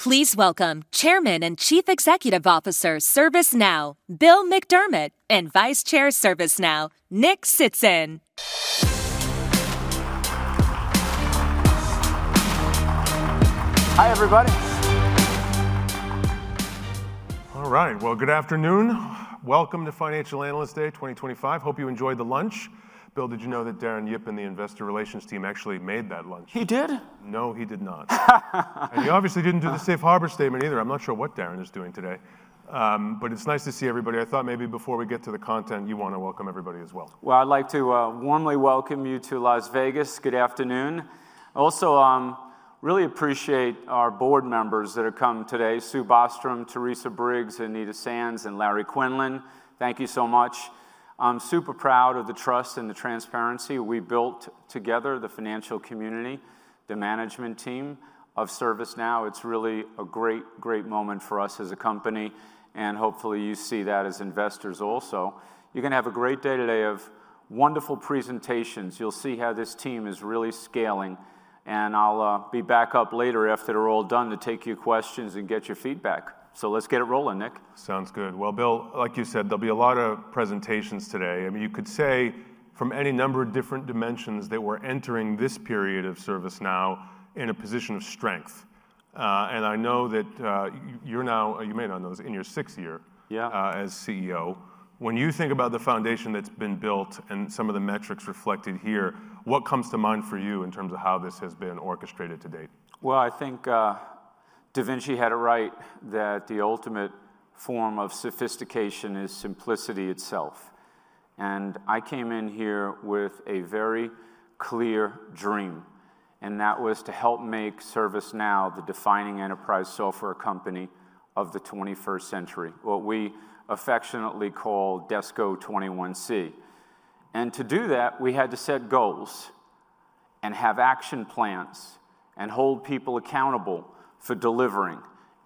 Please welcome Chairman and Chief Executive Officer ServiceNow, Bill McDermott, and Vice Chair ServiceNow, Nick Tzitzon. Hi everybody. All right, good afternoon. Welcome to Financial Analyst Day 2025. Hope you enjoyed the lunch. Bill, did you know that Darren Yip and the investor relations team actually made that lunch? He did? No, he did not. He obviously didn't do the safe harbor statement either. I'm not sure what Darren is doing today. It's nice to see everybody. I thought maybe before we get to the content, you want to welcome everybody as well. I would like to warmly welcome you to Las Vegas. Good afternoon. I also really appreciate our board members that have come today: Sue Bostrom, Teresa Briggs, Anita Sands, and Larry Quinlan. Thank you so much. I am super proud of the trust and the transparency we built together, the financial community, the management team of ServiceNow. It is really a great, great moment for us as a company. Hopefully you see that as investors also. You are going to have a great day today of wonderful presentations. You will see how this team is really scaling. I will be back up later after they are all done to take your questions and get your feedback. Let's get it rolling, Nick. Sounds good. Bill, like you said, there'll be a lot of presentations today. I mean, you could say from any number of different dimensions that we're entering this period of ServiceNow in a position of strength. I know that you're now, you may not know this, in your sixth year as CEO. When you think about the foundation that's been built and some of the metrics reflected here, what comes to mind for you in terms of how this has been orchestrated to date? I think DaVinci had it right that the ultimate form of sophistication is simplicity itself. I came in here with a very clear dream. That was to help make ServiceNow the defining enterprise software company of the 21st century, what we affectionately call DESCO 21C. To do that, we had to set goals and have action plans and hold people accountable for delivering.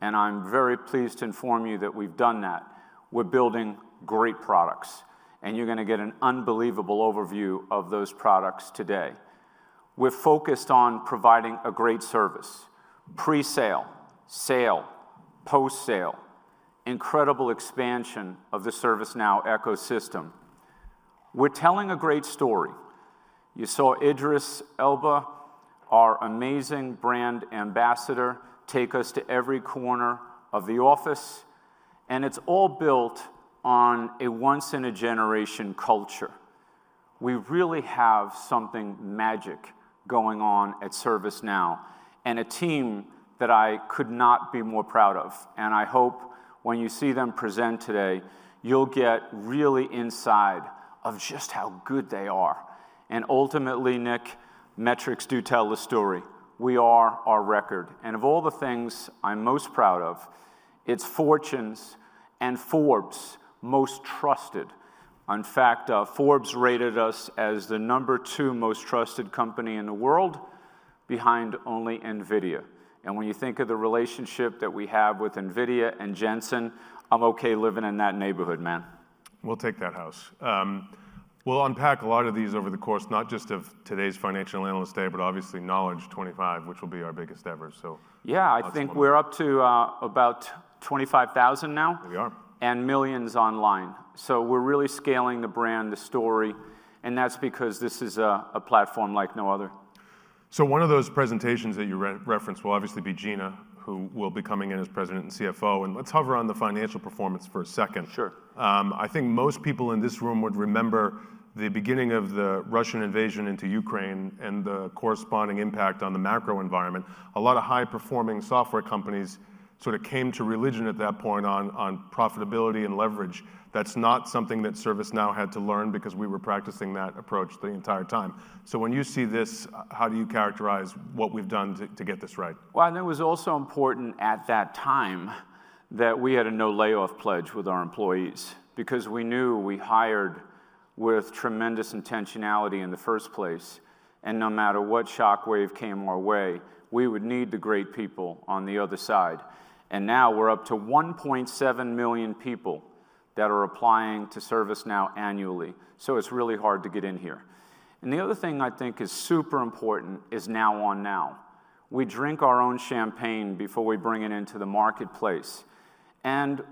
I'm very pleased to inform you that we've done that. We're building great products. You're going to get an unbelievable overview of those products today. We're focused on providing a great service: pre-sale, sale, post-sale, incredible expansion of the ServiceNow ecosystem. We're telling a great story. You saw Idris Elba, our amazing brand ambassador, take us to every corner of the office. It's all built on a once-in-a-generation culture. We really have something magic going on at ServiceNow and a team that I could not be more proud of. I hope when you see them present today, you'll get really inside of just how good they are. Ultimately, Nick, metrics do tell the story. We are our record. Of all the things I'm most proud of, it's Fortune's and Forbes' most trusted. In fact, Forbes rated us as the number two most trusted company in the world, behind only NVIDIA. When you think of the relationship that we have with NVIDIA and Jensen, I'm okay living in that neighborhood, man. We'll take that house. We'll unpack a lot of these over the course, not just of today's Financial Analyst Day, but obviously Knowledge 2025, which will be our biggest ever. Yeah, I think we're up to about 25,000 now. We are. We are really scaling the brand, the story. That is because this is a platform like no other. One of those presentations that you referenced will obviously be Gina, who will be coming in as President and CFO. Let's hover on the financial performance for a second. Sure. I think most people in this room would remember the beginning of the Russian invasion into Ukraine and the corresponding impact on the macro environment. A lot of high-performing software companies sort of came to religion at that point on profitability and leverage. That's not something that ServiceNow had to learn because we were practicing that approach the entire time. When you see this, how do you characterize what we've done to get this right? It was also important at that time that we had a no layoff pledge with our employees because we knew we hired with tremendous intentionality in the first place. No matter what shockwave came our way, we would need the great people on the other side. Now we're up to 1.7 million people that are applying to ServiceNow annually. It's really hard to get in here. The other thing I think is super important is Now on Now. We drink our own champagne before we bring it into the marketplace.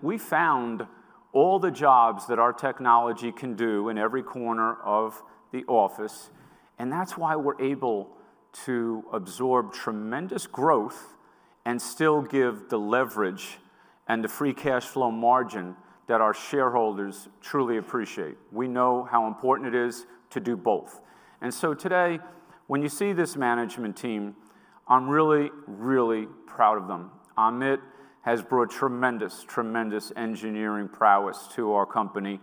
We found all the jobs that our technology can do in every corner of the office. That's why we're able to absorb tremendous growth and still give the leverage and the free cash flow margin that our shareholders truly appreciate. We know how important it is to do both. Today, when you see this management team, I'm really, really proud of them. Amit has brought tremendous, tremendous engineering prowess to our company.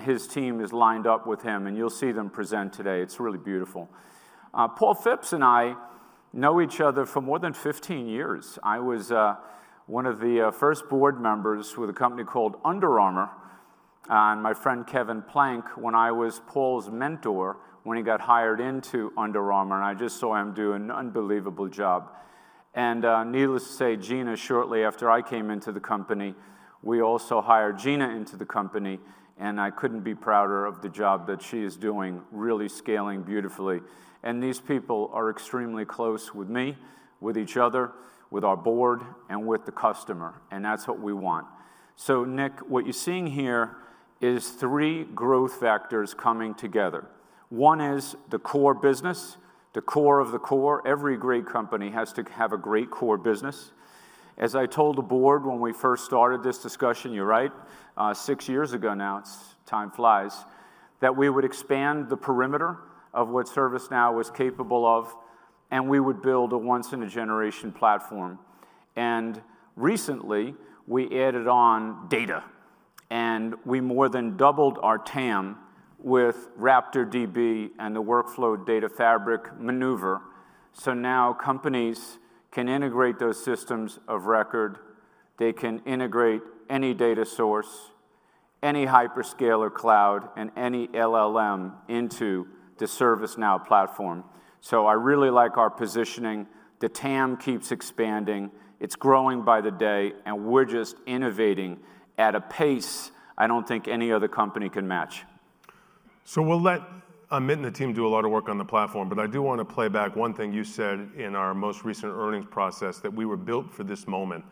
His team is lined up with him. You'll see them present today. It's really beautiful. Paul Fipps and I know each other for more than 15 years. I was one of the first board members with a company called Under Armour. My friend Kevin Plank, when I was Paul's mentor when he got hired into Under Armour. I just saw him do an unbelievable job. Needless to say, Gina, shortly after I came into the company, we also hired Gina into the company. I couldn't be prouder of the job that she is doing, really scaling beautifully. These people are extremely close with me, with each other, with our board, and with the customer. That is what we want. Nick, what you are seeing here is three growth factors coming together. One is the core business, the core of the core. Every great company has to have a great core business. As I told the board when we first started this discussion, you are right, six years ago now, time flies, that we would expand the perimeter of what ServiceNow was capable of, and we would build a once-in-a-generation platform. Recently, we added on data. We more than doubled our TAM with RaptorDB and the Workflow Data Fabric maneuver. Now companies can integrate those systems of record. They can integrate any data source, any hyperscaler cloud, and any LLM into the ServiceNow platform. I really like our positioning. The TAM keeps expanding. It is growing by the day. We're just innovating at a pace I don't think any other company can match. We'll let Amit and the team do a lot of work on the platform. I do want to play back one thing you said in our most recent earnings process that we were built for this moment.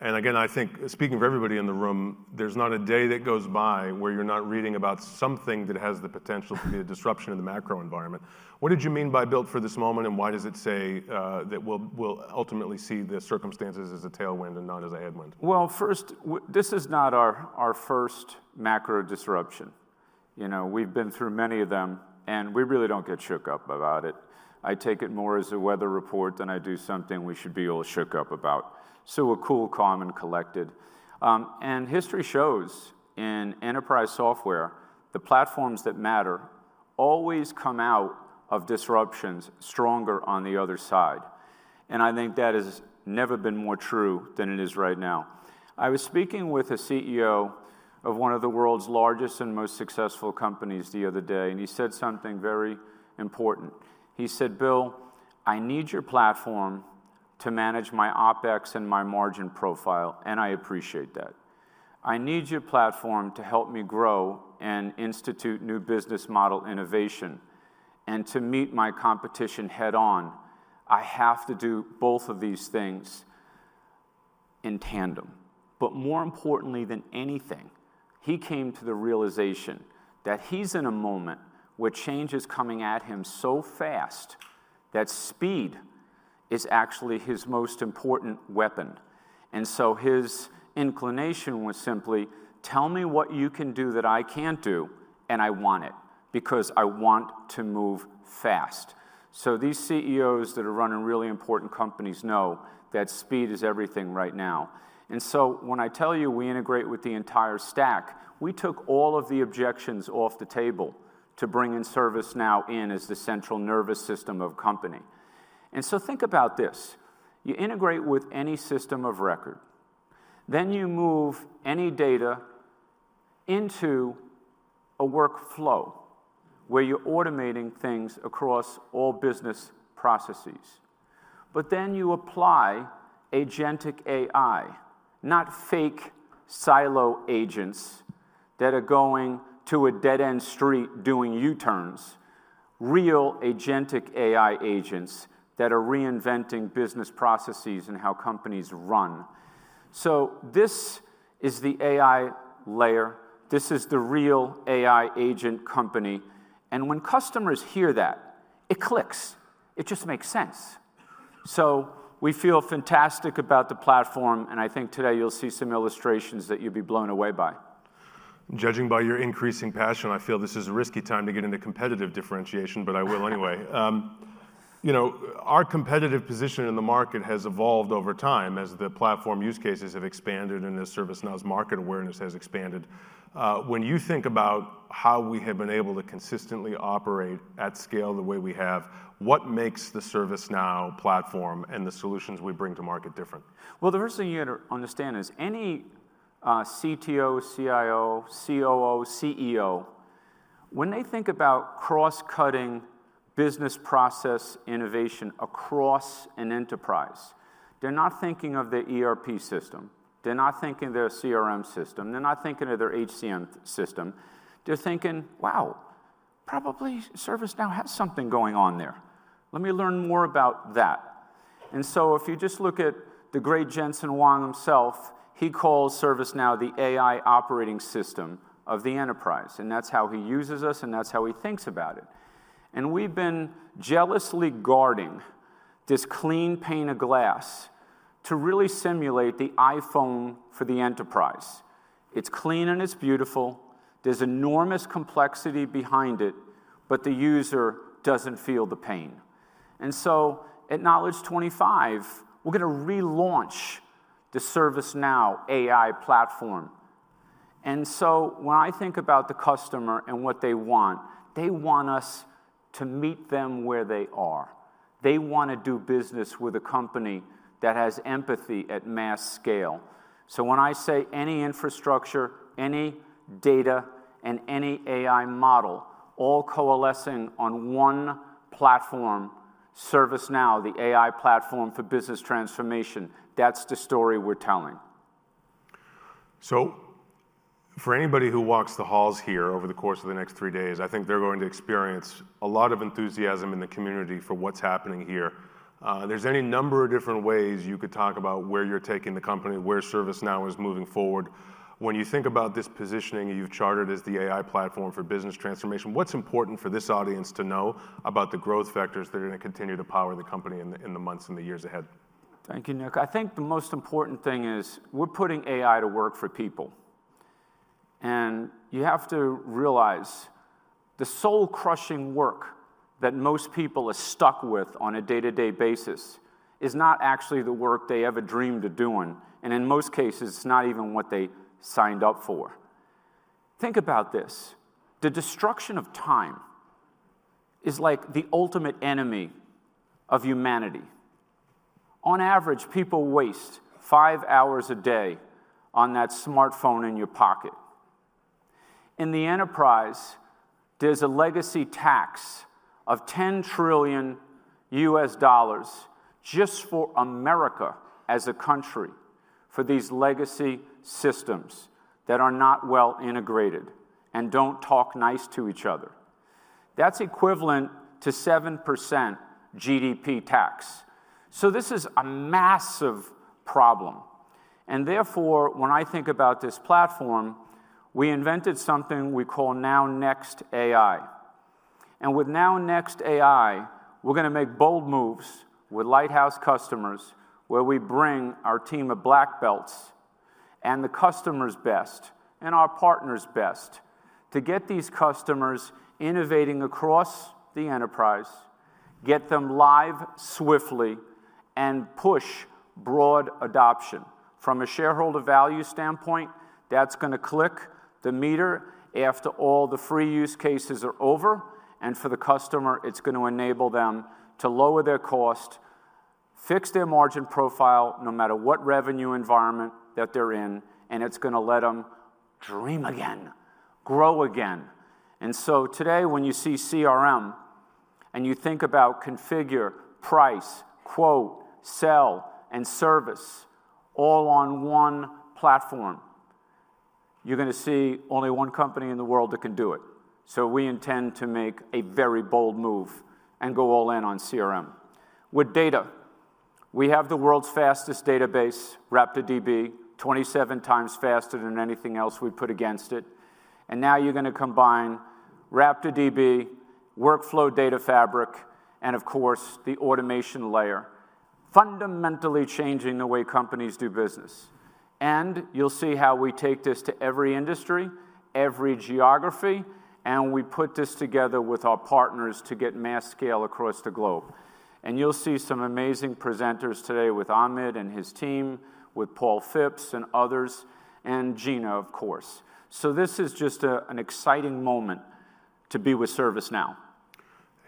I think speaking for everybody in the room, there's not a day that goes by where you're not reading about something that has the potential to be a disruption in the macro environment. What did you mean by built for this moment? Why does it say that we'll ultimately see the circumstances as a tailwind and not as a headwind? This is not our first macro disruption. We've been through many of them. We really don't get shook up about it. I take it more as a weather report than I do something we should be all shook up about. We're cool, calm, and collected. History shows in enterprise software, the platforms that matter always come out of disruptions stronger on the other side. I think that has never been more true than it is right now. I was speaking with a CEO of one of the world's largest and most successful companies the other day. He said something very important. He said, "Bill, I need your platform to manage my OpEx and my margin profile. I appreciate that. I need your platform to help me grow and institute new business model innovation and to meet my competition head-on. I have to do both of these things in tandem." More importantly than anything, he came to the realization that he's in a moment where change is coming at him so fast that speed is actually his most important weapon. His inclination was simply, "Tell me what you can do that I can't do. I want it because I want to move fast." These CEOs that are running really important companies know that speed is everything right now. When I tell you we integrate with the entire stack, we took all of the objections off the table to bring in ServiceNow as the central nervous system of a company. Think about this. You integrate with any system of record. You move any data into a workflow where you're automating things across all business processes. Then you apply agentic AI, not fake silo agents that are going to a dead-end street doing U-turns, real agentic AI agents that are reinventing business processes and how companies run. This is the AI layer. This is the real AI agent company. When customers hear that, it clicks. It just makes sense. We feel fantastic about the platform. I think today you'll see some illustrations that you'll be blown away by. Judging by your increasing passion, I feel this is a risky time to get into competitive differentiation, but I will anyway. Our competitive position in the market has evolved over time as the platform use cases have expanded and as ServiceNow's market awareness has expanded. When you think about how we have been able to consistently operate at scale the way we have, what makes the ServiceNow platform and the solutions we bring to market different? The first thing you have to understand is any CTO, CIO, COO, CEO, when they think about cross-cutting business process innovation across an enterprise, they're not thinking of their ERP system. They're not thinking of their CRM system. They're not thinking of their HCM system. They're thinking, "Wow, probably ServiceNow has something going on there. Let me learn more about that." If you just look at the great Jensen Huang himself, he calls ServiceNow the AI operating system of the enterprise. That's how he uses us. That's how he thinks about it. We've been jealously guarding this clean pane of glass to really simulate the iPhone for the enterprise. It's clean and it's beautiful. There's enormous complexity behind it. The user doesn't feel the pain. At Knowledge 25, we're going to relaunch the ServiceNow AI platform. When I think about the customer and what they want, they want us to meet them where they are. They want to do business with a company that has empathy at mass scale. When I say any infrastructure, any data, and any AI model all coalescing on one platform, ServiceNow, the AI platform for business transformation, that's the story we're telling. For anybody who walks the halls here over the course of the next three days, I think they're going to experience a lot of enthusiasm in the community for what's happening here. There's any number of different ways you could talk about where you're taking the company, where ServiceNow is moving forward. When you think about this positioning you've chartered as the AI platform for business transformation, what's important for this audience to know about the growth factors that are going to continue to power the company in the months and the years ahead? Thank you, Nick. I think the most important thing is we're putting AI to work for people. You have to realize the soul-crushing work that most people are stuck with on a day-to-day basis is not actually the work they ever dreamed of doing. In most cases, it's not even what they signed up for. Think about this. The destruction of time is like the ultimate enemy of humanity. On average, people waste five hours a day on that smartphone in your pocket. In the enterprise, there's a legacy tax of $10 trillion just for America as a country for these legacy systems that are not well integrated and don't talk nice to each other. That's equivalent to a 7% GDP tax. This is a massive problem. Therefore, when I think about this platform, we invented something we call Now Next AI. With Now Next AI, we're going to make bold moves with Lighthouse customers where we bring our team of black belts and the customer's best and our partner's best to get these customers innovating across the enterprise, get them live swiftly, and push broad adoption. From a shareholder value standpoint, that's going to click the meter after all the free use cases are over. For the customer, it's going to enable them to lower their cost, fix their margin profile no matter what revenue environment that they're in. It's going to let them dream again, grow again. Today, when you see CRM and you think about configure, price, quote, sell, and service all on one platform, you're going to see only one company in the world that can do it. We intend to make a very bold move and go all in on CRM. With data, we have the world's fastest database, RaptorDB, 27 times faster than anything else we put against it. Now you're going to combine RaptorDB, Workflow Data Fabric, and of course, the automation layer, fundamentally changing the way companies do business. You'll see how we take this to every industry, every geography. We put this together with our partners to get mass scale across the globe. You'll see some amazing presenters today with Amit and his team, with Paul Fipps and others, and Gina, of course. This is just an exciting moment to be with ServiceNow.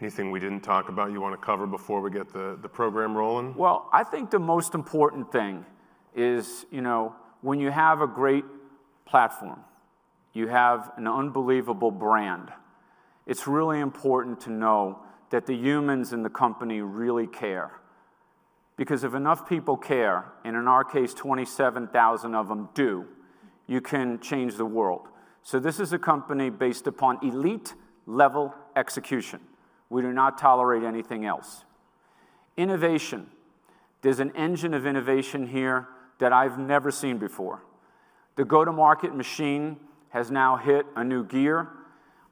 Anything we didn't talk about you want to cover before we get the program rolling? I think the most important thing is when you have a great platform, you have an unbelievable brand, it's really important to know that the humans in the company really care. Because if enough people care, and in our case, 27,000 of them do, you can change the world. This is a company based upon elite level execution. We do not tolerate anything else. Innovation, there's an engine of innovation here that I've never seen before. The go-to-market machine has now hit a new gear.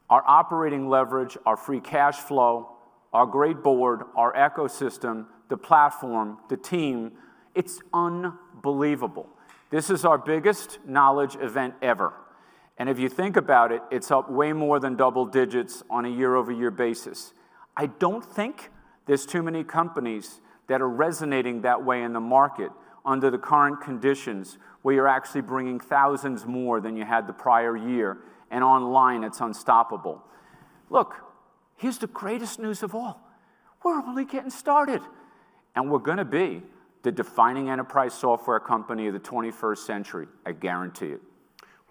Our operating leverage, our free cash flow, our great board, our ecosystem, the platform, the team, it's unbelievable. This is our biggest knowledge event ever. If you think about it, it's up way more than double digits on a year-over-year basis. I don't think there's too many companies that are resonating that way in the market under the current conditions where you're actually bringing thousands more than you had the prior year. Online, it's unstoppable. Look, here's the greatest news of all. We're only getting started. We're going to be the defining enterprise software company of the 21st century. I guarantee it.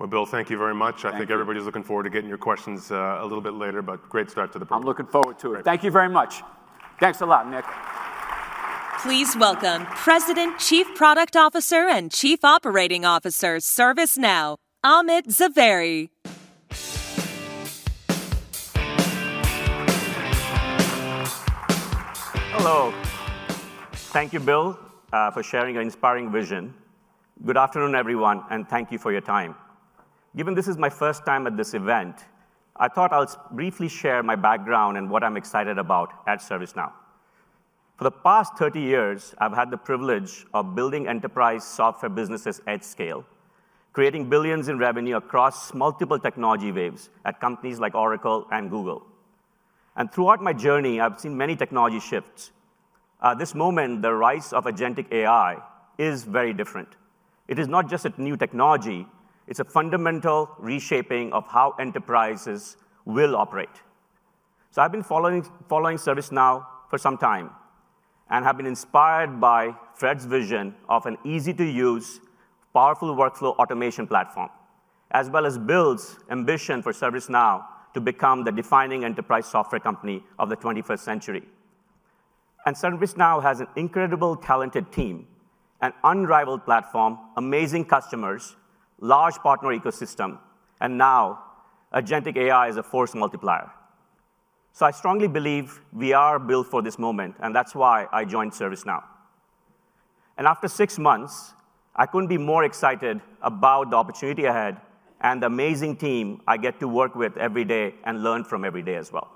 Bill, thank you very much. I think everybody's looking forward to getting your questions a little bit later. Great start to the program. I'm looking forward to it. Thank you very much. Thanks a lot, Nick. Please welcome President, Chief Product Officer, and Chief Operating Officer, ServiceNow, Amit Zavery. Hello. Thank you, Bill, for sharing your inspiring vision. Good afternoon, everyone. And thank you for your time. Given this is my first time at this event, I thought I'll briefly share my background and what I'm excited about at ServiceNow. For the past 30 years, I've had the privilege of building enterprise software businesses at scale, creating billions in revenue across multiple technology waves at companies like Oracle and Google. Throughout my journey, I've seen many technology shifts. At this moment, the rise of agentic AI is very different. It is not just a new technology. It's a fundamental reshaping of how enterprises will operate. I've been following ServiceNow for some time and have been inspired by Fred's vision of an easy-to-use, powerful workflow automation platform, as well as Bill's ambition for ServiceNow to become the defining enterprise software company of the 21st century. ServiceNow has an incredible, talented team, an unrivaled platform, amazing customers, a large partner ecosystem. Now, agentic AI is a force multiplier. I strongly believe we are built for this moment. That is why I joined ServiceNow. After six months, I could not be more excited about the opportunity ahead and the amazing team I get to work with every day and learn from every day as well.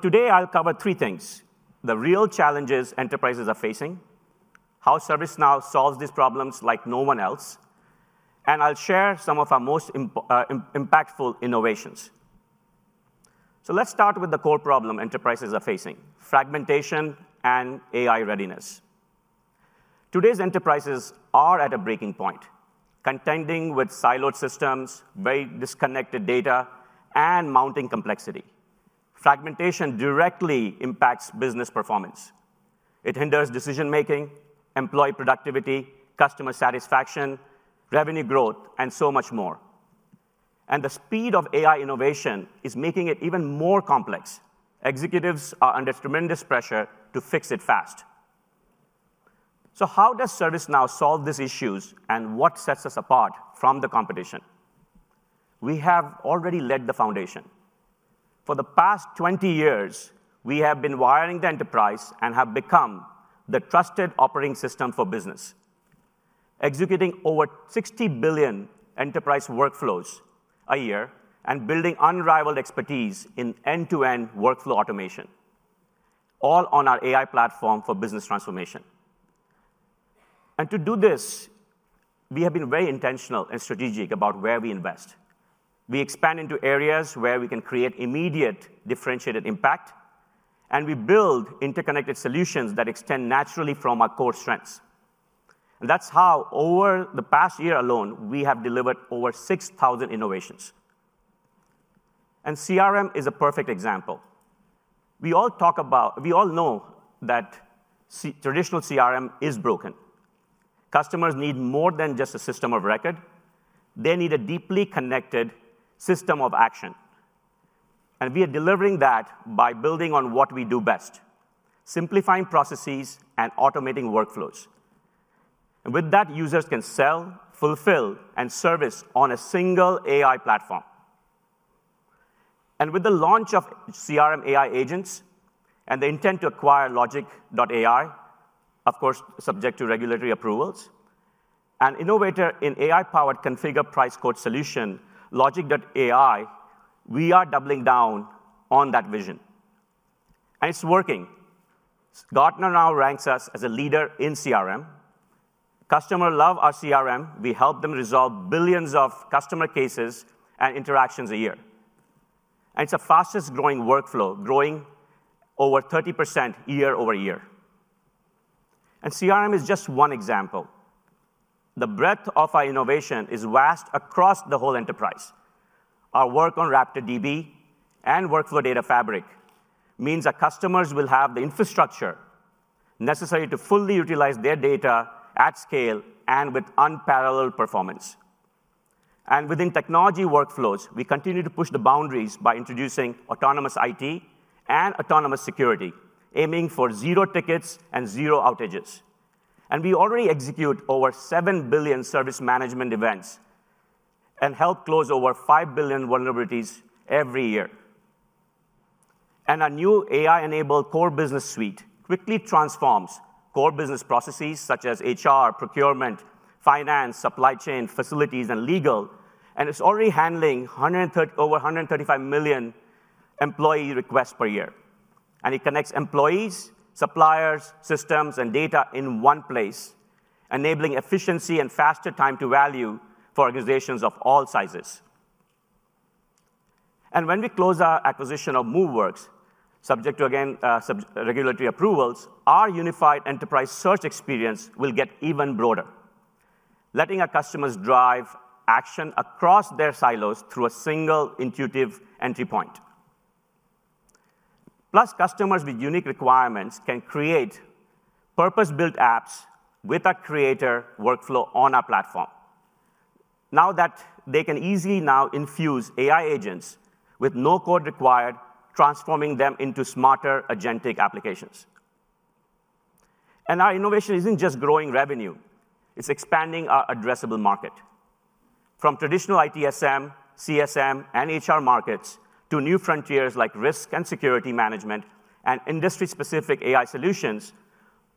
Today, I will cover three things: the real challenges enterprises are facing, how ServiceNow solves these problems like no one else, and I will share some of our most impactful innovations. Let us start with the core problem enterprises are facing: fragmentation and AI readiness. Today's enterprises are at a breaking point, contending with siloed systems, very disconnected data, and mounting complexity. Fragmentation directly impacts business performance. It hinders decision-making, employee productivity, customer satisfaction, revenue growth, and so much more. The speed of AI innovation is making it even more complex. Executives are under tremendous pressure to fix it fast. How does ServiceNow solve these issues and what sets us apart from the competition? We have already laid the foundation. For the past 20 years, we have been wiring the enterprise and have become the trusted operating system for business, executing over 60 billion enterprise workflows a year and building unrivaled expertise in end-to-end workflow automation, all on our AI platform for business transformation. To do this, we have been very intentional and strategic about where we invest. We expand into areas where we can create immediate differentiated impact. We build interconnected solutions that extend naturally from our core strengths. That is how, over the past year alone, we have delivered over 6,000 innovations. CRM is a perfect example. We all know that traditional CRM is broken. Customers need more than just a system of record. They need a deeply connected system of action. We are delivering that by building on what we do best: simplifying processes and automating workflows. With that, users can sell, fulfill, and service on a single AI platform. With the launch of CRM AI agents and the intent to acquire Logic.AI, of course, subject to regulatory approvals, an innovator in AI-powered configure price quote solution, Logic.AI, we are doubling down on that vision. It is working. Gartner now ranks us as a leader in CRM. Customers love our CRM. We help them resolve billions of customer cases and interactions a year. It is the fastest-growing workflow, growing over 30% year-over-year. CRM is just one example. The breadth of our innovation is vast across the whole enterprise. Our work on RaptorDB and Workflow Data Fabric means our customers will have the infrastructure necessary to fully utilize their data at scale and with unparalleled performance. Within technology workflows, we continue to push the boundaries by introducing autonomous IT and autonomous security, aiming for zero tickets and zero outages. We already execute over 7 billion service management events and help close over 5 billion vulnerabilities every year. Our new AI-enabled core business suite quickly transforms core business processes such as HR, procurement, finance, supply chain, facilities, and legal. It is already handling over 135 million employee requests per year. It connects employees, suppliers, systems, and data in one place, enabling efficiency and faster time to value for organizations of all sizes. When we close our acquisition of Moveworks, subject to, again, regulatory approvals, our unified enterprise search experience will get even broader, letting our customers drive action across their silos through a single intuitive entry point. Plus, customers with unique requirements can create purpose-built apps with a creator workflow on our platform, now that they can easily now infuse AI agents with no code required, transforming them into smarter agentic applications. Our innovation is not just growing revenue. It is expanding our addressable market. From traditional ITSM, CSM, and HR markets to new frontiers like risk and security management and industry-specific AI solutions,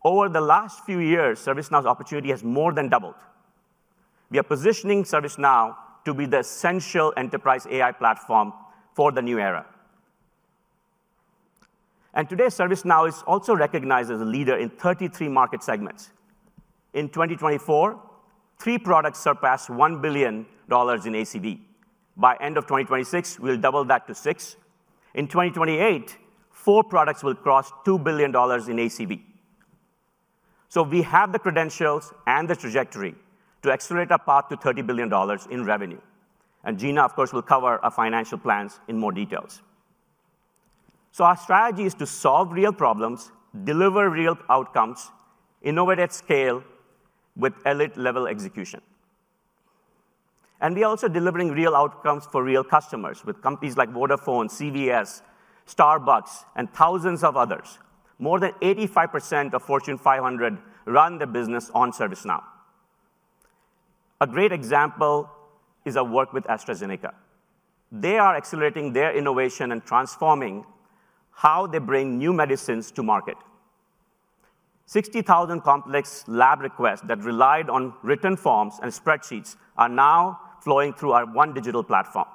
over the last few years, ServiceNow's opportunity has more than doubled. We are positioning ServiceNow to be the essential enterprise AI platform for the new era. Today, ServiceNow is also recognized as a leader in 33 market segments. In 2024, three products surpassed $1 billion in ACV. By the end of 2026, we'll double that to six. In 2028, four products will cross $2 billion in ACV. We have the credentials and the trajectory to accelerate our path to $30 billion in revenue. Gina, of course, will cover our financial plans in more detail. Our strategy is to solve real problems, deliver real outcomes, innovate at scale with elite-level execution. We are also delivering real outcomes for real customers with companies like Vodafone, CVS, Starbucks, and thousands of others. More than 85% of Fortune 500 run their business on ServiceNow. A great example is our work with AstraZeneca. They are accelerating their innovation and transforming how they bring new medicines to market. 60,000 complex lab requests that relied on written forms and spreadsheets are now flowing through our one digital platform.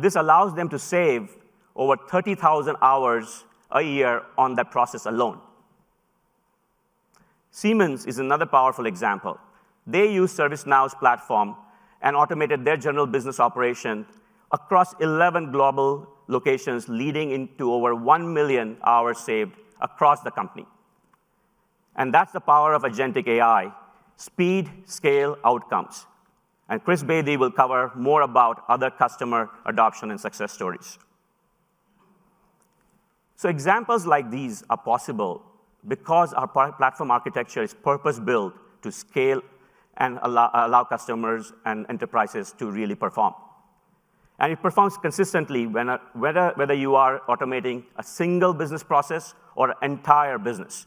This allows them to save over 30,000 hours a year on that process alone. Siemens is another powerful example. They used ServiceNow's platform and automated their general business operation across 11 global locations, leading into over 1 million hours saved across the company. That is the power of agentic AI: speed, scale, outcomes. Chris Bedi will cover more about other customer adoption and success stories. Examples like these are possible because our platform architecture is purpose-built to scale and allow customers and enterprises to really perform. It performs consistently whether you are automating a single business process or an entire business.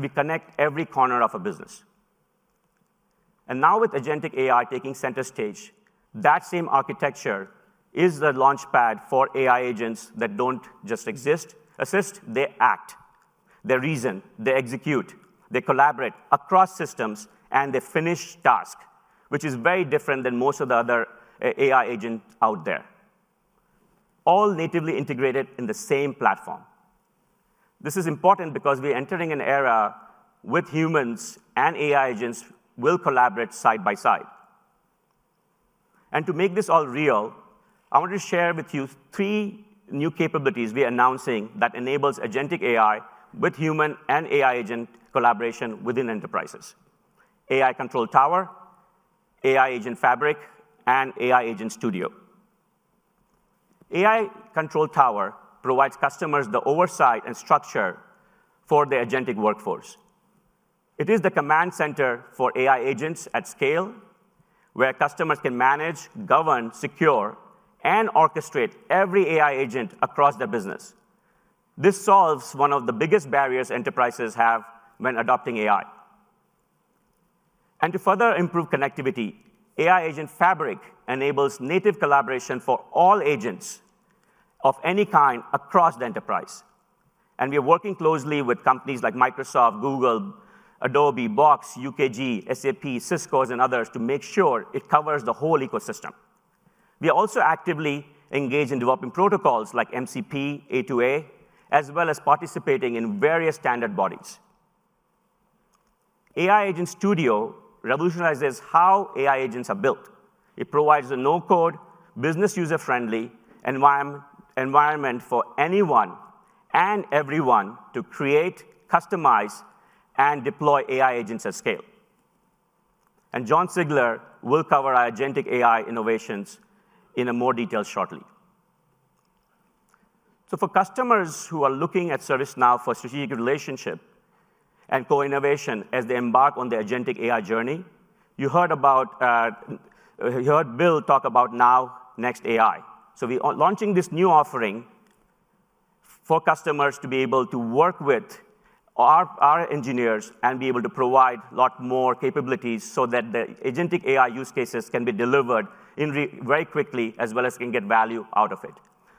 We connect every corner of a business. Now, with agentic AI taking center stage, that same architecture is the launchpad for AI agents that do not just exist; they act, they reason, they execute, they collaborate across systems, and they finish tasks, which is very different than most of the other AI agents out there, all natively integrated in the same platform. This is important because we are entering an era where humans and AI agents will collaborate side by side. To make this all real, I want to share with you three new capabilities we are announcing that enable agentic AI with human and AI agent collaboration within enterprises: AI Control Tower, AI Agent Fabric, and AI Agent Studio. AI Control Tower provides customers the oversight and structure for the agentic workforce. It is the command center for AI agents at scale, where customers can manage, govern, secure, and orchestrate every AI agent across their business. This solves one of the biggest barriers enterprises have when adopting AI. To further improve connectivity, AI Agent Fabric enables native collaboration for all agents of any kind across the enterprise. We are working closely with companies like Microsoft, Google, Adobe, Box, UKG, SAP, Cisco, and others to make sure it covers the whole ecosystem. We are also actively engaged in developing protocols like MCP, A2A, as well as participating in various standard bodies. AI Agent Studio revolutionizes how AI agents are built. It provides a no-code, business-user-friendly environment for anyone and everyone to create, customize, and deploy AI agents at scale. John Zigler will cover our agentic AI innovations in more detail shortly. For customers who are looking at ServiceNow for strategic relationship and co-innovation as they embark on their agentic AI journey, you heard Bill talk about Now Next AI. We are launching this new offering for customers to be able to work with our engineers and be able to provide a lot more capabilities so that the agentic AI use cases can be delivered very quickly, as well as can get value out of it.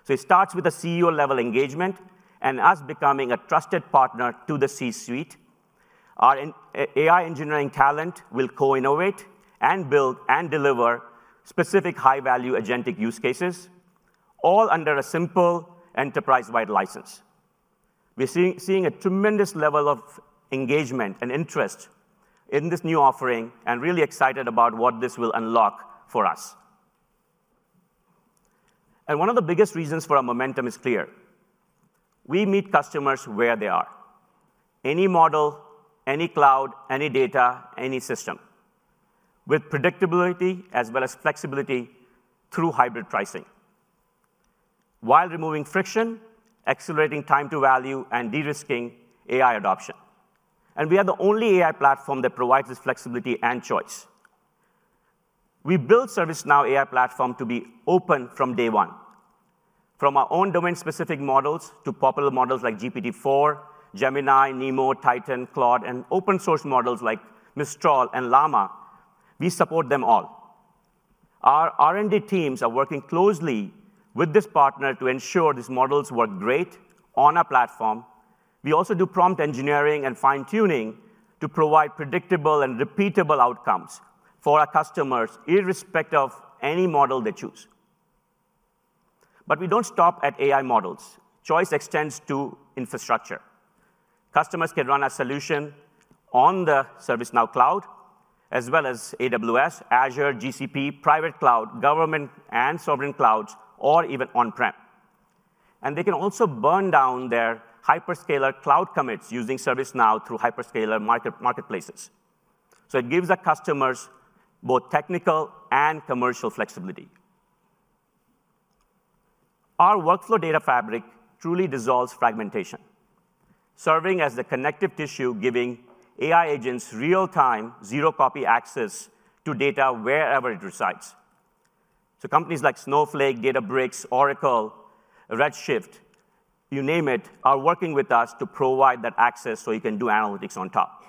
It starts with a CEO-level engagement and us becoming a trusted partner to the C-suite. Our AI engineering talent will co-innovate and build and deliver specific high-value agentic use cases, all under a simple enterprise-wide license. We're seeing a tremendous level of engagement and interest in this new offering and really excited about what this will unlock for us. One of the biggest reasons for our momentum is clear. We meet customers where they are: any model, any cloud, any data, any system, with predictability as well as flexibility through hybrid pricing, while removing friction, accelerating time to value, and de-risking AI adoption. We are the only AI platform that provides this flexibility and choice. We built ServiceNow AI Platform to be open from day one. From our own domain-specific models to popular models like GPT-4, Gemini, Nemo, Titan, Claude, and open-source models like Mistral and Llama, we support them all. Our R&D teams are working closely with this partner to ensure these models work great on our platform. We also do prompt engineering and fine-tuning to provide predictable and repeatable outcomes for our customers, irrespective of any model they choose. We do not stop at AI models. Choice extends to infrastructure. Customers can run a solution on the ServiceNow Cloud, as well as AWS, Azure, GCP, private cloud, government, and sovereign clouds, or even on-prem. They can also burn down their hyperscaler cloud commits using ServiceNow through hyperscaler marketplaces. It gives our customers both technical and commercial flexibility. Our Workflow Data Fabric truly dissolves fragmentation, serving as the connective tissue giving AI agents real-time zero-copy access to data wherever it resides. Companies like Snowflake, Databricks, Oracle, Redshift, you name it, are working with us to provide that access so you can do analytics on top.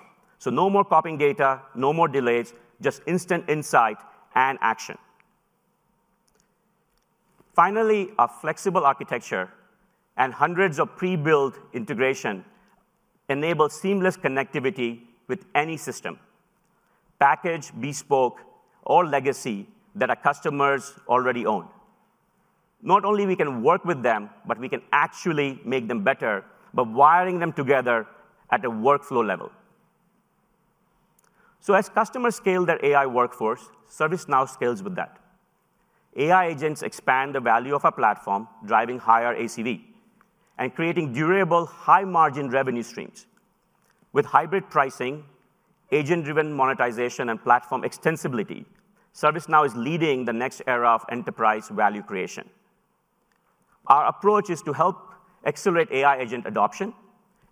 No more copying data, no more delays, just instant insight and action. Finally, our flexible architecture and hundreds of pre-built integrations enable seamless connectivity with any system: package, bespoke, or legacy that our customers already own. Not only can we work with them, but we can actually make them better by wiring them together at a workflow level. As customers scale their AI workforce, ServiceNow scales with that. AI agents expand the value of our platform, driving higher ACV and creating durable, high-margin revenue streams. With hybrid pricing, agent-driven monetization, and platform extensibility, ServiceNow is leading the next era of enterprise value creation. Our approach is to help accelerate AI agent adoption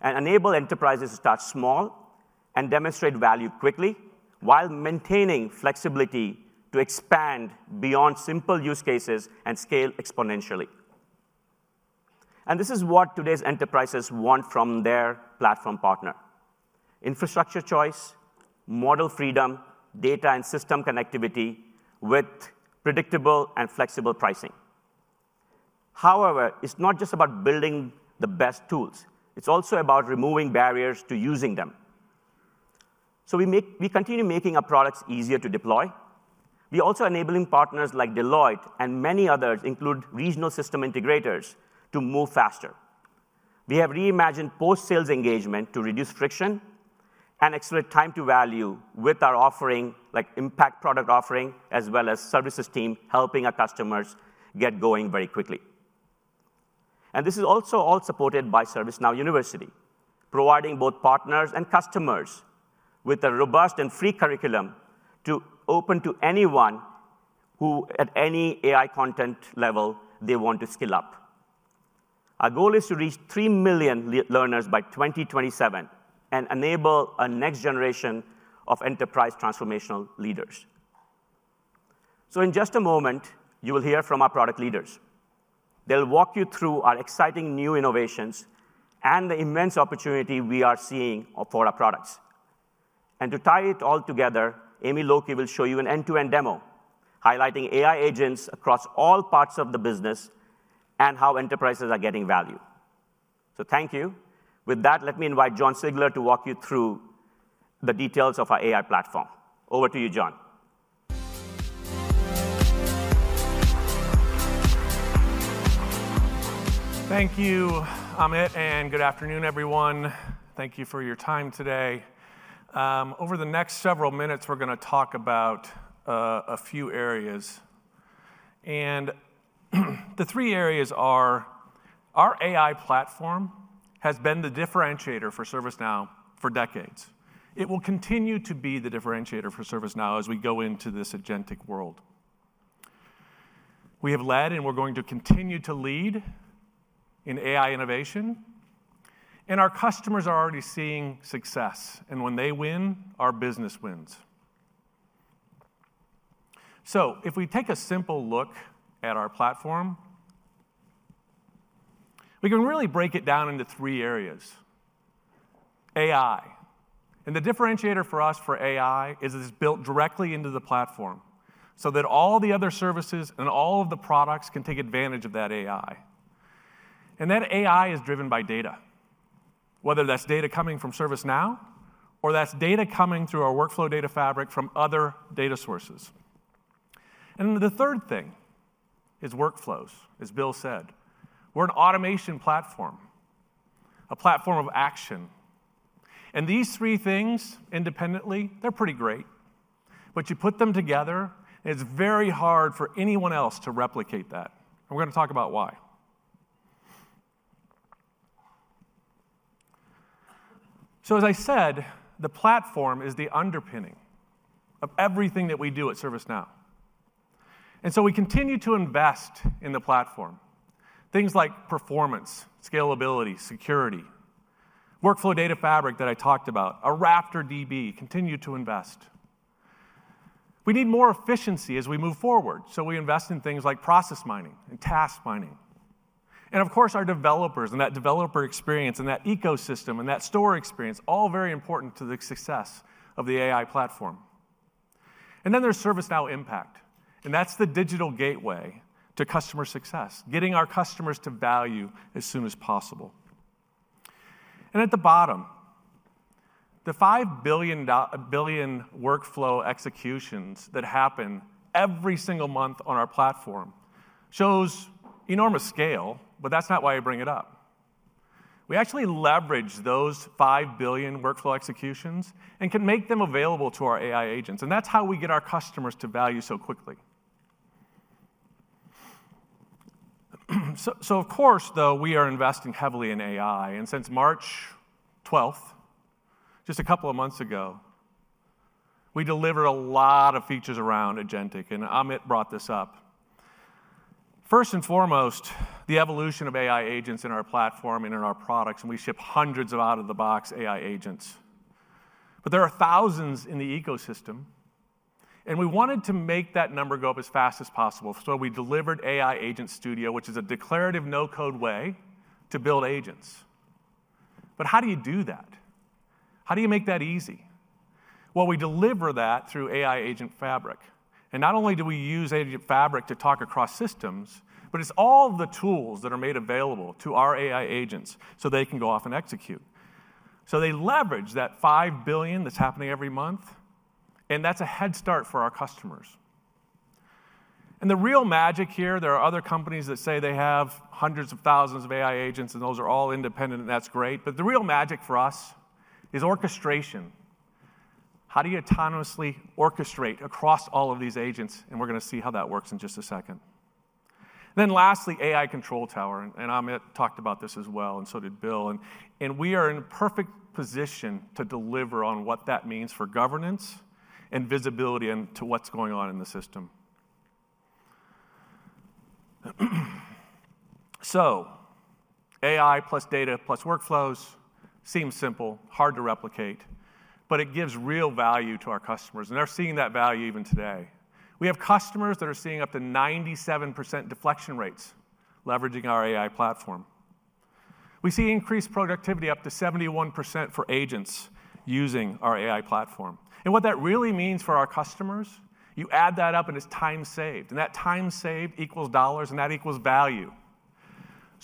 and enable enterprises to start small and demonstrate value quickly while maintaining flexibility to expand beyond simple use cases and scale exponentially. This is what today's enterprises want from their platform partner: infrastructure choice, model freedom, data, and system connectivity with predictable and flexible pricing. However, it is not just about building the best tools. It is also about removing barriers to using them. We continue making our products easier to deploy. We are also enabling partners like Deloitte and many others, including regional system integrators, to move faster. We have reimagined post-sales engagement to reduce friction and accelerate time to value with our offering, like impact product offering, as well as services team helping our customers get going very quickly. This is also all supported by ServiceNow University, providing both partners and customers with a robust and free curriculum open to anyone who, at any AI content level, they want to skill up. Our goal is to reach 3 million learners by 2027 and enable a next generation of enterprise transformational leaders. In just a moment, you will hear from our product leaders. They'll walk you through our exciting new innovations and the immense opportunity we are seeing for our products. To tie it all together, Amy Lokey will show you an end-to-end demo highlighting AI agents across all parts of the business and how enterprises are getting value. Thank you. With that, let me invite John Zigler to walk you through the details of our AI platform. Over to you, John. Thank you, Amit, and good afternoon, everyone. Thank you for your time today. Over the next several minutes, we're going to talk about a few areas. The three areas are: our AI platform has been the differentiator for ServiceNow for decades. It will continue to be the differentiator for ServiceNow as we go into this agentic world. We have led, and we're going to continue to lead in AI innovation. Our customers are already seeing success. When they win, our business wins. If we take a simple look at our platform, we can really break it down into three areas: AI. The differentiator for us for AI is it's built directly into the platform so that all the other services and all of the products can take advantage of that AI. That AI is driven by data, whether that's data coming from ServiceNow or that's data coming through our Workflow Data Fabric from other data sources. The third thing is workflows, as Bill said. We're an automation platform, a platform of action. These three things independently, they're pretty great. You put them together, it's very hard for anyone else to replicate that. We're going to talk about why. As I said, the platform is the underpinning of everything that we do at ServiceNow. We continue to invest in the platform, things like performance, scalability, security, Workflow Data Fabric that I talked about, our RaptorDB, continue to invest. We need more efficiency as we move forward. We invest in things like process mining and task mining. Of course, our developers and that developer experience and that ecosystem and that store experience, all very important to the success of the AI platform. There is ServiceNow Impact. That is the digital gateway to customer success, getting our customers to value as soon as possible. At the bottom, the 5 billion workflow executions that happen every single month on our platform show enormous scale, but that is not why I bring it up. We actually leverage those 5 billion workflow executions and can make them available to our AI agents. That is how we get our customers to value so quickly. Of course, though, we are investing heavily in AI. Since March 12th, just a couple of months ago, we delivered a lot of features around agentic. Amit brought this up. First and foremost, the evolution of AI agents in our platform and in our products. We ship hundreds of out-of-the-box AI agents. There are thousands in the ecosystem. We wanted to make that number go up as fast as possible. We delivered AI Agent Studio, which is a declarative no-code way to build agents. How do you do that? How do you make that easy? We deliver that through AI Agent Fabric. Not only do we use Agent Fabric to talk across systems, but it is all the tools that are made available to our AI agents so they can go off and execute. They leverage that $5 billion that's happening every month. That's a head start for our customers. The real magic here, there are other companies that say they have hundreds of thousands of AI agents, and those are all independent, and that's great. The real magic for us is orchestration. How do you autonomously orchestrate across all of these agents? We're going to see how that works in just a second. Lastly, AI Control Tower. Amit talked about this as well, and so did Bill. We are in a perfect position to deliver on what that means for governance and visibility into what's going on in the system. AI plus data plus workflows seems simple, hard to replicate, but it gives real value to our customers. They're seeing that value even today. We have customers that are seeing up to 97% deflection rates leveraging our AI platform. We see increased productivity up to 71% for agents using our AI platform. What that really means for our customers, you add that up, and it's time saved. That time saved equals dollars, and that equals value.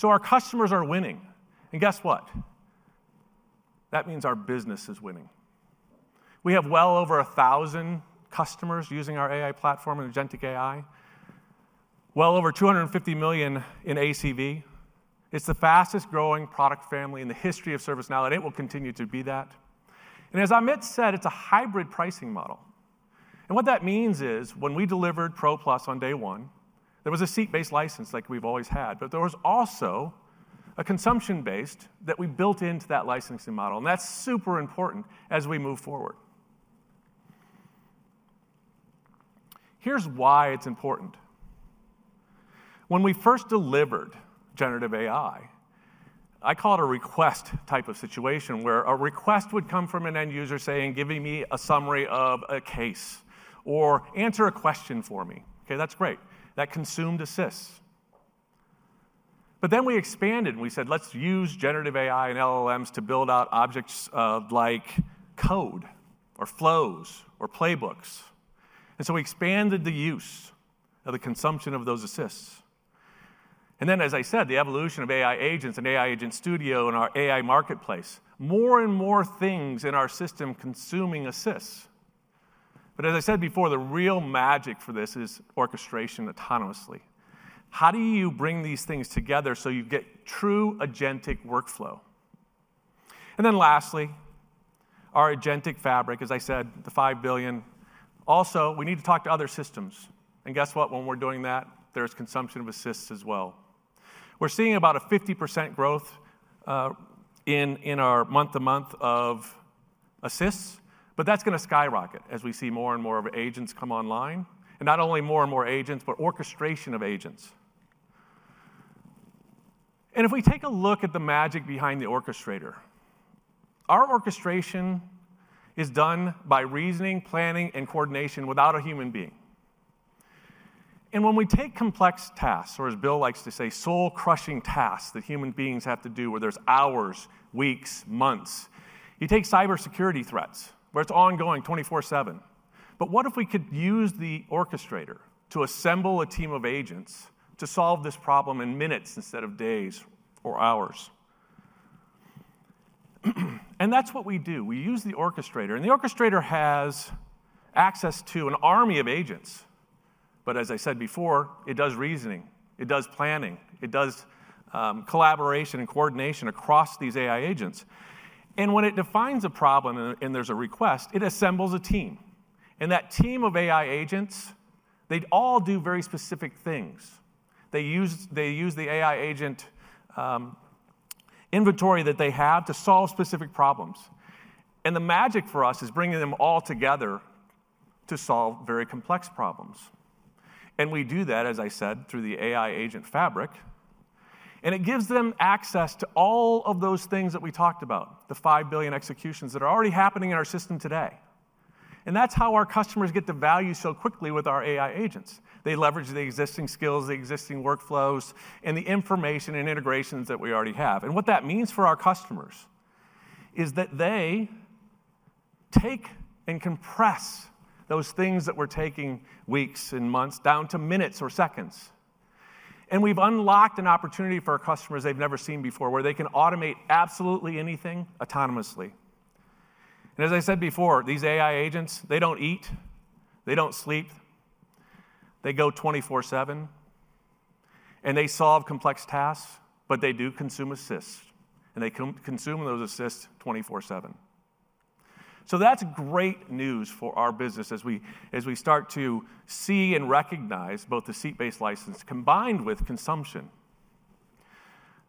Our customers are winning. Guess what? That means our business is winning. We have well over 1,000 customers using our AI platform and agentic AI, well over $250 million in ACV. It's the fastest-growing product family in the history of ServiceNow, and it will continue to be that. As Amit said, it's a hybrid pricing model. What that means is when we delivered Pro Plus on day one, there was a seat-based license like we've always had. There was also a consumption-based that we built into that licensing model. That's super important as we move forward. Here's why it's important. When we first delivered generative AI, I called it a request type of situation where a request would come from an end user saying, "Give me a summary of a case or answer a question for me." Okay, that's great. That consumed a assist. We expanded, and we said, "Let's use generative AI and LLMs to build out objects like code or flows or playbooks." We expanded the use of the consumption of those assists. As I said, the evolution of AI agents and AI Agent Studio in our AI marketplace, more and more things in our system consuming a assist. As I said before, the real magic for this is orchestration autonomously. How do you bring these things together so you get true agentic workflow? Lastly, our agentic fabric, as I said, the $5 billion. Also, we need to talk to other systems. Guess what? When we're doing that, there's consumption of assists as well. We're seeing about a 50% growth in our month-to-month of assists. That is going to skyrocket as we see more and more of agents come online. Not only more and more agents, but orchestration of agents. If we take a look at the magic behind the orchestrator, our orchestration is done by reasoning, planning, and coordination without a human being. When we take complex tasks, or as Bill likes to say, soul-crushing tasks that human beings have to do, where there's hours, weeks, months, you take cybersecurity threats where it's ongoing 24/7. What if we could use the orchestrator to assemble a team of agents to solve this problem in minutes instead of days or hours? That is what we do. We use the orchestrator. The orchestrator has access to an army of agents. As I said before, it does reasoning. It does planning. It does collaboration and coordination across these AI agents. When it defines a problem and there is a request, it assembles a team. That team of AI agents, they all do very specific things. They use the AI agent inventory that they have to solve specific problems. The magic for us is bringing them all together to solve very complex problems. We do that, as I said, through the AI Agent Fabric. It gives them access to all of those things that we talked about, the 5 billion executions that are already happening in our system today. That is how our customers get the value so quickly with our AI agents. They leverage the existing skills, the existing workflows, and the information and integrations that we already have. What that means for our customers is that they take and compress those things that were taking weeks and months down to minutes or seconds. We have unlocked an opportunity for our customers they have never seen before where they can automate absolutely anything autonomously. As I said before, these AI agents, they do not eat. They do not sleep. They go 24/7. They solve complex tasks, but they do consume assist. They consume those assists 24/7. That's great news for our business as we start to see and recognize both the seat-based license combined with consumption.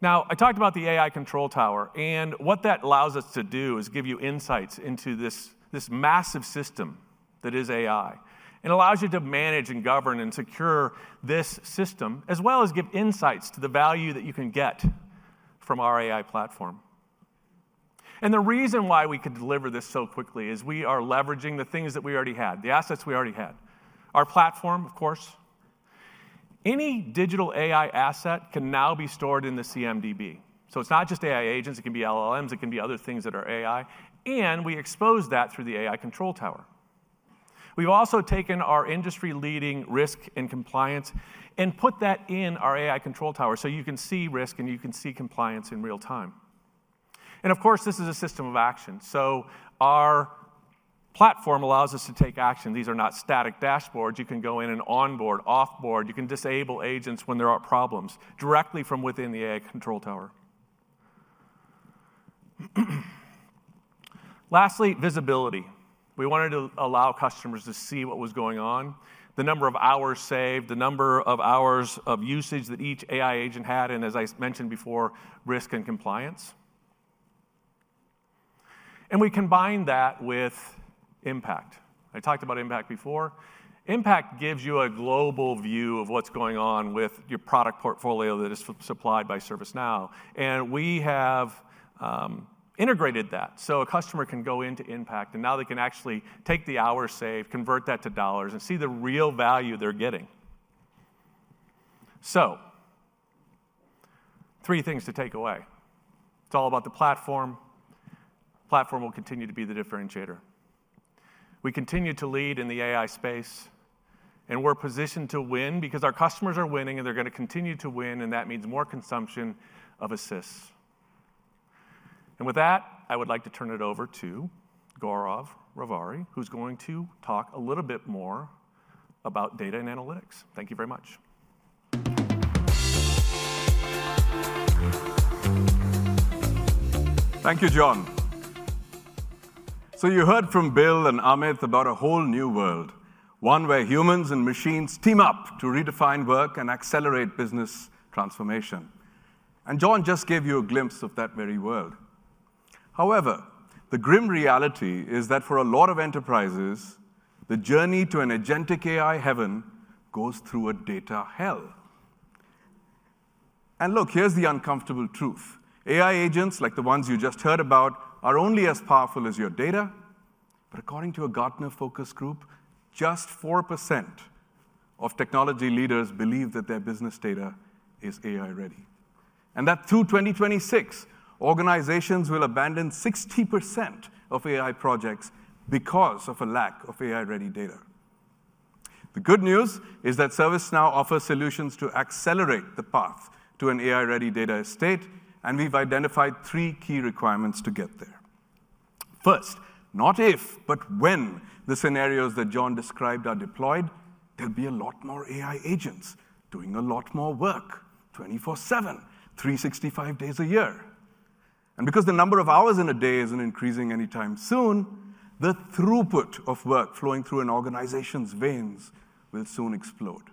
I talked about the AI Control Tower. What that allows us to do is give you insights into this massive system that is AI. It allows you to manage and govern and secure this system, as well as give insights to the value that you can get from our AI platform. The reason why we could deliver this so quickly is we are leveraging the things that we already had, the assets we already had, our platform, of course. Any digital AI asset can now be stored in the CMDB. It's not just AI agents. It can be LLMs. It can be other things that are AI. We expose that through the AI Control Tower. We've also taken our industry-leading risk and compliance and put that in our AI Control Tower so you can see risk and you can see compliance in real time. Of course, this is a system of action. Our platform allows us to take action. These are not static dashboards. You can go in and onboard, offboard. You can disable agents when there are problems directly from within the AI Control Tower. Lastly, visibility. We wanted to allow customers to see what was going on, the number of hours saved, the number of hours of usage that each AI agent had, and as I mentioned before, risk and compliance. We combine that with impact. I talked about impact before. Impact gives you a global view of what's going on with your product portfolio that is supplied by ServiceNow. We have integrated that so a customer can go into impact, and now they can actually take the hours saved, convert that to dollars, and see the real value they're getting. Three things to take away. It's all about the platform. The platform will continue to be the differentiator. We continue to lead in the AI space. We're positioned to win because our customers are winning, and they're going to continue to win. That means more consumption of a SYS. With that, I would like to turn it over to Gaurav Ravari, who's going to talk a little bit more about data and analytics. Thank you very much. Thank you, John. You heard from Bill and Amit about a whole new world, one where humans and machines team up to redefine work and accelerate business transformation. John just gave you a glimpse of that very world. However, the grim reality is that for a lot of enterprises, the journey to an agentic AI heaven goes through a data hell. Look, here is the uncomfortable truth. AI agents, like the ones you just heard about, are only as powerful as your data. According to a Gartner Focus Group, just 4% of technology leaders believe that their business data is AI-ready. Through 2026, organizations will abandon 60% of AI projects because of a lack of AI-ready data. The good news is that ServiceNow offers solutions to accelerate the path to an AI-ready data estate. We have identified three key requirements to get there. First, not if, but when the scenarios that John described are deployed, there'll be a lot more AI agents doing a lot more work 24/7, 365 days a year. Because the number of hours in a day isn't increasing anytime soon, the throughput of work flowing through an organization's veins will soon explode.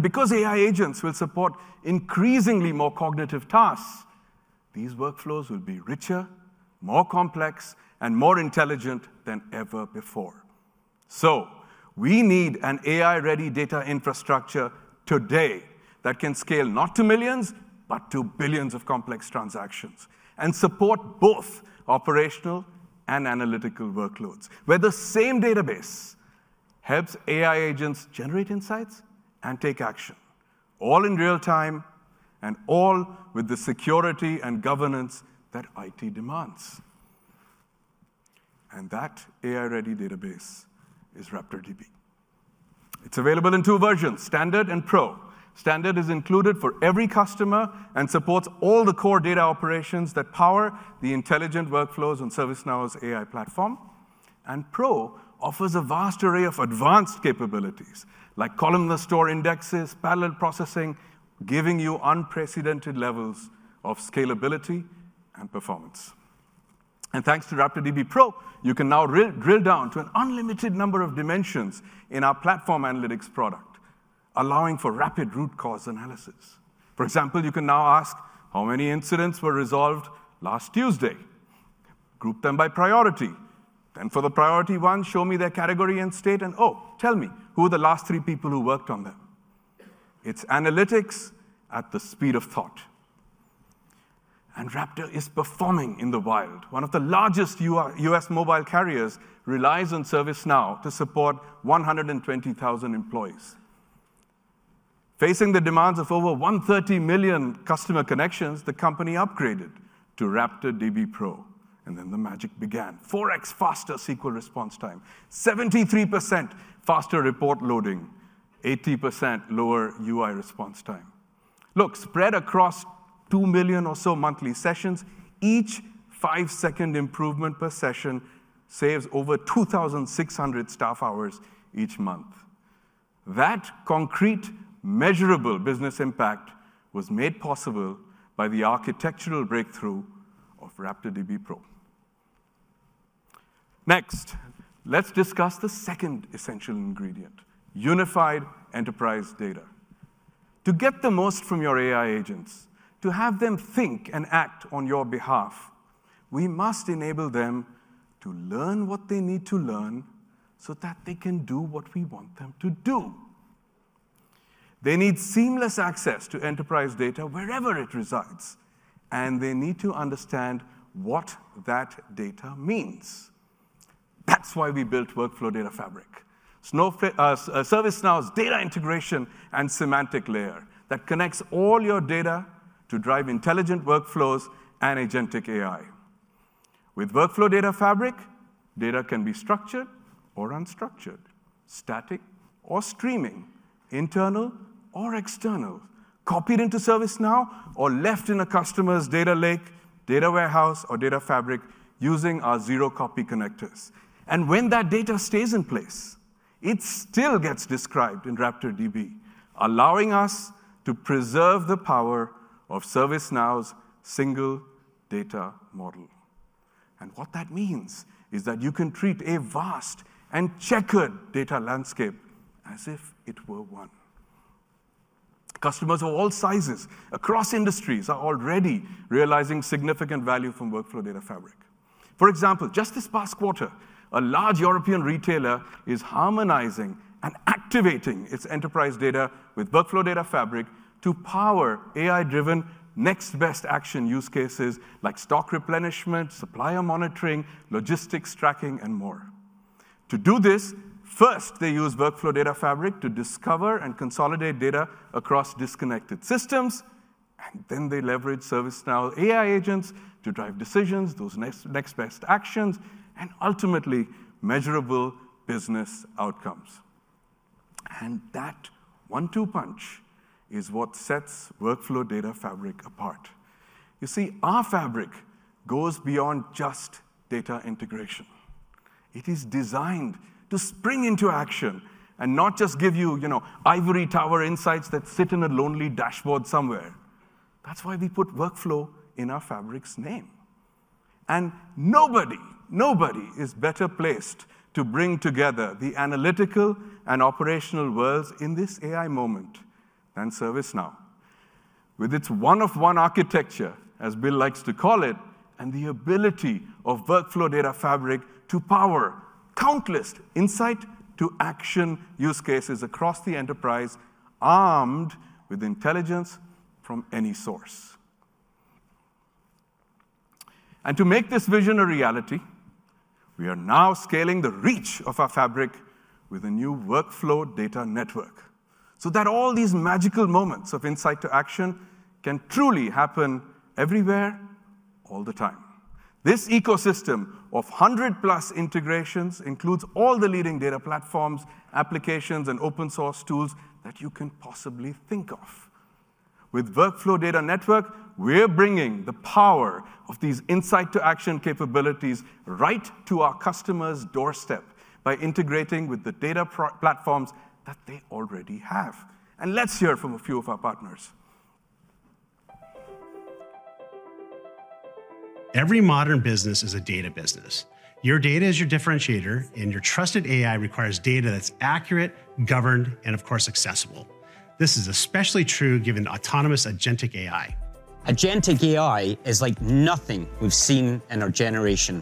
Because AI agents will support increasingly more cognitive tasks, these workflows will be richer, more complex, and more intelligent than ever before. We need an AI-ready data infrastructure today that can scale not to millions, but to billions of complex transactions and support both operational and analytical workloads, where the same database helps AI agents generate insights and take action, all in real time and all with the security and governance that IT demands. That AI-ready database is RaptorDB. It's available in two versions, Standard and Pro. Standard is included for every customer and supports all the core data operations that power the intelligent workflows on ServiceNow's AI platform. Pro offers a vast array of advanced capabilities like columnar store indexes, parallel processing, giving you unprecedented levels of scalability and performance. Thanks to RaptorDB Pro, you can now drill down to an unlimited number of dimensions in our platform analytics product, allowing for rapid root cause analysis. For example, you can now ask how many incidents were resolved last Tuesday, group them by priority, then for the priority one, show me their category and state, and oh, tell me who were the last three people who worked on them. It's analytics at the speed of thought. Raptor is performing in the wild. One of the largest US mobile carriers relies on ServiceNow to support 120,000 employees. Facing the demands of over 130 million customer connections, the company upgraded to RaptorDB Pro. Then the magic began. 4x faster SQL response time, 73% faster report loading, 80% lower UI response time. Look, spread across 2 million or so monthly sessions, each 5-second improvement per session saves over 2,600 staff hours each month. That concrete, measurable business impact was made possible by the architectural breakthrough of RaptorDB Pro. Next, let's discuss the second essential ingredient, unified enterprise data. To get the most from your AI agents, to have them think and act on your behalf, we must enable them to learn what they need to learn so that they can do what we want them to do. They need seamless access to enterprise data wherever it resides, and they need to understand what that data means. That's why we built Workflow Data Fabric, ServiceNow's data integration and semantic layer that connects all your data to drive intelligent workflows and agentic AI. With Workflow Data Fabric, data can be structured or unstructured, static or streaming, internal or external, copied into ServiceNow or left in a customer's data lake, data warehouse, or data fabric using our zero-copy connectors. When that data stays in place, it still gets described in RaptorDB, allowing us to preserve the power of ServiceNow's single data model. What that means is that you can treat a vast and checkered data landscape as if it were one. Customers of all sizes across industries are already realizing significant value from Workflow Data Fabric. For example, just this past quarter, a large European retailer is harmonizing and activating its enterprise data with Workflow Data Fabric to power AI-driven next best action use cases like stock replenishment, supplier monitoring, logistics tracking, and more. To do this, first, they use Workflow Data Fabric to discover and consolidate data across disconnected systems. They leverage ServiceNow's AI agents to drive decisions, those next best actions, and ultimately measurable business outcomes. That one-two punch is what sets Workflow Data Fabric apart. You see, our fabric goes beyond just data integration. It is designed to spring into action and not just give you ivory tower insights that sit in a lonely dashboard somewhere. That is why we put Workflow in our fabric's name. Nobody, nobody is better placed to bring together the analytical and operational worlds in this AI moment than ServiceNow. With its one-of-one architecture, as Bill likes to call it, and the ability of Workflow Data Fabric to power countless insight-to-action use cases across the enterprise, armed with intelligence from any source. To make this vision a reality, we are now scaling the reach of our fabric with a new Workflow Data Network so that all these magical moments of insight-to-action can truly happen everywhere, all the time. This ecosystem of 100+ integrations includes all the leading data platforms, applications, and open-source tools that you can possibly think of. With Workflow Data Network, we're bringing the power of these insight-to-action capabilities right to our customer's doorstep by integrating with the data platforms that they already have. Let's hear from a few of our partners. Every modern business is a data business. Your data is your differentiator, and your trusted AI requires data that's accurate, governed, and of course, accessible. This is especially true given autonomous agentic AI. Agentic AI is like nothing we've seen in our generation.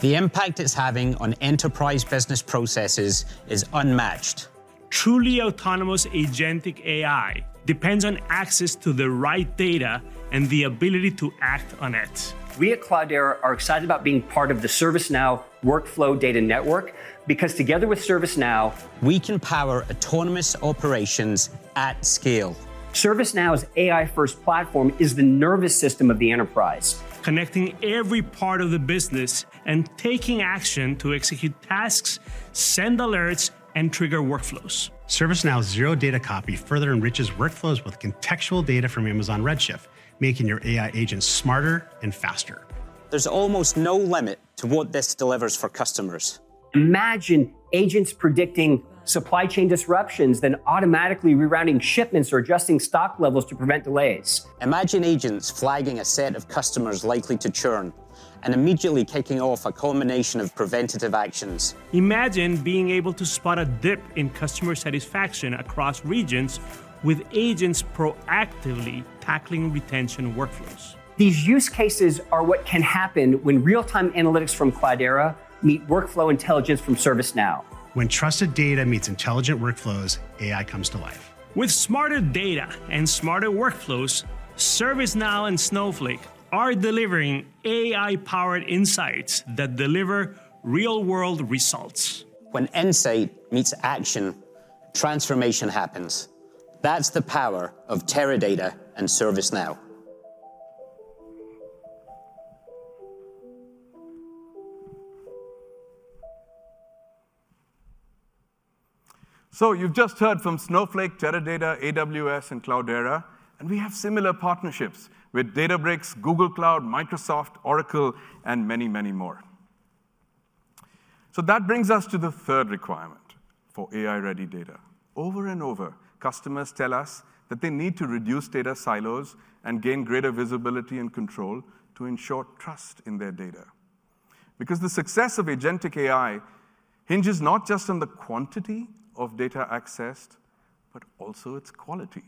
The impact it's having on enterprise business processes is unmatched. Truly autonomous agentic AI depends on access to the right data and the ability to act on it. We at Cloudera are excited about being part of the ServiceNow Workflow Data Network because together with ServiceNow. We can power autonomous operations at scale. ServiceNow's AI-first platform is the nervous system of the enterprise. Connecting every part of the business and taking action to execute tasks, send alerts, and trigger workflows. ServiceNow's zero-data copy further enriches workflows with contextual data from Amazon Redshift, making your AI agents smarter and faster. There's almost no limit to what this delivers for customers. Imagine agents predicting supply chain disruptions, then automatically rerouting shipments or adjusting stock levels to prevent delays. Imagine agents flagging a set of customers likely to churn and immediately kicking off a culmination of preventative actions. Imagine being able to spot a dip in customer satisfaction across regions with agents proactively tackling retention workflows. These use cases are what can happen when real-time analytics from Cloudera meet workflow intelligence from ServiceNow. When trusted data meets intelligent workflows, AI comes to life. With smarter data and smarter workflows, ServiceNow and Snowflake are delivering AI-powered insights that deliver real-world results. When insight meets action, transformation happens. That's the power of Teradata and ServiceNow. You have just heard from Snowflake, Teradata, AWS, and Cloudera. We have similar partnerships with Databricks, Google Cloud, Microsoft, Oracle, and many, many more. That brings us to the third requirement for AI-ready data. Over and over, customers tell us that they need to reduce data silos and gain greater visibility and control to ensure trust in their data. The success of agentic AI hinges not just on the quantity of data accessed, but also its quality.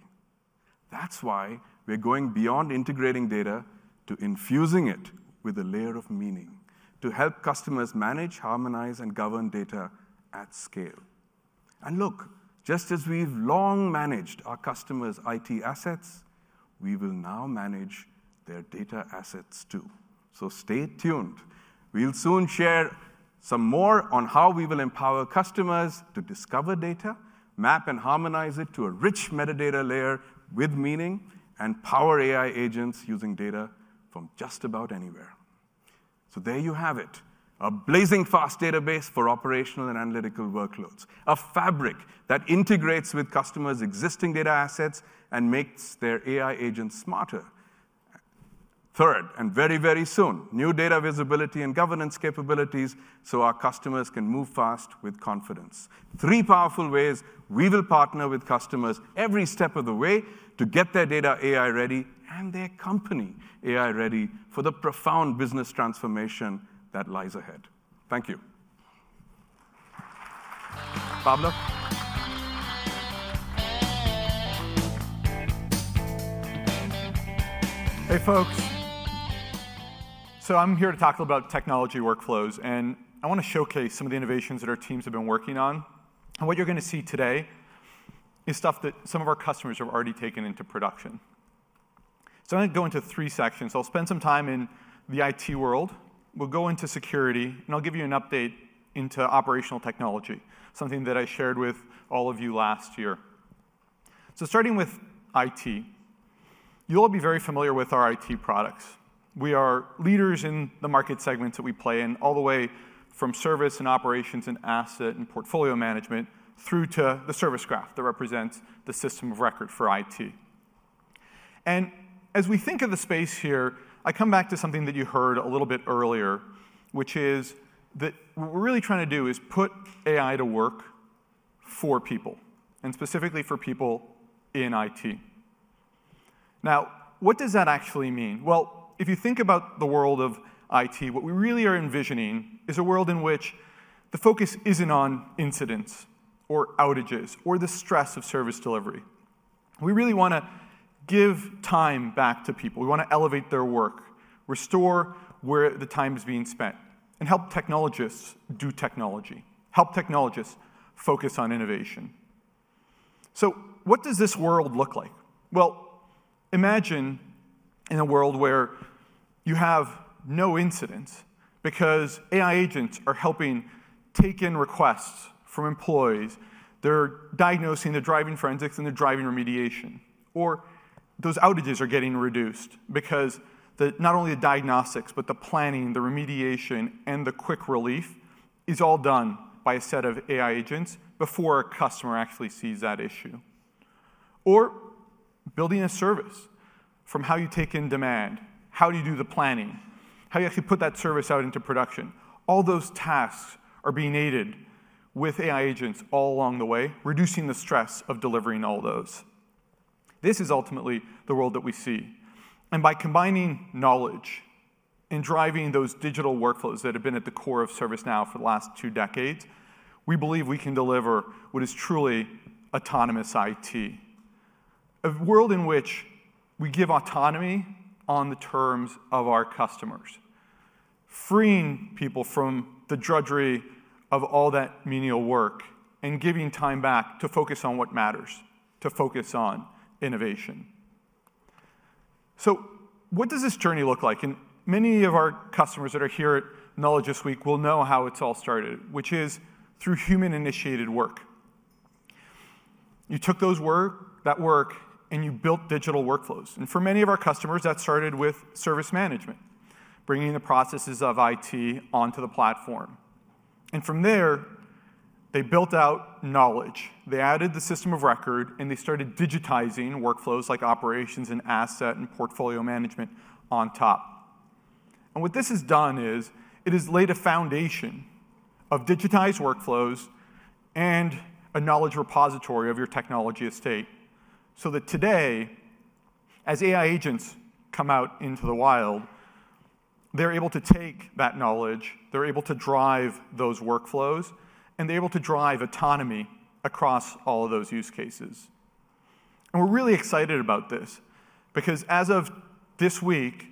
That is why we are going beyond integrating data to infusing it with a layer of meaning to help customers manage, harmonize, and govern data at scale. Look, just as we have long managed our customers' IT assets, we will now manage their data assets too. Stay tuned. We'll soon share some more on how we will empower customers to discover data, map, and harmonize it to a rich metadata layer with meaning, and power AI agents using data from just about anywhere. There you have it, a blazing fast database for operational and analytical workloads, a fabric that integrates with customers' existing data assets and makes their AI agents smarter. Third, and very, very soon, new data visibility and governance capabilities so our customers can move fast with confidence. Three powerful ways we will partner with customers every step of the way to get their data AI-ready and their company AI-ready for the profound business transformation that lies ahead. Thank you. Pablo. Hey, folks. I'm here to talk about technology workflows. I want to showcase some of the innovations that our teams have been working on. What you're going to see today is stuff that some of our customers have already taken into production. I'm going to go into three sections. I'll spend some time in the IT world. We'll go into security. I'll give you an update into operational technology, something that I shared with all of you last year. Starting with IT, you'll all be very familiar with our IT products. We are leaders in the market segments that we play in, all the way from service and operations and asset and portfolio management through to the service graph that represents the system of record for IT. As we think of the space here, I come back to something that you heard a little bit earlier, which is that what we're really trying to do is put AI to work for people, and specifically for people in IT. Now, what does that actually mean? If you think about the world of IT, what we really are envisioning is a world in which the focus isn't on incidents or outages or the stress of service delivery. We really want to give time back to people. We want to elevate their work, restore where the time is being spent, and help technologists do technology, help technologists focus on innovation. What does this world look like? Imagine a world where you have no incidents because AI agents are helping take in requests from employees. They're diagnosing the driving forensics and the driving remediation. Those outages are getting reduced because not only the diagnostics, but the planning, the remediation, and the quick relief is all done by a set of AI agents before a customer actually sees that issue. Or building a service from how you take in demand, how do you do the planning, how do you actually put that service out into production. All those tasks are being aided with AI agents all along the way, reducing the stress of delivering all those. This is ultimately the world that we see. By combining knowledge and driving those digital workflows that have been at the core of ServiceNow for the last two decades, we believe we can deliver what is truly autonomous IT, a world in which we give autonomy on the terms of our customers, freeing people from the drudgery of all that menial work and giving time back to focus on what matters, to focus on innovation. What does this journey look like? Many of our customers that are here at Knowledge this week will know how it all started, which is through human-initiated work. You took that work and you built digital workflows. For many of our customers, that started with service management, bringing the processes of IT onto the platform. From there, they built out knowledge. They added the system of record, and they started digitizing workflows like operations and asset and portfolio management on top. What this has done is it has laid a foundation of digitized workflows and a knowledge repository of your technology estate so that today, as AI agents come out into the wild, they're able to take that knowledge. They're able to drive those workflows. They're able to drive autonomy across all of those use cases. We're really excited about this because as of this week,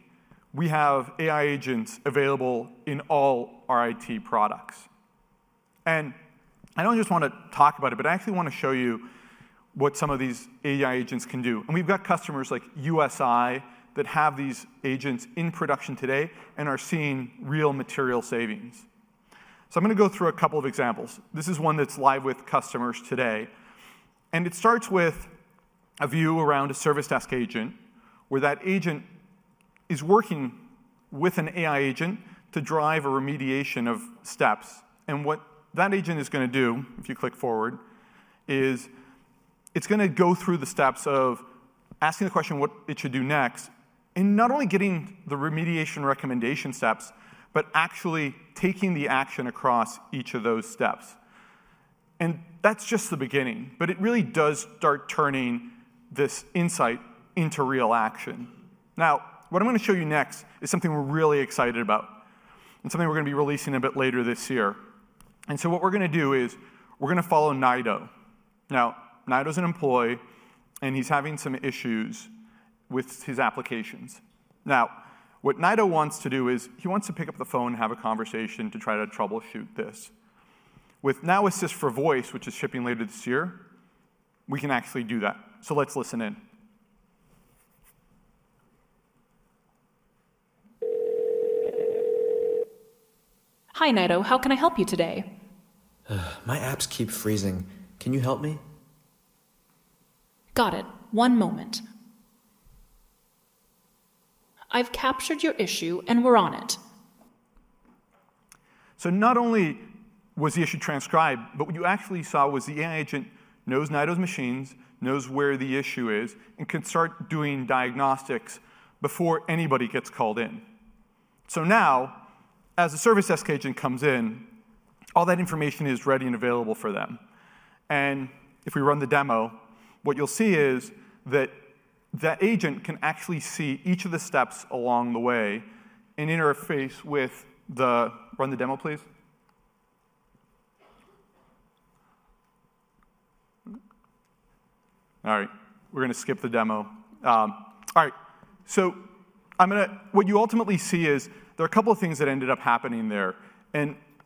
we have AI agents available in all our IT products. I don't just want to talk about it, but I actually want to show you what some of these AI agents can do. We've got customers like USI that have these agents in production today and are seeing real material savings. I'm going to go through a couple of examples. This is one that's live with customers today. It starts with a view around a service desk agent where that agent is working with an AI agent to drive a remediation of steps. What that agent is going to do, if you click forward, is it's going to go through the steps of asking the question what it should do next and not only getting the remediation recommendation steps, but actually taking the action across each of those steps. That's just the beginning. It really does start turning this insight into real action. What I'm going to show you next is something we're really excited about and something we're going to be releasing a bit later this year. What we're going to do is we're going to follow Naido. Now, Naido is an employee, and he's having some issues with his applications. Now, what Naido wants to do is he wants to pick up the phone and have a conversation to try to troubleshoot this. With Now Assist for Voice, which is shipping later this year, we can actually do that. Let's listen in. Hi, Naido. How can I help you today? My apps keep freezing. Can you help me? Got it. One moment. I've captured your issue, and we're on it. Not only was the issue transcribed, but what you actually saw was the AI agent knows Naido's machines, knows where the issue is, and can start doing diagnostics before anybody gets called in. Now, as a service desk agent comes in, all that information is ready and available for them. If we run the demo, what you'll see is that that agent can actually see each of the steps along the way and interface with the run the demo, please. All right. We're going to skip the demo. All right. What you ultimately see is there are a couple of things that ended up happening there.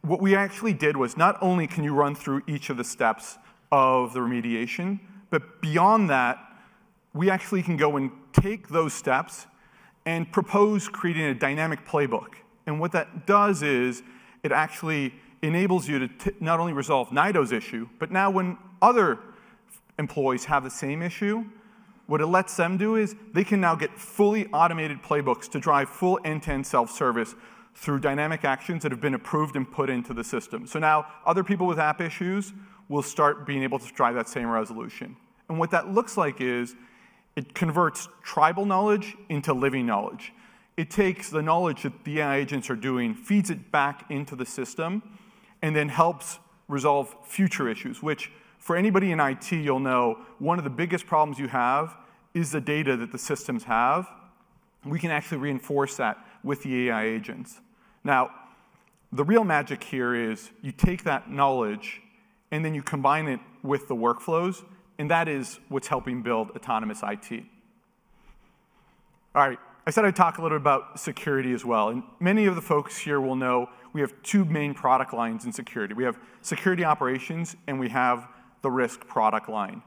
What we actually did was not only can you run through each of the steps of the remediation, but beyond that, we actually can go and take those steps and propose creating a dynamic playbook. What that does is it actually enables you to not only resolve Naido's issue, but now when other employees have the same issue, what it lets them do is they can now get fully automated playbooks to drive full end-to-end self-service through dynamic actions that have been approved and put into the system. Now other people with app issues will start being able to drive that same resolution. What that looks like is it converts tribal knowledge into living knowledge. It takes the knowledge that the AI agents are doing, feeds it back into the system, and then helps resolve future issues, which for anybody in IT, you'll know one of the biggest problems you have is the data that the systems have. We can actually reinforce that with the AI agents. Now, the real magic here is you take that knowledge, and then you combine it with the workflows. That is what's helping build autonomous IT. All right. I started to talk a little bit about security as well. Many of the folks here will know we have two main product lines in security. We have security operations, and we have the risk product line.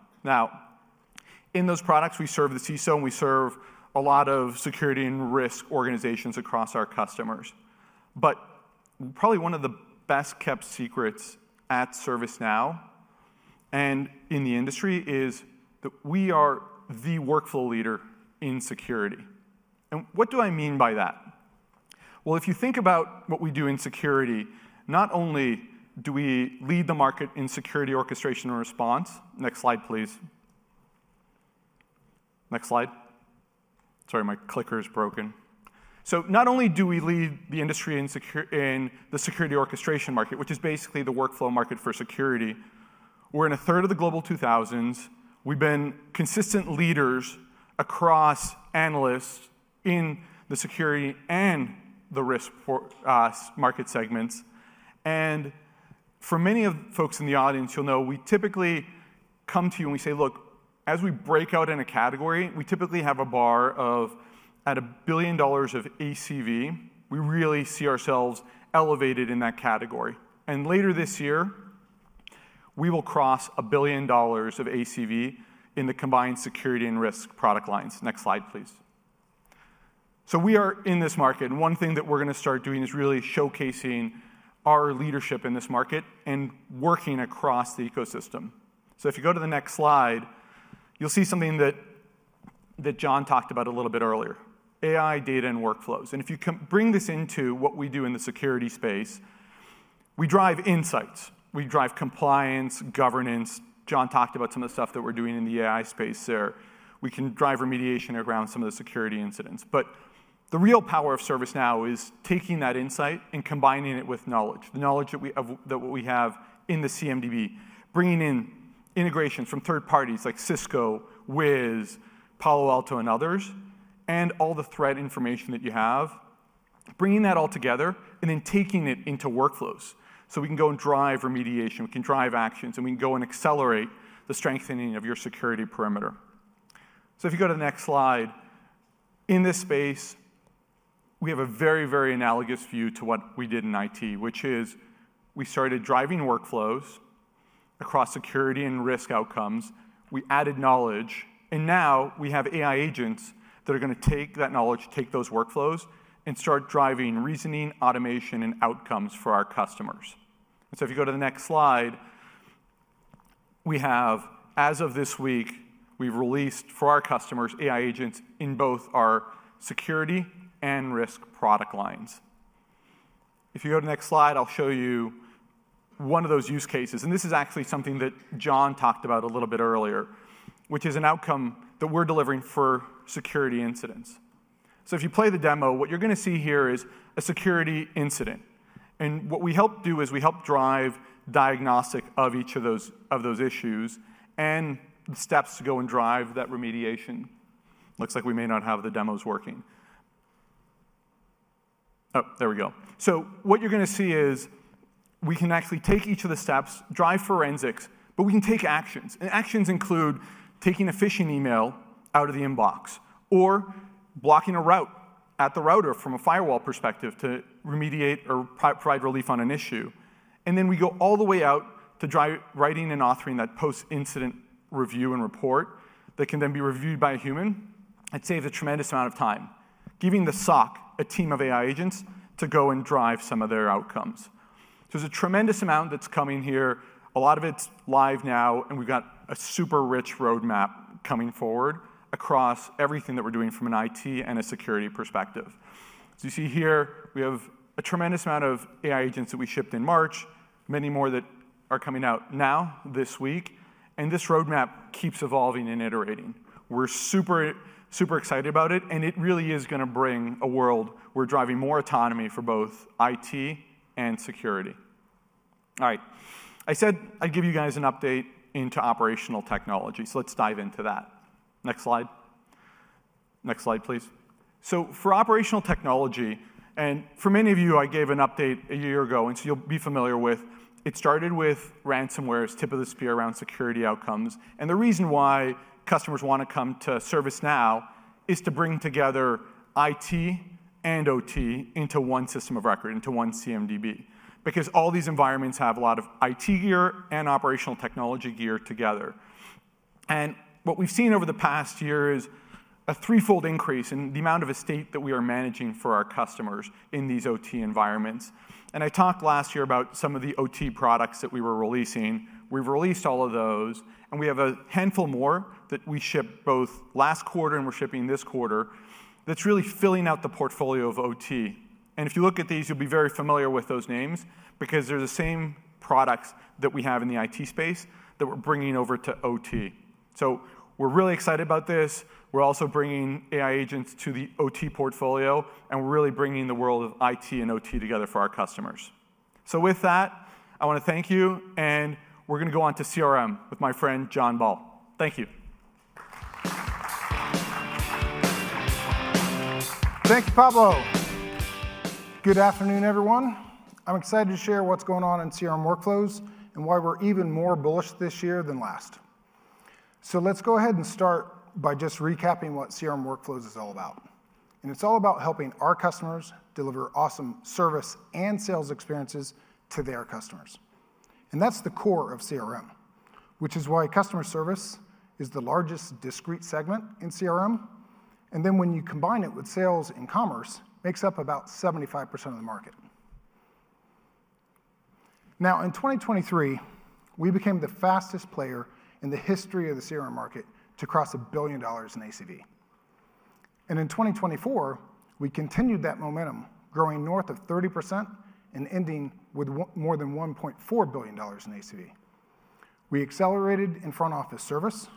In those products, we serve the CISO, and we serve a lot of security and risk organizations across our customers. Probably one of the best-kept secrets at ServiceNow and in the industry is that we are the workflow leader in security. What do I mean by that? If you think about what we do in security, not only do we lead the market in security orchestration and response next slide, please. Next slide. Sorry, my clicker is broken. Not only do we lead the industry in the security orchestration market, which is basically the workflow market for security, we're in a third of the Global 2000s. We've been consistent leaders across analysts in the security and the risk market segments. For many of the folks in the audience, you'll know we typically come to you and we say, look, as we break out in a category, we typically have a bar of at a billion dollars of ACV. We really see ourselves elevated in that category. Later this year, we will cross a billion dollars of ACV in the combined security and risk product lines. Next slide, please. We are in this market. One thing that we're going to start doing is really showcasing our leadership in this market and working across the ecosystem. If you go to the next slide, you'll see something that John talked about a little bit earlier, AI, data, and workflows. If you bring this into what we do in the security space, we drive insights. We drive compliance, governance. John talked about some of the stuff that we're doing in the AI space there. We can drive remediation around some of the security incidents. The real power of ServiceNow is taking that insight and combining it with knowledge, the knowledge that we have in the CMDB, bringing in integrations from third parties like Cisco, Wiz, Palo Alto, and others, and all the threat information that you have, bringing that all together and then taking it into workflows so we can go and drive remediation. We can drive actions. We can go and accelerate the strengthening of your security perimeter. If you go to the next slide, in this space, we have a very, very analogous view to what we did in IT, which is we started driving workflows across security and risk outcomes. We added knowledge. Now we have AI agents that are going to take that knowledge, take those workflows, and start driving reasoning, automation, and outcomes for our customers. If you go to the next slide, as of this week, we've released for our customers AI agents in both our security and risk product lines. If you go to the next slide, I'll show you one of those use cases. This is actually something that John talked about a little bit earlier, which is an outcome that we're delivering for security incidents. If you play the demo, what you're going to see here is a security incident. What we help do is we help drive diagnostic of each of those issues and the steps to go and drive that remediation. Looks like we may not have the demos working. Oh, there we go. What you're going to see is we can actually take each of the steps, drive forensics, but we can take actions. Actions include taking a phishing email out of the inbox or blocking a route at the router from a firewall perspective to remediate or provide relief on an issue. We go all the way out to writing and authoring that post-incident review and report that can then be reviewed by a human. It saves a tremendous amount of time, giving the SOC a team of AI agents to go and drive some of their outcomes. There is a tremendous amount that's coming here. A lot of it's live now. We've got a super rich roadmap coming forward across everything that we're doing from an IT and a security perspective. You see here, we have a tremendous amount of AI agents that we shipped in March, many more that are coming out now this week. This roadmap keeps evolving and iterating. We're super excited about it. It really is going to bring a world where driving more autonomy for both IT and security. All right. I said I'd give you guys an update into operational technology. Let's dive into that. Next slide. Next slide, please. For operational technology and for many of you, I gave an update a year ago. You'll be familiar with it started with ransomware, its tip of the spear around security outcomes. The reason why customers want to come to ServiceNow is to bring together IT and OT into one system of record, into one CMDB, because all these environments have a lot of IT gear and operational technology gear together. What we've seen over the past year is a threefold increase in the amount of estate that we are managing for our customers in these OT environments. I talked last year about some of the OT products that we were releasing. We've released all of those. We have a handful more that we shipped both last quarter and we're shipping this quarter that's really filling out the portfolio of OT. If you look at these, you'll be very familiar with those names because they're the same products that we have in the IT space that we're bringing over to OT. We're really excited about this. We're also bringing AI agents to the OT portfolio. We're really bringing the world of IT and OT together for our customers. With that, I want to thank you. We're going to go on to CRM with my friend John Ball. Thank you. Thank you, Pablo. Good afternoon, everyone. I'm excited to share what's going on in CRM workflows and why we're even more bullish this year than last. Let's go ahead and start by just recapping what CRM workflows is all about. It's all about helping our customers deliver awesome service and sales experiences to their customers. That's the core of CRM, which is why customer service is the largest discrete segment in CRM. When you combine it with sales and commerce, it makes up about 75% of the market. In 2023, we became the fastest player in the history of the CRM market to cross a billion dollars in ACV. In 2024, we continued that momentum, growing north of 30% and ending with more than $1.4 billion in ACV. We accelerated in front office service.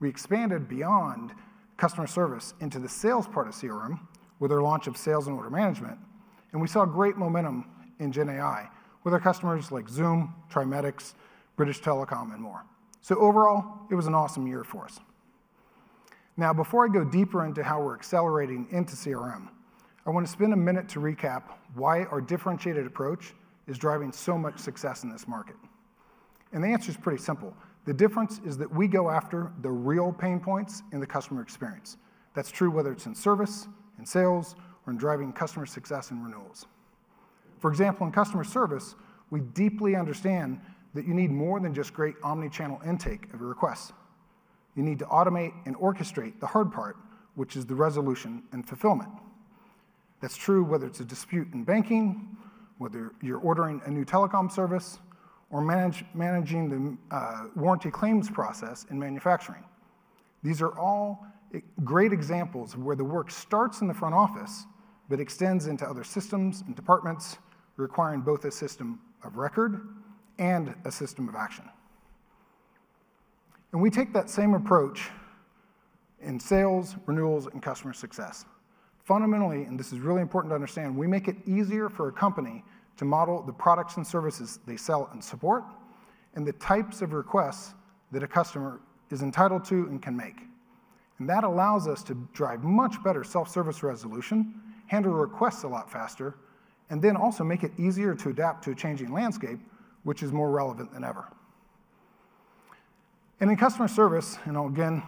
We expanded beyond customer service into the sales part of CRM with our launch of Sales and Order Management. We saw great momentum in GenAI with our customers like Zoom, TRIMEDX, British Telecom, and more. Overall, it was an awesome year for us. Before I go deeper into how we're accelerating into CRM, I want to spend a minute to recap why our differentiated approach is driving so much success in this market. The answer is pretty simple. The difference is that we go after the real pain points in the customer experience. That's true whether it's in service, in sales, or in driving customer success and renewals. For example, in customer service, we deeply understand that you need more than just great omnichannel intake of your requests. You need to automate and orchestrate the hard part, which is the resolution and fulfillment. That's true whether it's a dispute in banking, whether you're ordering a new telecom service, or managing the warranty claims process in manufacturing. These are all great examples of where the work starts in the front office but extends into other systems and departments, requiring both a system of record and a system of action. We take that same approach in sales, renewals, and customer success. Fundamentally, and this is really important to understand, we make it easier for a company to model the products and services they sell and support and the types of requests that a customer is entitled to and can make. That allows us to drive much better self-service resolution, handle requests a lot faster, and also make it easier to adapt to a changing landscape, which is more relevant than ever. In customer service, and I'll again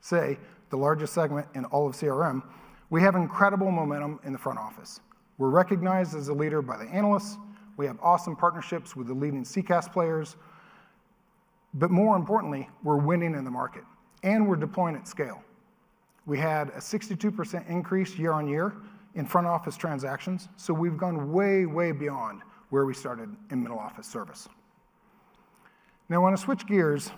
say the largest segment in all of CRM, we have incredible momentum in the front office. We're recognized as a leader by the analysts. We have awesome partnerships with the leading CCaaS players. More importantly, we're winning in the market. We're deploying at scale. We had a 62% increase year on year in front office transactions. We've gone way, way beyond where we started in middle office service. I want to switch gears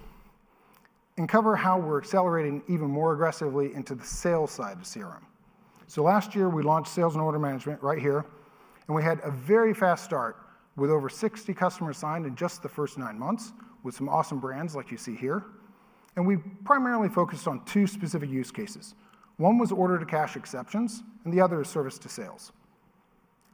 and cover how we're accelerating even more aggressively into the sales side of CRM. Last year, we launched sales and order management right here. We had a very fast start with over 60 customers signed in just the first nine months with some awesome brands like you see here. We primarily focused on two specific use cases. One was order-to-cash exceptions, and the other is service to sales.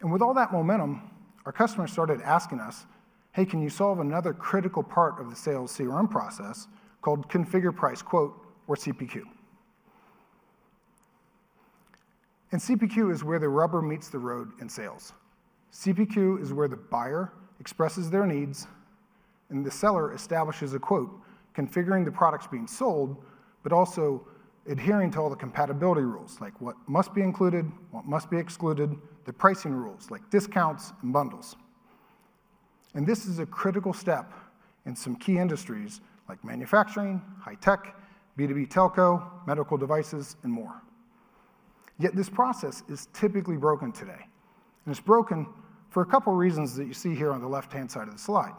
With all that momentum, our customers started asking us, hey, can you solve another critical part of the sales CRM process called configure price quote or CPQ? CPQ is where the rubber meets the road in sales. CPQ is where the buyer expresses their needs, and the seller establishes a quote, configuring the products being sold, but also adhering to all the compatibility rules, like what must be included, what must be excluded, the pricing rules, like discounts and bundles. This is a critical step in some key industries like manufacturing, high tech, B2B telco, medical devices, and more. Yet this process is typically broken today. It is broken for a couple of reasons that you see here on the left-hand side of the slide.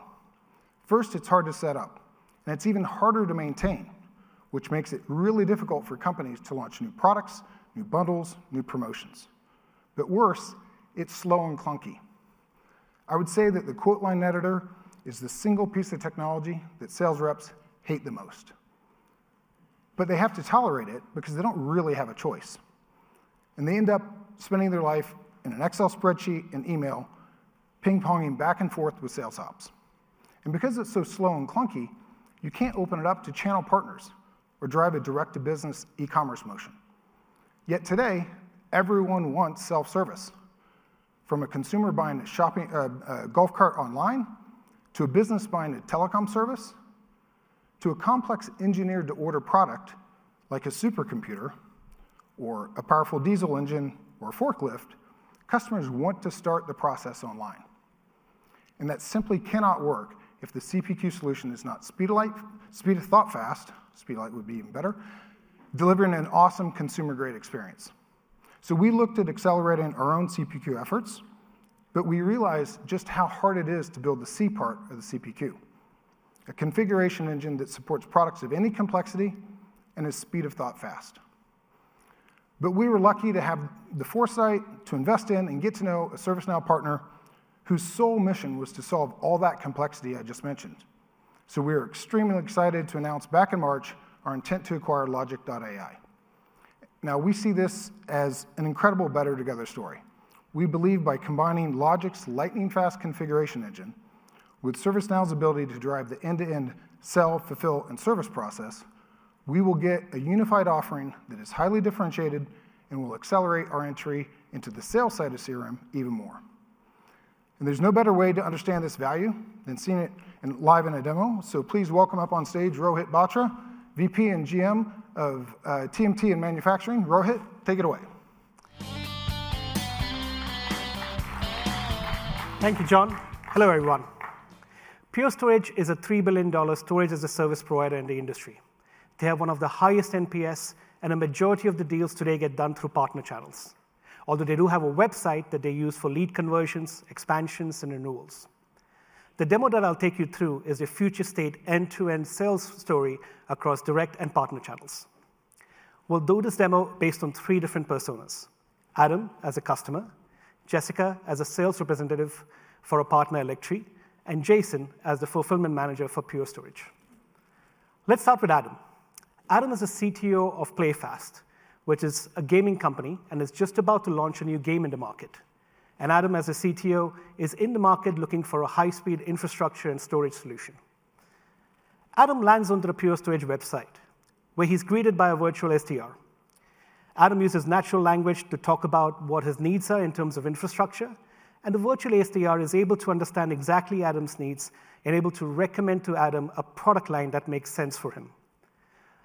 First, it is hard to set up. It is even harder to maintain, which makes it really difficult for companies to launch new products, new bundles, new promotions. Worse, it is slow and clunky. I would say that the quote line editor is the single piece of technology that sales reps hate the most. They have to tolerate it because they do not really have a choice. They end up spending their life in an Excel spreadsheet and email ping-ponging back and forth with sales ops. Because it is so slow and clunky, you cannot open it up to channel partners or drive a direct-to-business e-commerce motion. Yet today, everyone wants self-service. From a consumer buying a golf cart online to a business buying a telecom service to a complex engineered-to-order product like a supercomputer or a powerful diesel engine or a forklift, customers want to start the process online. That simply cannot work if the CPQ solution is not speed of thought fast; speed of light would be even better, delivering an awesome consumer-grade experience. We looked at accelerating our own CPQ efforts, but we realized just how hard it is to build the C part of the CPQ, a configuration engine that supports products of any complexity and is speed of thought fast. We were lucky to have the foresight to invest in and get to know a ServiceNow partner whose sole mission was to solve all that complexity I just mentioned. We are extremely excited to announce back in March our intent to acquire Logic.AI. We see this as an incredible better together story. We believe by combining Logic's lightning-fast configuration engine with ServiceNow's ability to drive the end-to-end sell, fulfill, and service process, we will get a unified offering that is highly differentiated and will accelerate our entry into the sales side of CRM even more. There is no better way to understand this value than seeing it live in a demo. Please welcome up on stage Rohit Batra, VP and GM of TMT and manufacturing. Rohit, take it away. Thank you, John. Hello, everyone. Pure Storage is a $3 billion storage-as-a-service provider in the industry. They have one of the highest NPS, and a majority of the deals today get done through partner channels, although they do have a website that they use for lead conversions, expansions, and renewals. The demo that I'll take you through is a future state end-to-end sales story across direct and partner channels. We'll do this demo based on three different personas: Adam as a customer, Jessica as a sales representative for a partner, Electry, and Jason as the fulfillment manager for Pure Storage. Let's start with Adam. Adam is a CTO of PlayFast, which is a gaming company, and is just about to launch a new game in the market. Adam as a CTO is in the market looking for a high-speed infrastructure and storage solution. Adam lands onto the Pure Storage website, where he's greeted by a virtual SDR. Adam uses natural language to talk about what his needs are in terms of infrastructure. The virtual SDR is able to understand exactly Adam's needs and able to recommend to Adam a product line that makes sense for him.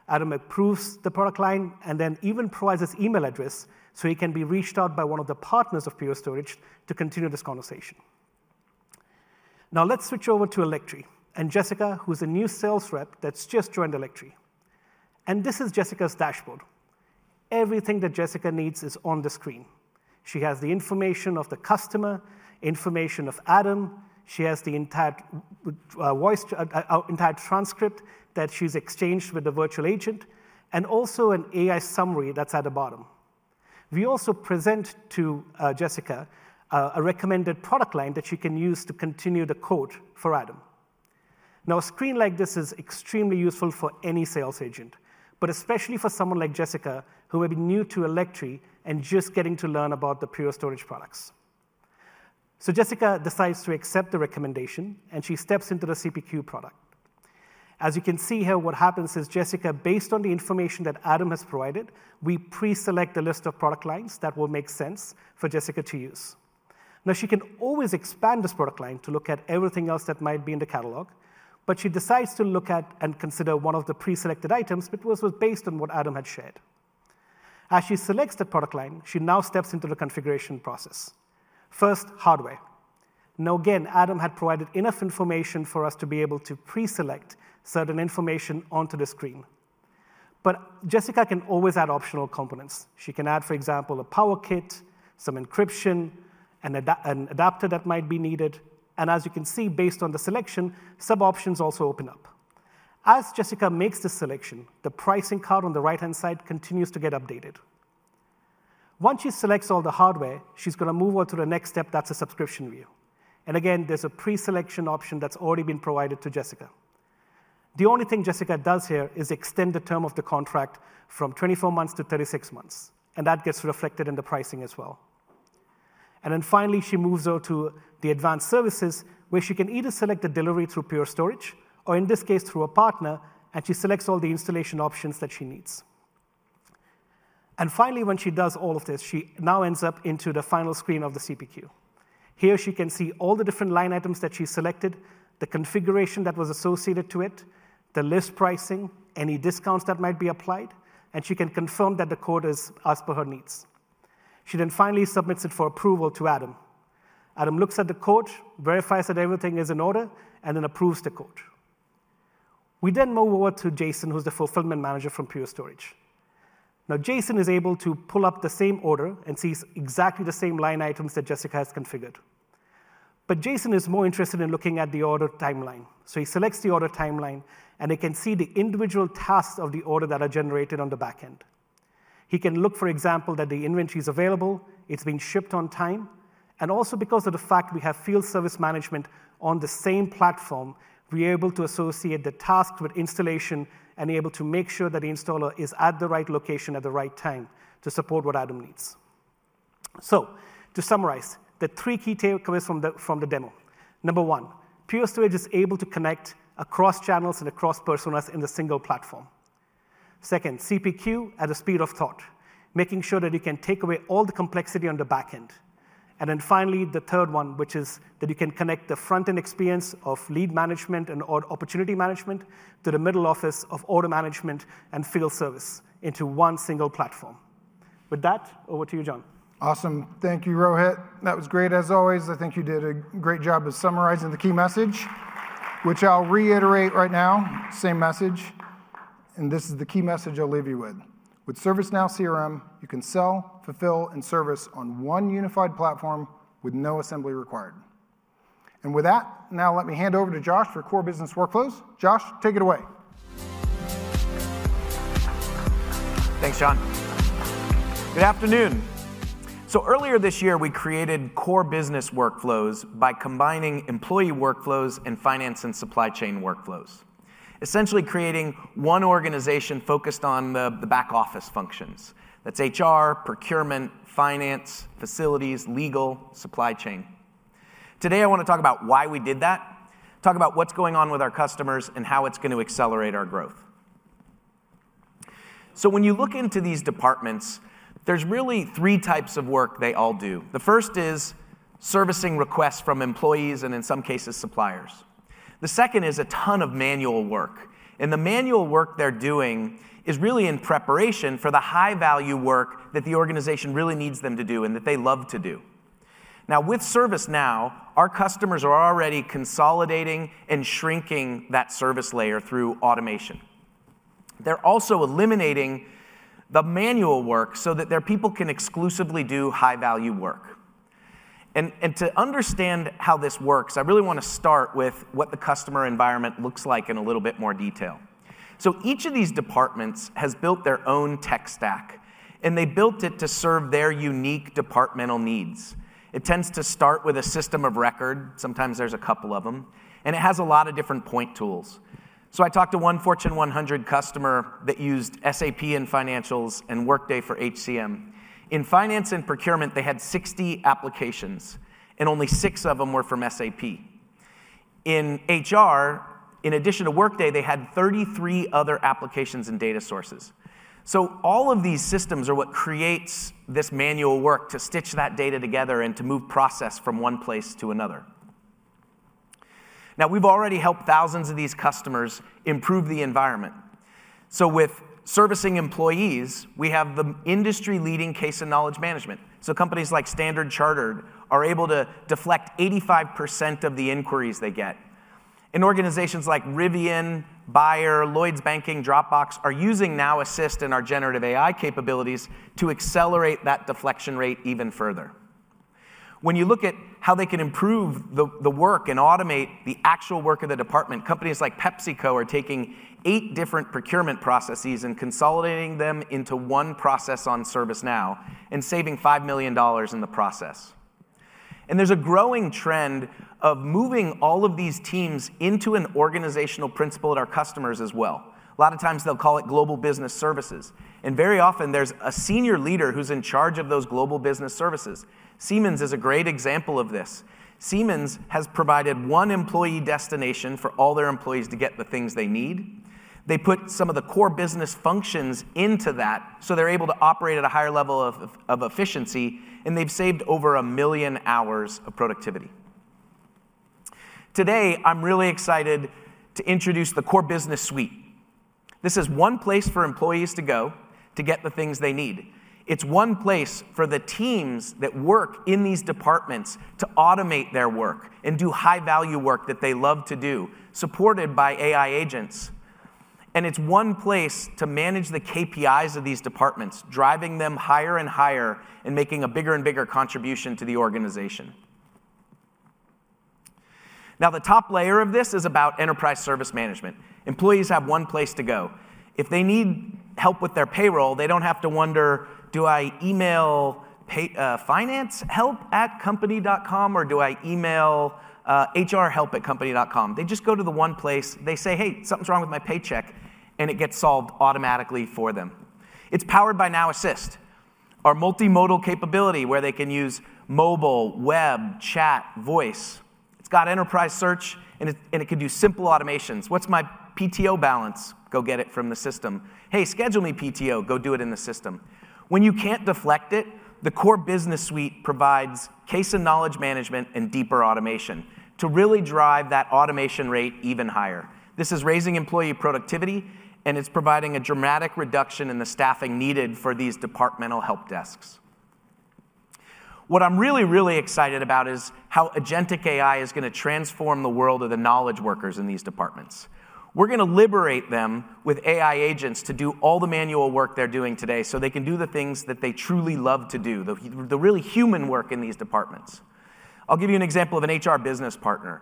Adam approves the product line and then even provides his email address so he can be reached out by one of the partners of Pure Storage to continue this conversation. Now, let's switch over to Electry and Jessica, who's a new sales rep that's just joined Electry. This is Jessica's dashboard. Everything that Jessica needs is on the screen. She has the information of the customer, information of Adam. She has the entire transcript that she's exchanged with the virtual agent, and also an AI summary that's at the bottom. We also present to Jessica a recommended product line that she can use to continue the quote for Adam. A screen like this is extremely useful for any sales agent, but especially for someone like Jessica, who may be new to Electry and just getting to learn about the Pure Storage products. Jessica decides to accept the recommendation, and she steps into the CPQ product. As you can see here, what happens is Jessica, based on the information that Adam has provided, we pre-select a list of product lines that will make sense for Jessica to use. She can always expand this product line to look at everything else that might be in the catalog, but she decides to look at and consider one of the pre-selected items, but it was based on what Adam had shared. As she selects the product line, she now steps into the configuration process. First, hardware. Now, again, Adam had provided enough information for us to be able to pre-select certain information onto the screen. Jessica can always add optional components. She can add, for example, a power kit, some encryption, an adapter that might be needed. As you can see, based on the selection, sub-options also open up. As Jessica makes the selection, the pricing card on the right-hand side continues to get updated. Once she selects all the hardware, she's going to move on to the next step. That is a subscription view. Again, there is a pre-selection option that has already been provided to Jessica. The only thing Jessica does here is extend the term of the contract from 24 months to 36 months. That gets reflected in the pricing as well. Finally, she moves on to the advanced services, where she can either select the delivery through Pure Storage or, in this case, through a partner, and she selects all the installation options that she needs. Finally, when she does all of this, she now ends up into the final screen of the CPQ. Here, she can see all the different line items that she selected, the configuration that was associated to it, the list pricing, any discounts that might be applied, and she can confirm that the quote is as per her needs. She then finally submits it for approval to Adam. Adam looks at the quote, verifies that everything is in order, and then approves the quote. We then move over to Jason, who's the fulfillment manager from Pure Storage. Now, Jason is able to pull up the same order and sees exactly the same line items that Jessica has configured. Jason is more interested in looking at the order timeline. He selects the order timeline, and he can see the individual tasks of the order that are generated on the back end. He can look, for example, at the inventory is available, it's being shipped on time. Also, because of the fact we have field service management on the same platform, we are able to associate the task with installation and able to make sure that the installer is at the right location at the right time to support what Adam needs. To summarize, the three key takeaways from the demo. Number one, Pure Storage is able to connect across channels and across personas in a single platform. Second, CPQ at a speed of thought, making sure that you can take away all the complexity on the back end. Finally, the third one, which is that you can connect the front-end experience of lead management and opportunity management to the middle office of order management and field service into one single platform. With that, over to you, John. Awesome. Thank you, Rohit. That was great, as always. I think you did a great job of summarizing the key message, which I'll reiterate right now, same message. This is the key message I'll leave you with. With ServiceNow CRM, you can sell, fulfill, and service on one unified platform with no assembly required. With that, now let me hand over to Josh for core business workflows. Josh, take it away. Thanks, John. Good afternoon. Earlier this year, we created core business workflows by combining employee workflows and finance and supply chain workflows, essentially creating one organization focused on the back office functions. That's HR, procurement, finance, facilities, legal, supply chain. Today, I want to talk about why we did that, talk about what's going on with our customers, and how it's going to accelerate our growth. When you look into these departments, there's really three types of work they all do. The first is servicing requests from employees and, in some cases, suppliers. The second is a ton of manual work. The manual work they're doing is really in preparation for the high-value work that the organization really needs them to do and that they love to do. Now, with ServiceNow, our customers are already consolidating and shrinking that service layer through automation. They're also eliminating the manual work so that their people can exclusively do high-value work. To understand how this works, I really want to start with what the customer environment looks like in a little bit more detail. Each of these departments has built their own tech stack, and they built it to serve their unique departmental needs. It tends to start with a system of record. Sometimes there's a couple of them, and it has a lot of different point tools. I talked to one Fortune 100 customer that used SAP in financials and Workday for HCM. In finance and procurement, they had 60 applications, and only six of them were from SAP. In HR, in addition to Workday, they had 33 other applications and data sources. All of these systems are what creates this manual work to stitch that data together and to move process from one place to another. We have already helped thousands of these customers improve the environment. With servicing employees, we have the industry-leading case and knowledge management. Companies like Standard Chartered are able to deflect 85% of the inquiries they get. Organizations like Rivian, Bayer, Lloyds Banking, and Dropbox are using Now Assist and our generative AI capabilities to accelerate that deflection rate even further. When you look at how they can improve the work and automate the actual work of the department, companies like PepsiCo are taking eight different procurement processes and consolidating them into one process on ServiceNow and saving $5 million in the process. There is a growing trend of moving all of these teams into an organizational principle at our customers as well. A lot of times, they'll call it global business services. Very often, there's a senior leader who's in charge of those global business services. Siemens is a great example of this. Siemens has provided one employee destination for all their employees to get the things they need. They put some of the core business functions into that so they're able to operate at a higher level of efficiency, and they've saved over a million hours of productivity. Today, I'm really excited to introduce the Core Business Suite. This is one place for employees to go to get the things they need. It's one place for the teams that work in these departments to automate their work and do high-value work that they love to do, supported by AI agents. It is one place to manage the KPIs of these departments, driving them higher and higher and making a bigger and bigger contribution to the organization. Now, the top layer of this is about enterprise service management. Employees have one place to go. If they need help with their payroll, they do not have to wonder, "Do I email financehelp@company.com or do I email hrhelp@company.com?" They just go to the one place. They say, "Hey, something's wrong with my paycheck," and it gets solved automatically for them. It is powered by Now Assist, our multimodal capability where they can use mobile, web, chat, voice. It has enterprise search, and it can do simple automations. What's my PTO balance?" "Go get it from the system." "Hey, schedule me PTO." "Go do it in the system." When you can't deflect it, the Core Business Suite provides case and knowledge management and deeper automation to really drive that automation rate even higher. This is raising employee productivity, and it's providing a dramatic reduction in the staffing needed for these departmental help desks. What I'm really, really excited about is how agentic AI is going to transform the world of the knowledge workers in these departments. We're going to liberate them with AI agents to do all the manual work they're doing today so they can do the things that they truly love to do, the really human work in these departments. I'll give you an example of an HR business partner.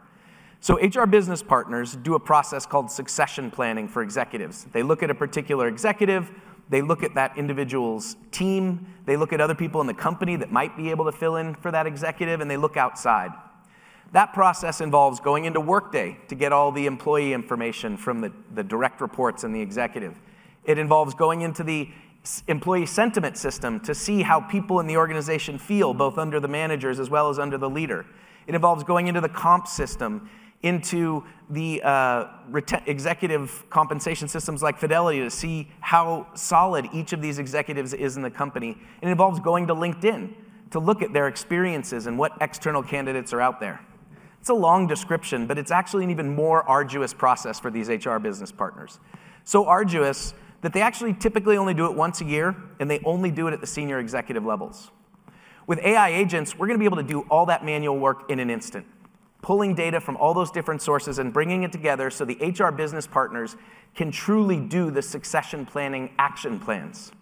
HR business partners do a process called succession planning for executives. They look at a particular executive, they look at that individual's team, they look at other people in the company that might be able to fill in for that executive, and they look outside. That process involves going into Workday to get all the employee information from the direct reports and the executive. It involves going into the employee sentiment system to see how people in the organization feel, both under the managers as well as under the leader. It involves going into the comp system, into the executive compensation systems like Fidelity to see how solid each of these executives is in the company. It involves going to LinkedIn to look at their experiences and what external candidates are out there. It's a long description, but it's actually an even more arduous process for these HR business partners. Arduous that they actually typically only do it once a year, and they only do it at the senior executive levels. With AI agents, we're going to be able to do all that manual work in an instant, pulling data from all those different sources and bringing it together so the HR business partners can truly do the succession planning action plans.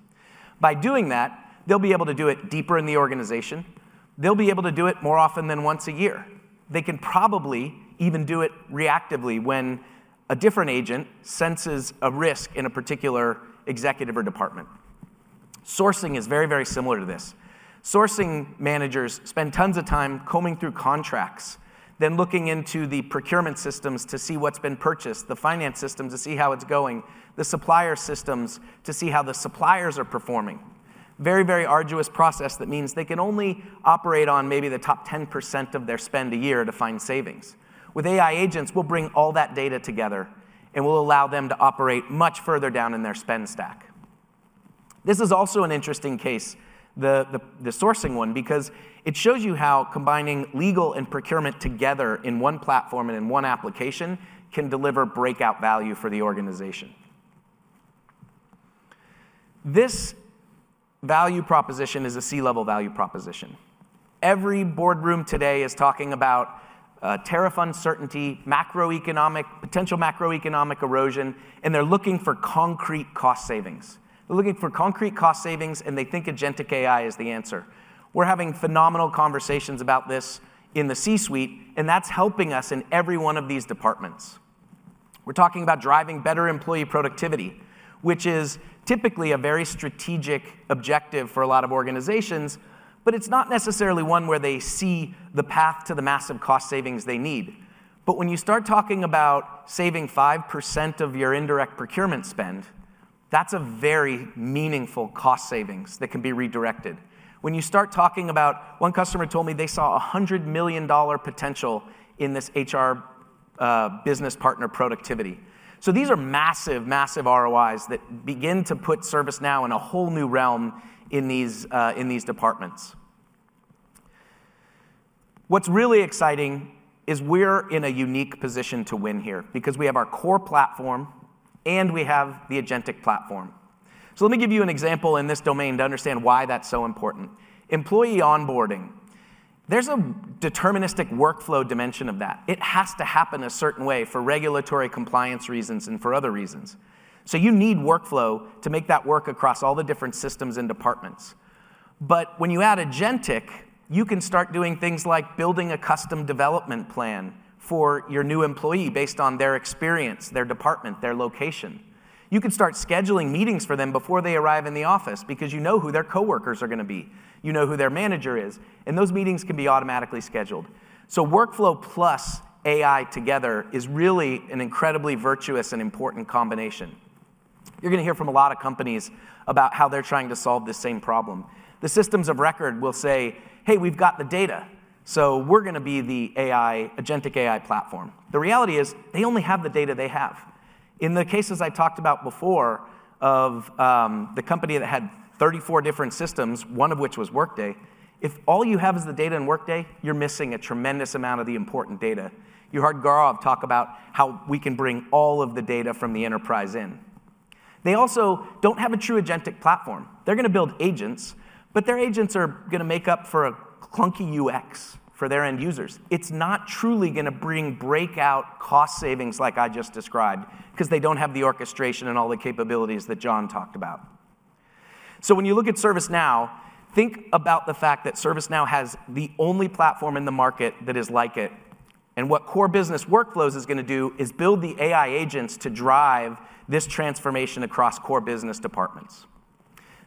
By doing that, they'll be able to do it deeper in the organization. They'll be able to do it more often than once a year. They can probably even do it reactively when a different agent senses a risk in a particular executive or department. Sourcing is very, very similar to this. Sourcing managers spend tons of time combing through contracts, then looking into the procurement systems to see what's been purchased, the finance systems to see how it's going, the supplier systems to see how the suppliers are performing. Very, very arduous process that means they can only operate on maybe the top 10% of their spend a year to find savings. With AI agents, we'll bring all that data together, and we'll allow them to operate much further down in their spend stack. This is also an interesting case, the sourcing one, because it shows you how combining legal and procurement together in one platform and in one application can deliver breakout value for the organization. This value proposition is a C-level value proposition. Every boardroom today is talking about tariff uncertainty, macroeconomic, potential macroeconomic erosion, and they're looking for concrete cost savings. They're looking for concrete cost savings, and they think agentic AI is the answer. We're having phenomenal conversations about this in the C-suite, and that's helping us in every one of these departments. We're talking about driving better employee productivity, which is typically a very strategic objective for a lot of organizations, but it's not necessarily one where they see the path to the massive cost savings they need. When you start talking about saving 5% of your indirect procurement spend, that's a very meaningful cost savings that can be redirected. When you start talking about one customer told me they saw a $100 million potential in this HR business partner productivity. These are massive, massive ROIs that begin to put ServiceNow in a whole new realm in these departments. What's really exciting is we're in a unique position to win here because we have our core platform and we have the agentic platform. Let me give you an example in this domain to understand why that's so important. Employee onboarding, there's a deterministic workflow dimension of that. It has to happen a certain way for regulatory compliance reasons and for other reasons. You need workflow to make that work across all the different systems and departments. When you add agentic, you can start doing things like building a custom development plan for your new employee based on their experience, their department, their location. You can start scheduling meetings for them before they arrive in the office because you know who their coworkers are going to be. You know who their manager is, and those meetings can be automatically scheduled. Workflow plus AI together is really an incredibly virtuous and important combination. You're going to hear from a lot of companies about how they're trying to solve this same problem. The systems of record will say, "Hey, we've got the data, so we're going to be the agentic AI platform." The reality is they only have the data they have. In the cases I talked about before of the company that had 34 different systems, one of which was Workday, if all you have is the data in Workday, you're missing a tremendous amount of the important data. You heard Gaurav talk about how we can bring all of the data from the enterprise in. They also don't have a true agentic platform. They're going to build agents, but their agents are going to make up for a clunky UX for their end users. It's not truly going to bring breakout cost savings like I just described because they don't have the orchestration and all the capabilities that John talked about. When you look at ServiceNow, think about the fact that ServiceNow has the only platform in the market that is like it. What core business workflows is going to do is build the AI agents to drive this transformation across core business departments.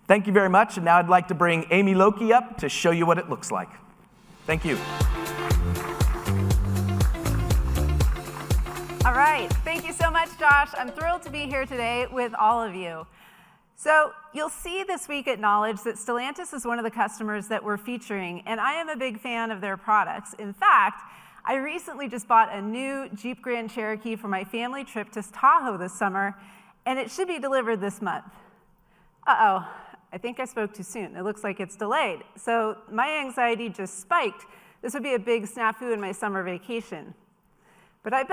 Thank you very much. Now I'd like to bring Amy Lokey up to show you what it looks like. Thank you. All right. Thank you so much, Josh. I'm thrilled to be here today with all of you. You'll see this week at Knowledge that Stellantis is one of the customers that we're featuring, and I am a big fan of their products. In fact, I recently just bought a new Jeep Grand Cherokee for my family trip to Tahoe this summer, and it should be delivered this month. Oh. I think I spoke too soon. It looks like it's delayed. My anxiety just spiked. This would be a big snafu in my summer vacation. I bet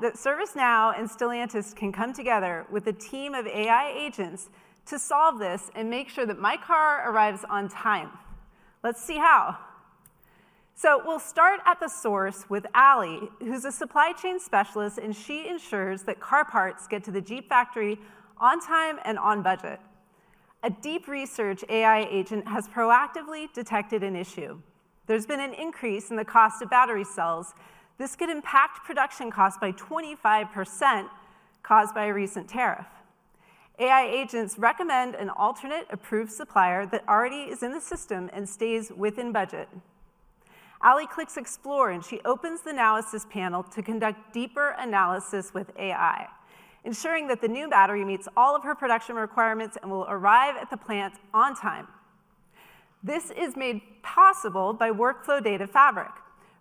that ServiceNow and Stellantis can come together with a team of AI agents to solve this and make sure that my car arrives on time. Let's see how. We will start at the source with Ali, who's a supply chain specialist, and she ensures that car parts get to the Jeep factory on time and on budget. A deep research AI agent has proactively detected an issue. There's been an increase in the cost of battery cells. This could impact production costs by 25% caused by a recent tariff. AI agents recommend an alternate approved supplier that already is in the system and stays within budget. Ali clicks Explore, and she opens the Now Assist panel to conduct deeper analysis with AI, ensuring that the new battery meets all of her production requirements and will arrive at the plant on time. This is made possible by Workflow Data Fabric,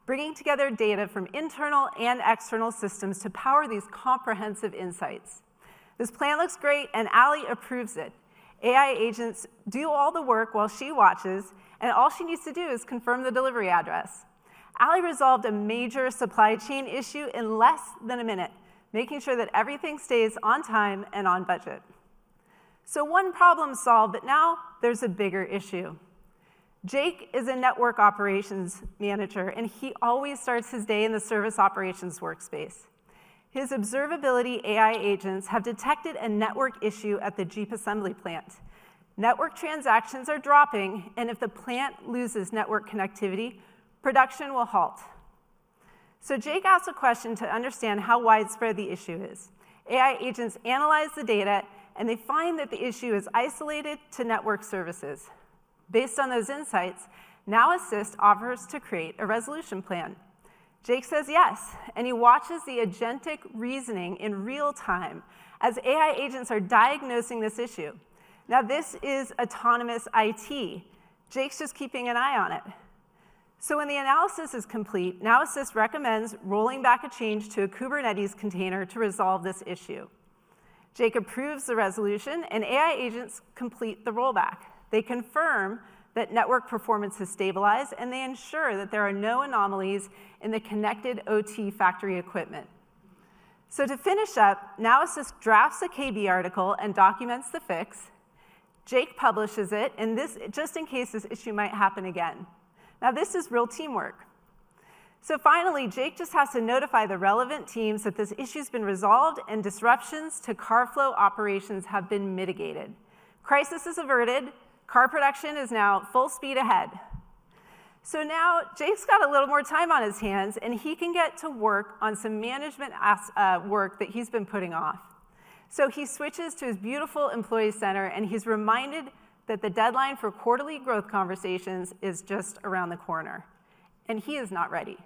bringing together data from internal and external systems to power these comprehensive insights. This plan looks great, and Ali approves it. AI agents do all the work while she watches, and all she needs to do is confirm the delivery address. Ali resolved a major supply chain issue in less than a minute, making sure that everything stays on time and on budget. One problem solved, but now there's a bigger issue. Jake is a network operations manager, and he always starts his day in the Service Operations Workspace. His observability AI agents have detected a network issue at the Jeep assembly plant. Network transactions are dropping, and if the plant loses network connectivity, production will halt. Jake asked a question to understand how widespread the issue is. AI agents analyze the data, and they find that the issue is isolated to network services. Based on those insights, Now Assist offers to create a resolution plan. Jake says yes, and he watches the agentic reasoning in real time as AI agents are diagnosing this issue. Now, this is autonomous IT. Jake's just keeping an eye on it. When the analysis is complete, Now Assist recommends rolling back a change to a Kubernetes container to resolve this issue. Jake approves the resolution, and AI agents complete the rollback. They confirm that network performance has stabilized, and they ensure that there are no anomalies in the connected OT factory equipment. To finish up, Now Assist drafts a KB article and documents the fix. Jake publishes it, just in case this issue might happen again. This is real teamwork. Finally, Jake just has to notify the relevant teams that this issue has been resolved and disruptions to carflow operations have been mitigated. Crisis is averted. Car production is now full speed ahead. Now Jake's got a little more time on his hands, and he can get to work on some management work that he's been putting off. He switches to his beautiful employee center, and he's reminded that the deadline for quarterly growth conversations is just around the corner, and he is not ready.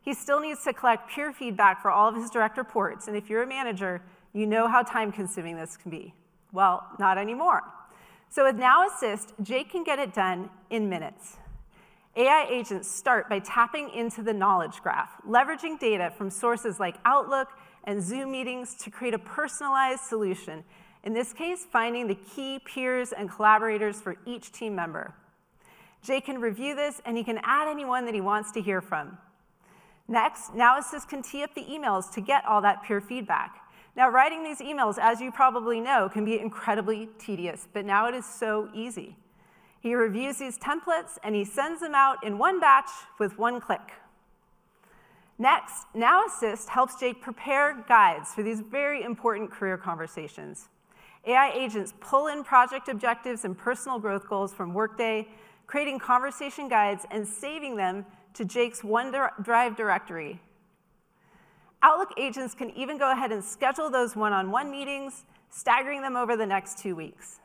He still needs to collect peer feedback for all of his direct reports. If you're a manager, you know how time-consuming this can be. Not anymore. With Now Assist, Jake can get it done in minutes. AI agents start by tapping into the knowledge graph, leveraging data from sources like Outlook and Zoom meetings to create a personalized solution. In this case, finding the key peers and collaborators for each team member. Jake can review this, and he can add anyone that he wants to hear from. Next, Now Assist can tee up the emails to get all that peer feedback. Now, writing these emails, as you probably know, can be incredibly tedious, but now it is so easy. He reviews these templates, and he sends them out in one batch with one click. Next, Now Assist helps Jake prepare guides for these very important career conversations. AI agents pull in project objectives and personal growth goals from Workday, creating conversation guides and saving them to Jake's OneDrive directory. Outlook agents can even go ahead and schedule those one-on-one meetings, staggering them over the next two weeks.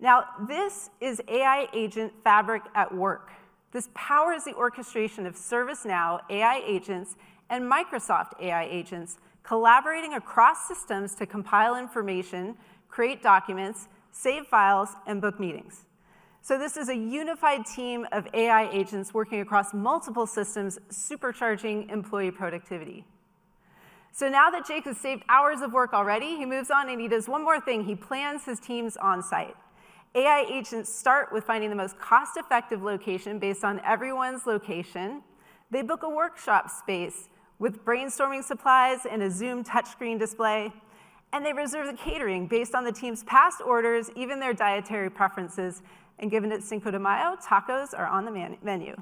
Now, this is AI Agent Fabric at work. This powers the orchestration of ServiceNow AI agents and Microsoft AI agents collaborating across systems to compile information, create documents, save files, and book meetings. This is a unified team of AI agents working across multiple systems, supercharging employee productivity. Now that Jake has saved hours of work already, he moves on and he does one more thing. He plans his team's on-site. AI agents start with finding the most cost-effective location based on everyone's location. They book a workshop space with brainstorming supplies and a Zoom touchscreen display, and they reserve the catering based on the team's past orders, even their dietary preferences, and given it's Cinco de Mayo, tacos are on the menu.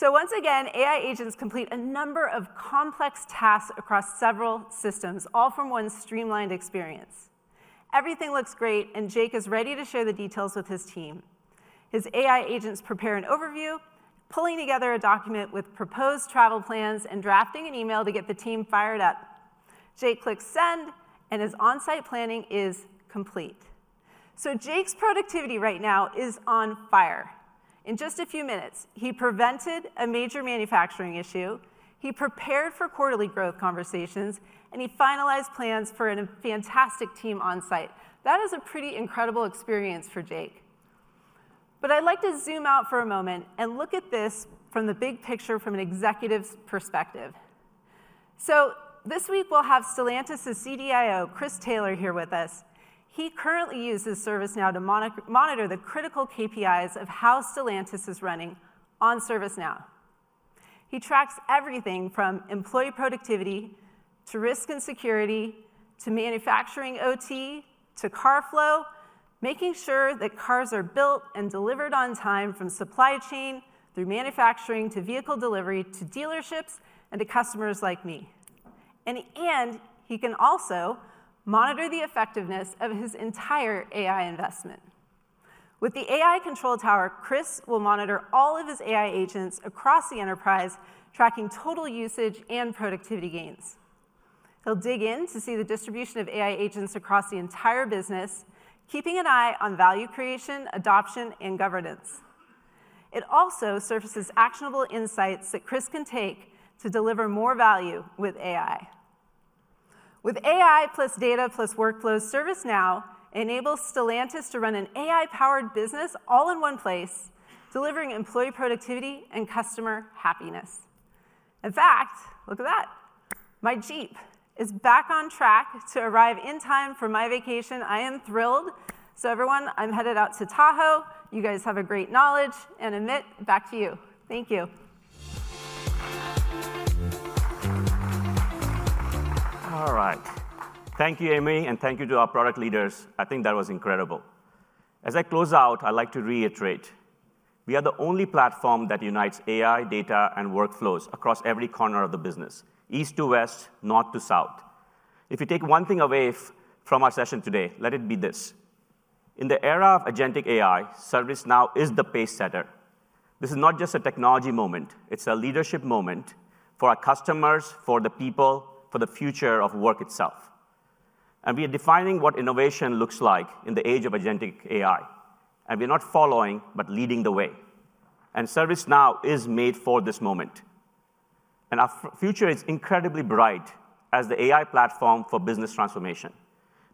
Once again, AI agents complete a number of complex tasks across several systems, all from one streamlined experience. Everything looks great, and Jake is ready to share the details with his team. His AI agents prepare an overview, pulling together a document with proposed travel plans and drafting an email to get the team fired up. Jake clicks Send, and his on-site planning is complete. Jake's productivity right now is on fire. In just a few minutes, he prevented a major manufacturing issue. He prepared for quarterly growth conversations, and he finalized plans for a fantastic team on site. That is a pretty incredible experience for Jake. I would like to zoom out for a moment and look at this from the big picture from an executive's perspective. This week, we will have Stellantis' CDIO, Chris Taylor, here with us. He currently uses ServiceNow to monitor the critical KPIs of how Stellantis is running on ServiceNow. He tracks everything from employee productivity to risk and security to manufacturing OT to car flow, making sure that cars are built and delivered on time from supply chain through manufacturing to vehicle delivery to dealerships and to customers like me. He can also monitor the effectiveness of his entire AI investment. With the AI Control Tower, Chris will monitor all of his AI agents across the enterprise, tracking total usage and productivity gains. He'll dig in to see the distribution of AI agents across the entire business, keeping an eye on value creation, adoption, and governance. It also surfaces actionable insights that Chris can take to deliver more value with AI. With AI plus data plus workflows, ServiceNow enables Stellantis to run an AI-powered business all in one place, delivering employee productivity and customer happiness. In fact, look at that. My Jeep is back on track to arrive in time for my vacation. I am thrilled. Everyone, I'm headed out to Tahoe. You guys have a great Knowledge, and Amit, back to you. Thank you. All right. Thank you, Amy, and thank you to our product leaders. I think that was incredible. As I close out, I'd like to reiterate, we are the only platform that unites AI, data, and workflows across every corner of the business, east to west, north to south. If you take one thing away from our session today, let it be this. In the era of agentic AI, ServiceNow is the pacesetter. This is not just a technology moment. It is a leadership moment for our customers, for the people, for the future of work itself. We are defining what innovation looks like in the age of agentic AI. We are not following, but leading the way. ServiceNow is made for this moment. Our future is incredibly bright as the AI platform for business transformation.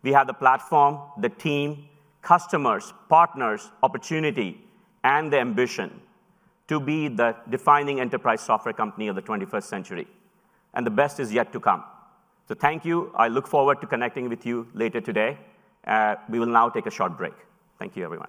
We have the platform, the team, customers, partners, opportunity, and the ambition to be the defining enterprise software company of the 21st century. The best is yet to come. Thank you. I look forward to connecting with you later today. We will now take a short break. Thank you, everyone.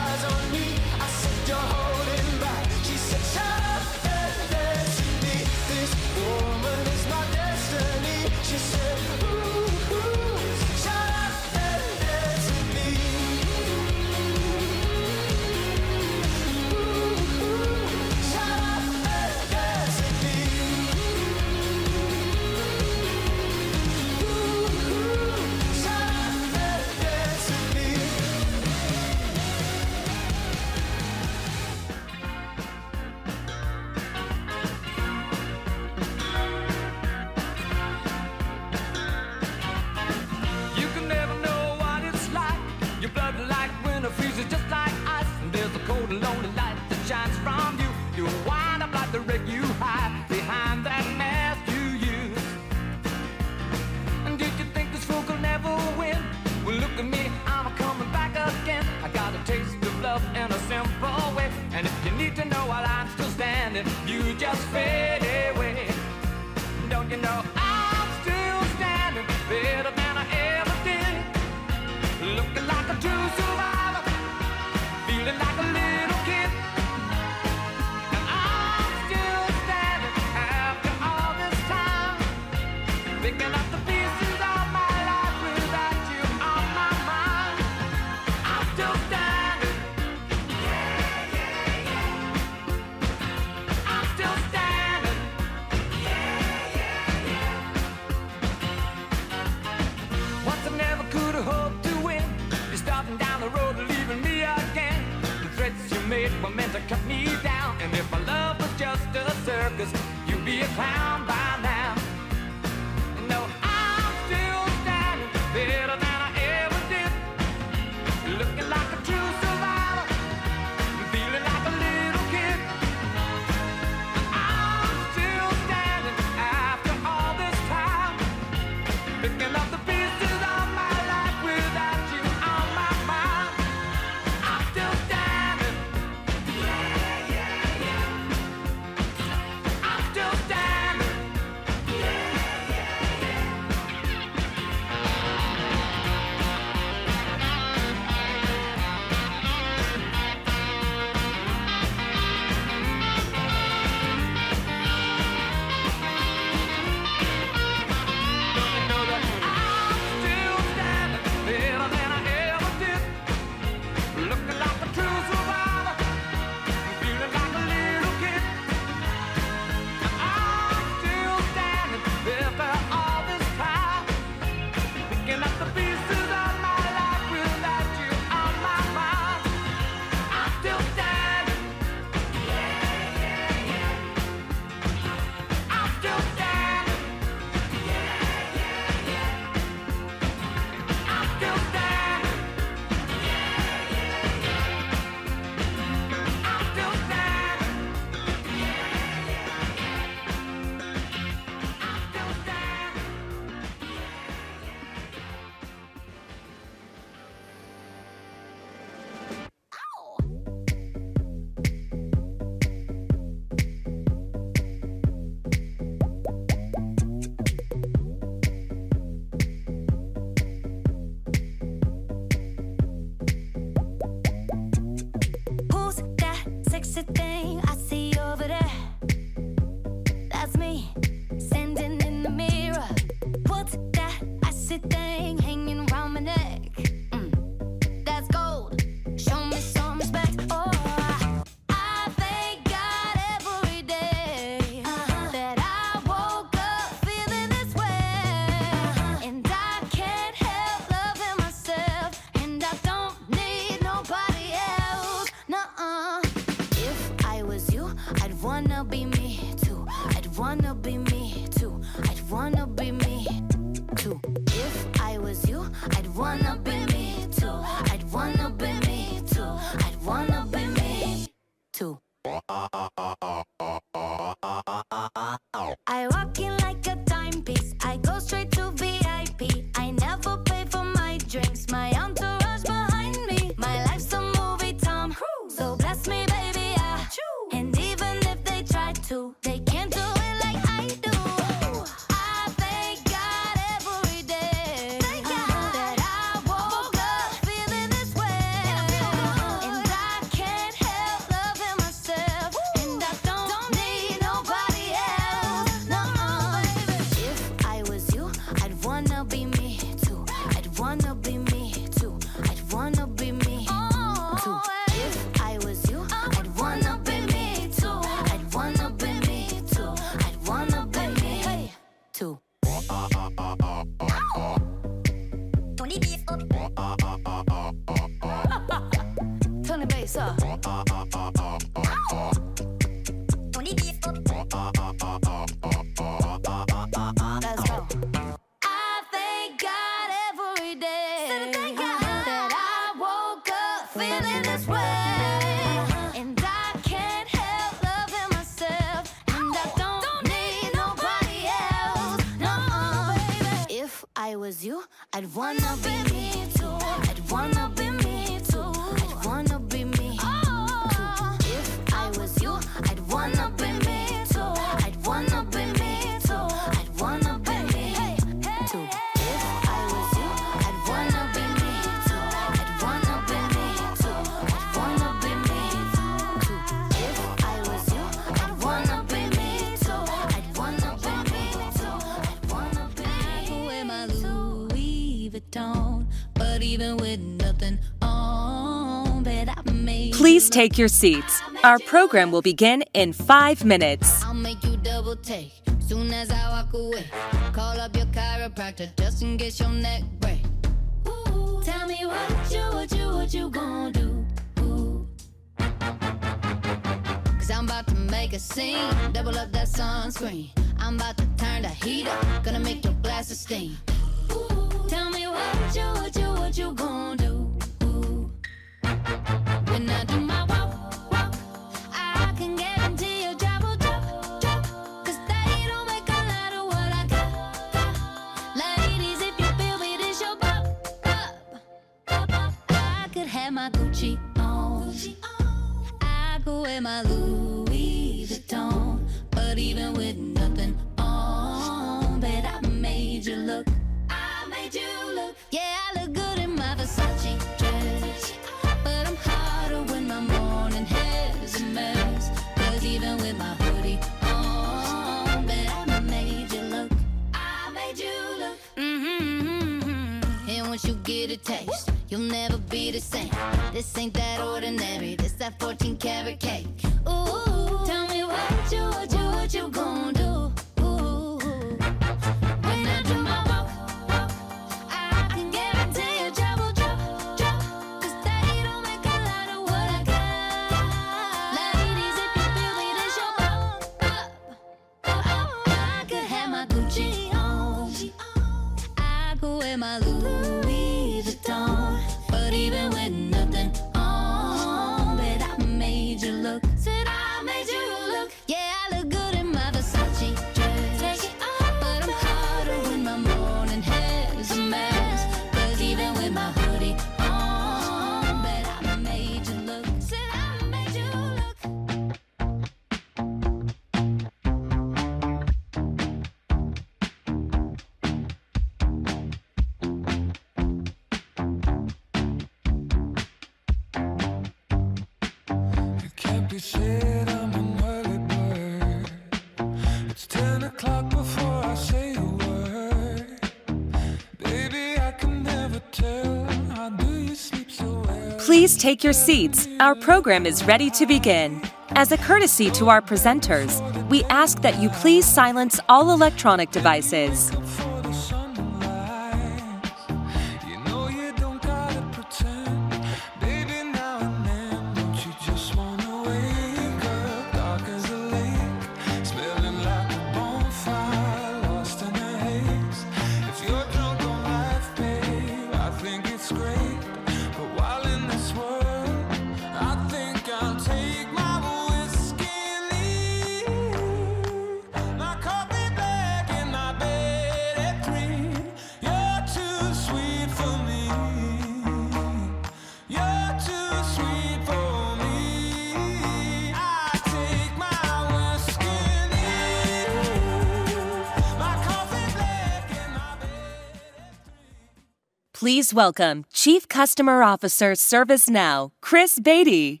Looking for the sunrise. You know you don't gotta pretend. Baby, now and then, don't you just wanna wake up? Dark as a lake, smelling like a bonfire, lost in the haze. If you're drunk on life, babe, I think it's great. While in this world, I think I'll take my whiskey and eat my coffee bag in my bed at three. You're too sweet for me. You're too sweet for me. I take my whiskey and eat my coffee bag in my bed at three. Please welcome Chief Customer Officer ServiceNow, Chris Bedi.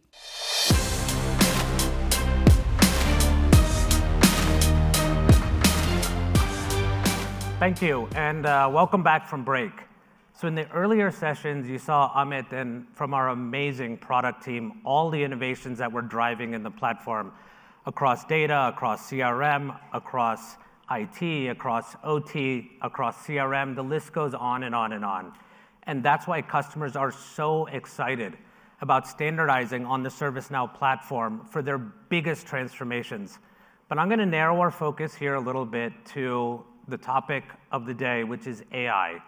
Thank you. Welcome back from break. In the earlier sessions, you saw Amit and from our amazing product team, all the innovations that we're driving in the platform across data, across CRM, across IT, across OT, across CRM. The list goes on and on and on. That's why customers are so excited about standardizing on the ServiceNow platform for their biggest transformations. I'm going to narrow our focus here a little bit to the topic of the day, which is AI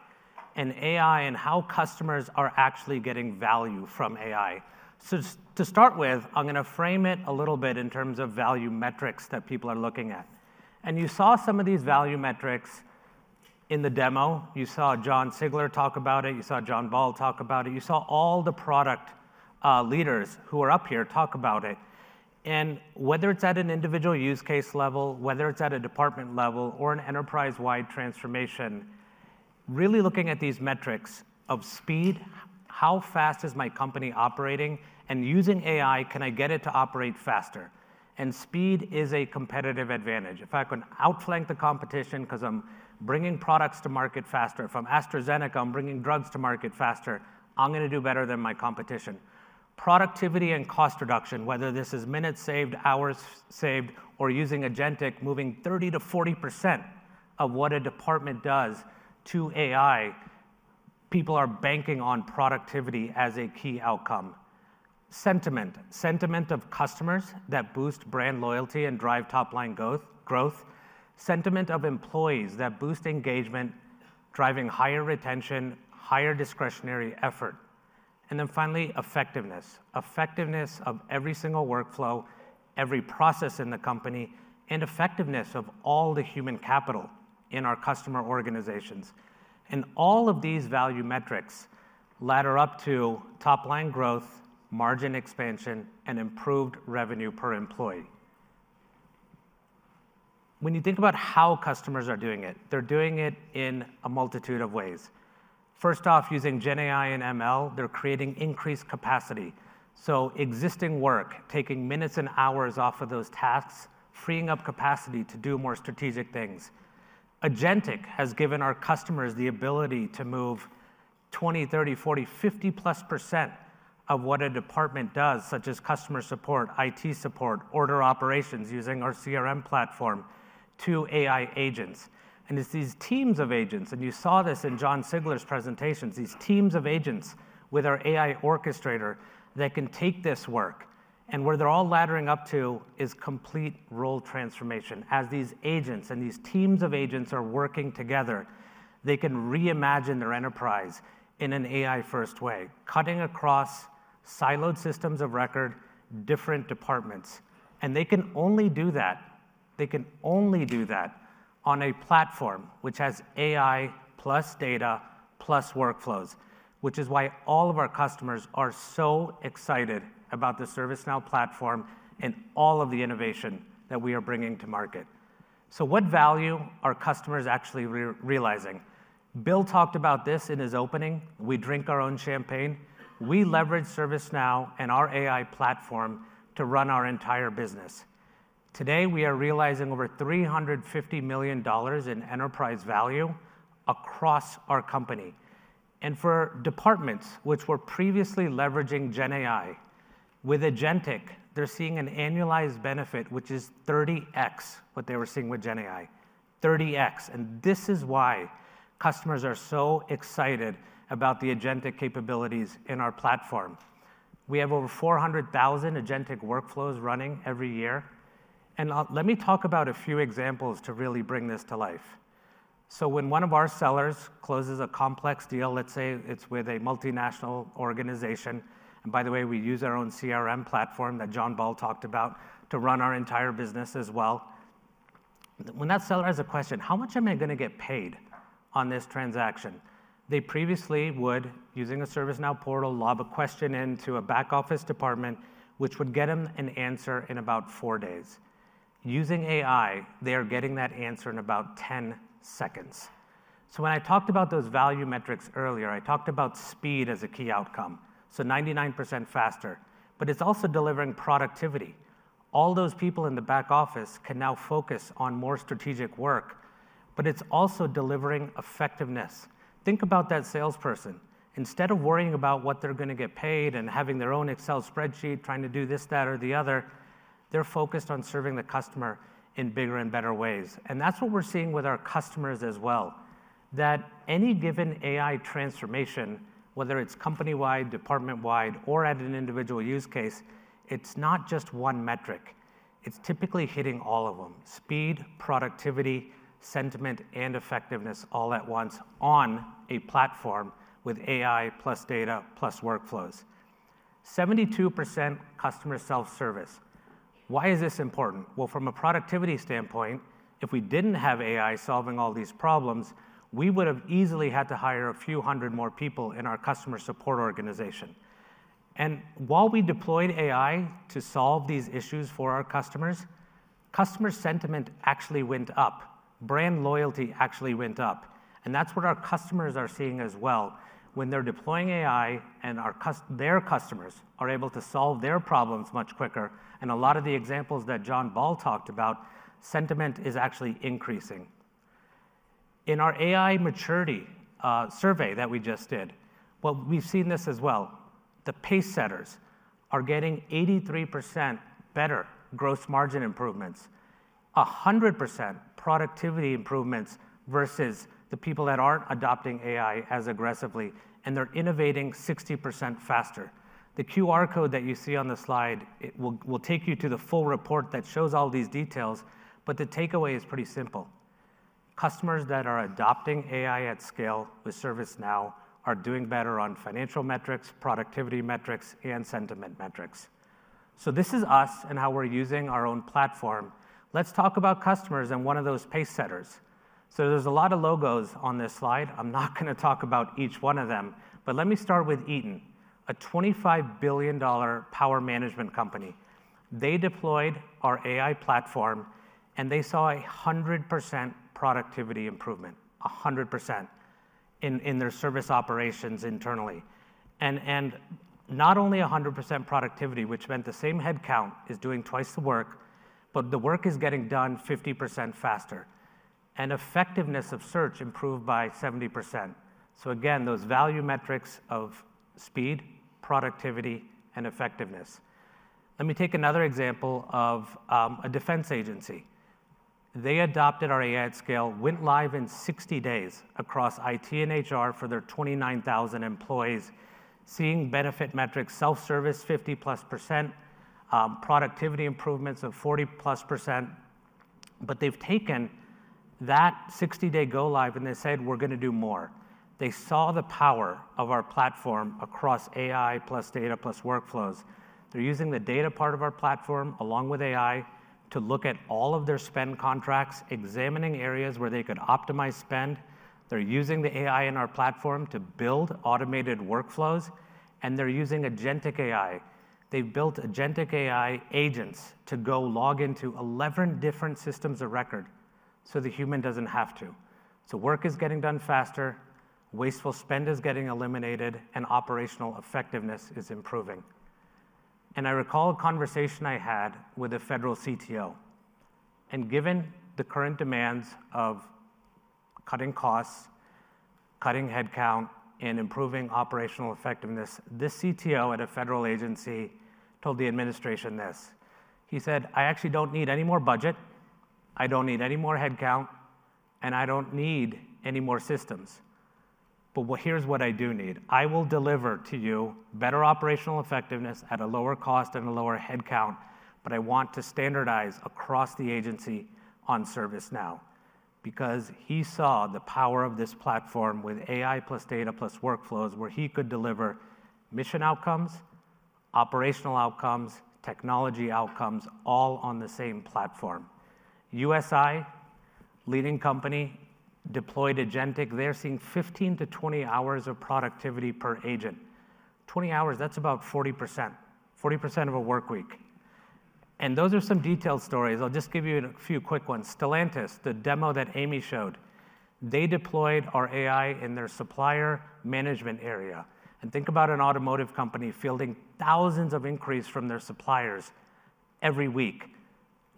and how customers are actually getting value from AI. To start with, I'm going to frame it a little bit in terms of value metrics that people are looking at. You saw some of these value metrics in the demo. You saw John Zigler talk about it. You saw John Ball talk about it. You saw all the product leaders who are up here talk about it. Whether it's at an individual use case level, whether it's at a department level or an enterprise-wide transformation, really looking at these metrics of speed, how fast is my company operating? Using AI, can I get it to operate faster? Speed is a competitive advantage. If I can outflank the competition because I'm bringing products to market faster, if I'm AstraZeneca, I'm bringing drugs to market faster, I'm going to do better than my competition. Productivity and cost reduction, whether this is minutes saved, hours saved, or using Agentic, moving 30-40% of what a department does to AI, people are banking on productivity as a key outcome. Sentiment, sentiment of customers that boost brand loyalty and drive top-line growth. Sentiment of employees that boost engagement, driving higher retention, higher discretionary effort. Finally, effectiveness, effectiveness of every single workflow, every process in the company, and effectiveness of all the human capital in our customer organizations. All of these value metrics ladder up to top-line growth, margin expansion, and improved revenue per employee. When you think about how customers are doing it, they're doing it in a multitude of ways. First off, using GenAI and ML, they're creating increased capacity. Existing work, taking minutes and hours off of those tasks, freeing up capacity to do more strategic things. Agentic has given our customers the ability to move 20-30-40-50+% of what a department does, such as customer support, IT support, order operations using our CRM platform, to AI agents. These teams of agents, and you saw this in John Zigler's presentations, these teams of agents with our AI orchestrator can take this work. Where they're all laddering up to is complete role transformation. As these agents and these teams of agents are working together, they can reimagine their enterprise in an AI-first way, cutting across siloed systems of record, different departments. They can only do that; they can only do that on a platform which has AI plus data plus workflows, which is why all of our customers are so excited about the ServiceNow platform and all of the innovation that we are bringing to market. What value are customers actually realizing? Bill talked about this in his opening. We drink our own champagne. We leverage ServiceNow and our AI platform to run our entire business. Today, we are realizing over $350 million in enterprise value across our company. For departments which were previously leveraging GenAI, with Agentic, they're seeing an annualized benefit, which is 30x what they were seeing with GenAI, 30x. This is why customers are so excited about the Agentic capabilities in our platform. We have over 400,000 Agentic workflows running every year. Let me talk about a few examples to really bring this to life. When one of our sellers closes a complex deal, let's say it's with a multinational organization, and by the way, we use our own CRM platform that John Ball talked about to run our entire business as well, when that seller has a question, "How much am I going to get paid on this transaction?" They previously would, using a ServiceNow portal, log a question into a back office department, which would get them an answer in about four days. Using AI, they are getting that answer in about 10 seconds. When I talked about those value metrics earlier, I talked about speed as a key outcome, so 99% faster. It is also delivering productivity. All those people in the back office can now focus on more strategic work. It is also delivering effectiveness. Think about that salesperson. Instead of worrying about what they are going to get paid and having their own Excel spreadsheet, trying to do this, that, or the other, they are focused on serving the customer in bigger and better ways. That is what we are seeing with our customers as well, that any given AI transformation, whether it is company-wide, department-wide, or at an individual use case, it is not just one metric. It is typically hitting all of them: speed, productivity, sentiment, and effectiveness all at once on a platform with AI plus data plus workflows. 72% customer self-service. Why is this important? From a productivity standpoint, if we didn't have AI solving all these problems, we would have easily had to hire a few hundred more people in our customer support organization. While we deployed AI to solve these issues for our customers, customer sentiment actually went up. Brand loyalty actually went up. That's what our customers are seeing as well. When they're deploying AI and their customers are able to solve their problems much quicker, and a lot of the examples that John Ball talked about, sentiment is actually increasing. In our AI maturity survey that we just did, we've seen this as well. The pace setters are getting 83% better gross margin improvements, 100% productivity improvements versus the people that aren't adopting AI as aggressively, and they're innovating 60% faster. The QR code that you see on the slide will take you to the full report that shows all these details, but the takeaway is pretty simple. Customers that are adopting AI at scale with ServiceNow are doing better on financial metrics, productivity metrics, and sentiment metrics. This is us and how we're using our own platform. Let's talk about customers and one of those pace setters. There are a lot of logos on this slide. I'm not going to talk about each one of them, but let me start with Eaton, a $25 billion power management company. They deployed our AI platform, and they saw a 100% productivity improvement, 100% in their service operations internally. Not only 100% productivity, which meant the same headcount is doing twice the work, but the work is getting done 50% faster. Effectiveness of search improved by 70%. Again, those value metrics of speed, productivity, and effectiveness. Let me take another example of a defense agency. They adopted our AI at scale, went live in 60 days across IT and HR for their 29,000 employees, seeing benefit metrics, self-service 50+%, productivity improvements of 40+%. They have taken that 60-day go-live and they said, "We're going to do more." They saw the power of our platform across AI plus data plus workflows. They are using the data part of our platform along with AI to look at all of their spend contracts, examining areas where they could optimize spend. They are using the AI in our platform to build automated workflows, and they are using Agentic AI. They have built Agentic AI agents to go log into 11 different systems of record so the human does not have to. Work is getting done faster, wasteful spend is getting eliminated, and operational effectiveness is improving. I recall a conversation I had with a federal CTO. Given the current demands of cutting costs, cutting headcount, and improving operational effectiveness, this CTO at a federal agency told the administration this. He said, "I actually don't need any more budget. I don't need any more headcount, and I don't need any more systems. But here's what I do need. I will deliver to you better operational effectiveness at a lower cost and a lower headcount, but I want to standardize across the agency on ServiceNow." He saw the power of this platform with AI plus data plus workflows where he could deliver mission outcomes, operational outcomes, technology outcomes, all on the same platform. USI, leading company, deployed Agentic. They're seeing 15-20 hours of productivity per agent. 20 hours, that's about 40%, 40% of a workweek. Those are some detailed stories. I'll just give you a few quick ones. Stellantis, the demo that Amy showed, they deployed our AI in their supplier management area. Think about an automotive company fielding thousands of inquiries from their suppliers every week.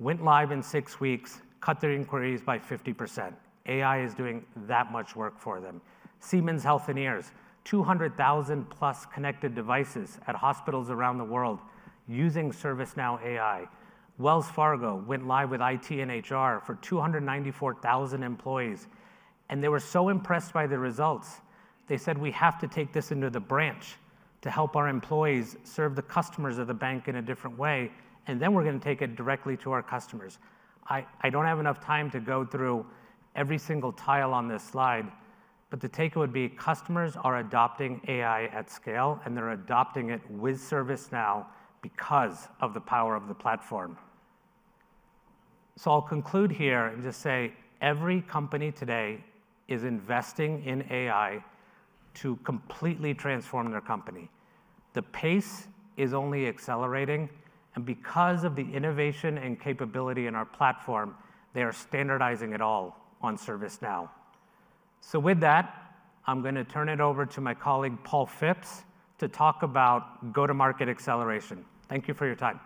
Went live in six weeks, cut their inquiries by 50%. AI is doing that much work for them. Siemens Healthineers, 200,000+ connected devices at hospitals around the world using ServiceNow AI. Wells Fargo went live with IT and HR for 294,000 employees. They were so impressed by the results, they said, "We have to take this into the branch to help our employees serve the customers of the bank in a different way, and then we're going to take it directly to our customers." I don't have enough time to go through every single tile on this slide, but the takeaway would be customers are adopting AI at scale, and they're adopting it with ServiceNow because of the power of the platform. I'll conclude here and just say every company today is investing in AI to completely transform their company. The pace is only accelerating, and because of the innovation and capability in our platform, they are standardizing it all on ServiceNow. With that, I'm going to turn it over to my colleague Paul Fipps to talk about go-to-market acceleration. Thank you for your time.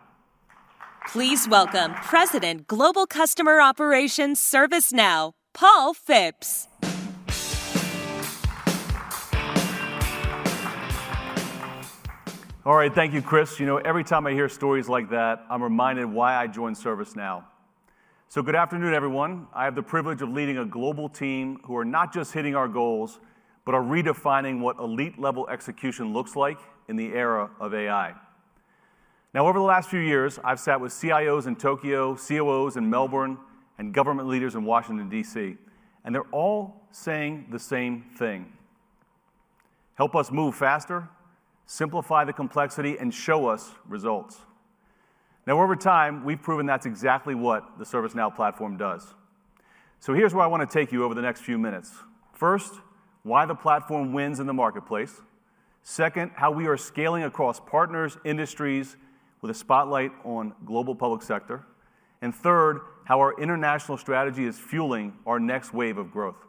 Please welcome President, Global Customer Operations, ServiceNow, Paul Fipps. All right, thank you, Chris. Every time I hear stories like that, I'm reminded why I joined ServiceNow. Good afternoon, everyone. I have the privilege of leading a global team who are not just hitting our goals, but are redefining what elite-level execution looks like in the era of AI. Over the last few years, I've sat with CIOs in Tokyo, COOs in Melbourne, and government leaders in Washington, DC, and they're all saying the same thing: "Help us move faster, simplify the complexity, and show us results." Over time, we've proven that's exactly what the ServiceNow platform does. Here's where I want to take you over the next few minutes. First, why the platform wins in the marketplace. Second, how we are scaling across partners, industries, with a spotlight on global public sector. Third, how our international strategy is fueling our next wave of growth.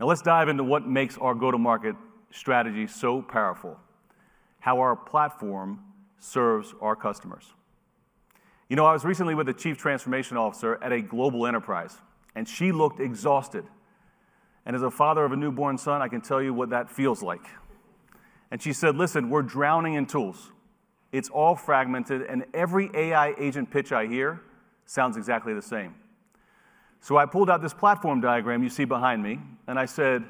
Now, let's dive into what makes our go-to-market strategy so powerful, how our platform serves our customers. You know, I was recently with the Chief Transformation Officer at a global enterprise, and she looked exhausted. As a father of a newborn son, I can tell you what that feels like. She said, "Listen, we're drowning in tools. It's all fragmented, and every AI agent pitch I hear sounds exactly the same. I pulled out this platform diagram you see behind me, and I said,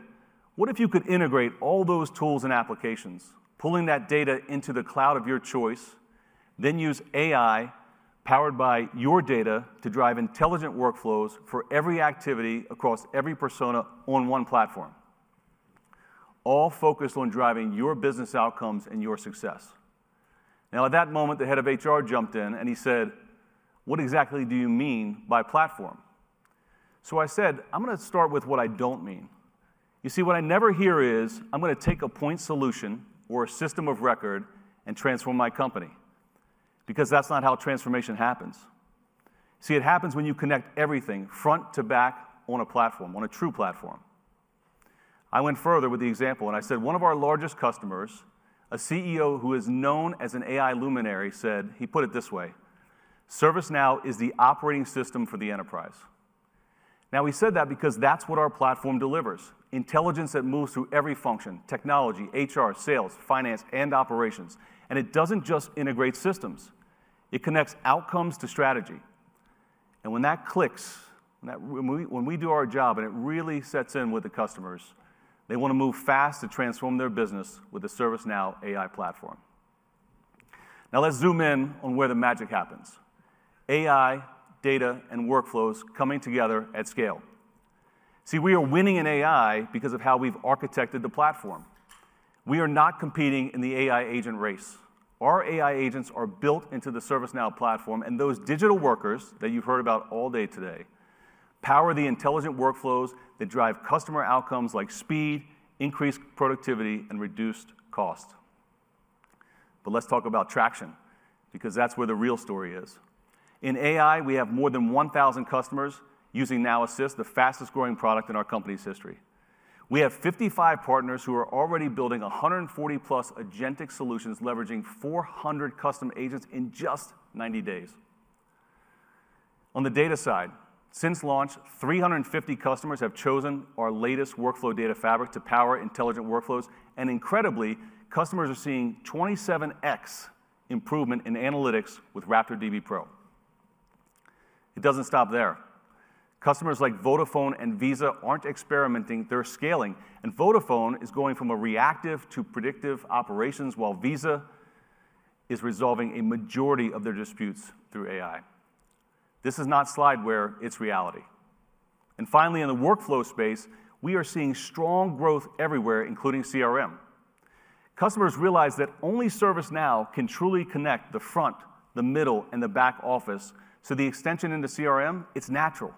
"What if you could integrate all those tools and applications, pulling that data into the cloud of your choice, then use AI powered by your data to drive intelligent workflows for every activity across every persona on one platform, all focused on driving your business outcomes and your success?" At that moment, the head of HR jumped in and he said, "What exactly do you mean by platform?" I said, "I'm going to start with what I don't mean. You see, what I never hear is, 'I'm going to take a point solution or a system of record and transform my company,' because that's not how transformation happens. See, it happens when you connect everything front to back on a platform, on a true platform. I went further with the example, and I said, "One of our largest customers, a CEO who is known as an AI luminary, said he put it this way, 'ServiceNow is the operating system for the enterprise.'" He said that because that's what our platform delivers: intelligence that moves through every function, technology, HR, sales, finance, and operations. It doesn't just integrate systems. It connects outcomes to strategy. When that clicks, when we do our job and it really sets in with the customers, they want to move fast to transform their business with the ServiceNow AI platform. Now, let's zoom in on where the magic happens: AI, data, and workflows coming together at scale. See, we are winning in AI because of how we've architected the platform. We are not competing in the AI agent race. Our AI agents are built into the ServiceNow platform, and those digital workers that you've heard about all day today power the intelligent workflows that drive customer outcomes like speed, increased productivity, and reduced cost. Let's talk about traction, because that's where the real story is. In AI, we have more than 1,000 customers using Now Assist, the fastest-growing product in our company's history. We have 55 partners who are already building 140-plus Agentic solutions, leveraging 400 custom agents in just 90 days. On the data side, since launch, 350 customers have chosen our latest Workflow Data Fabric to power intelligent workflows. Incredibly, customers are seeing 27x improvement in analytics with RaptorDB Pro. It doesn't stop there. Customers like Vodafone and Visa aren't experimenting. They're scaling. Vodafone is going from a reactive to predictive operations, while Visa is resolving a majority of their disputes through AI. This is not slideware. It is reality. Finally, in the workflow space, we are seeing strong growth everywhere, including CRM. Customers realize that only ServiceNow can truly connect the front, the middle, and the back office. The extension into CRM is natural.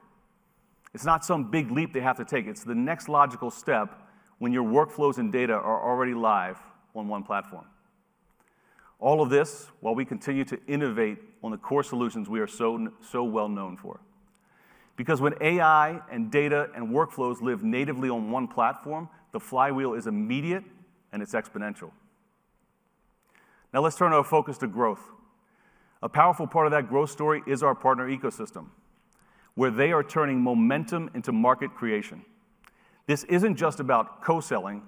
It is not some big leap they have to take. It is the next logical step when your workflows and data are already live on one platform. All of this happens while we continue to innovate on the core solutions we are so well known for. When AI and data and workflows live natively on one platform, the flywheel is immediate and it is exponential. Now, let's turn our focus to growth. A powerful part of that growth story is our partner ecosystem, where they are turning momentum into market creation. This isn't just about co-selling.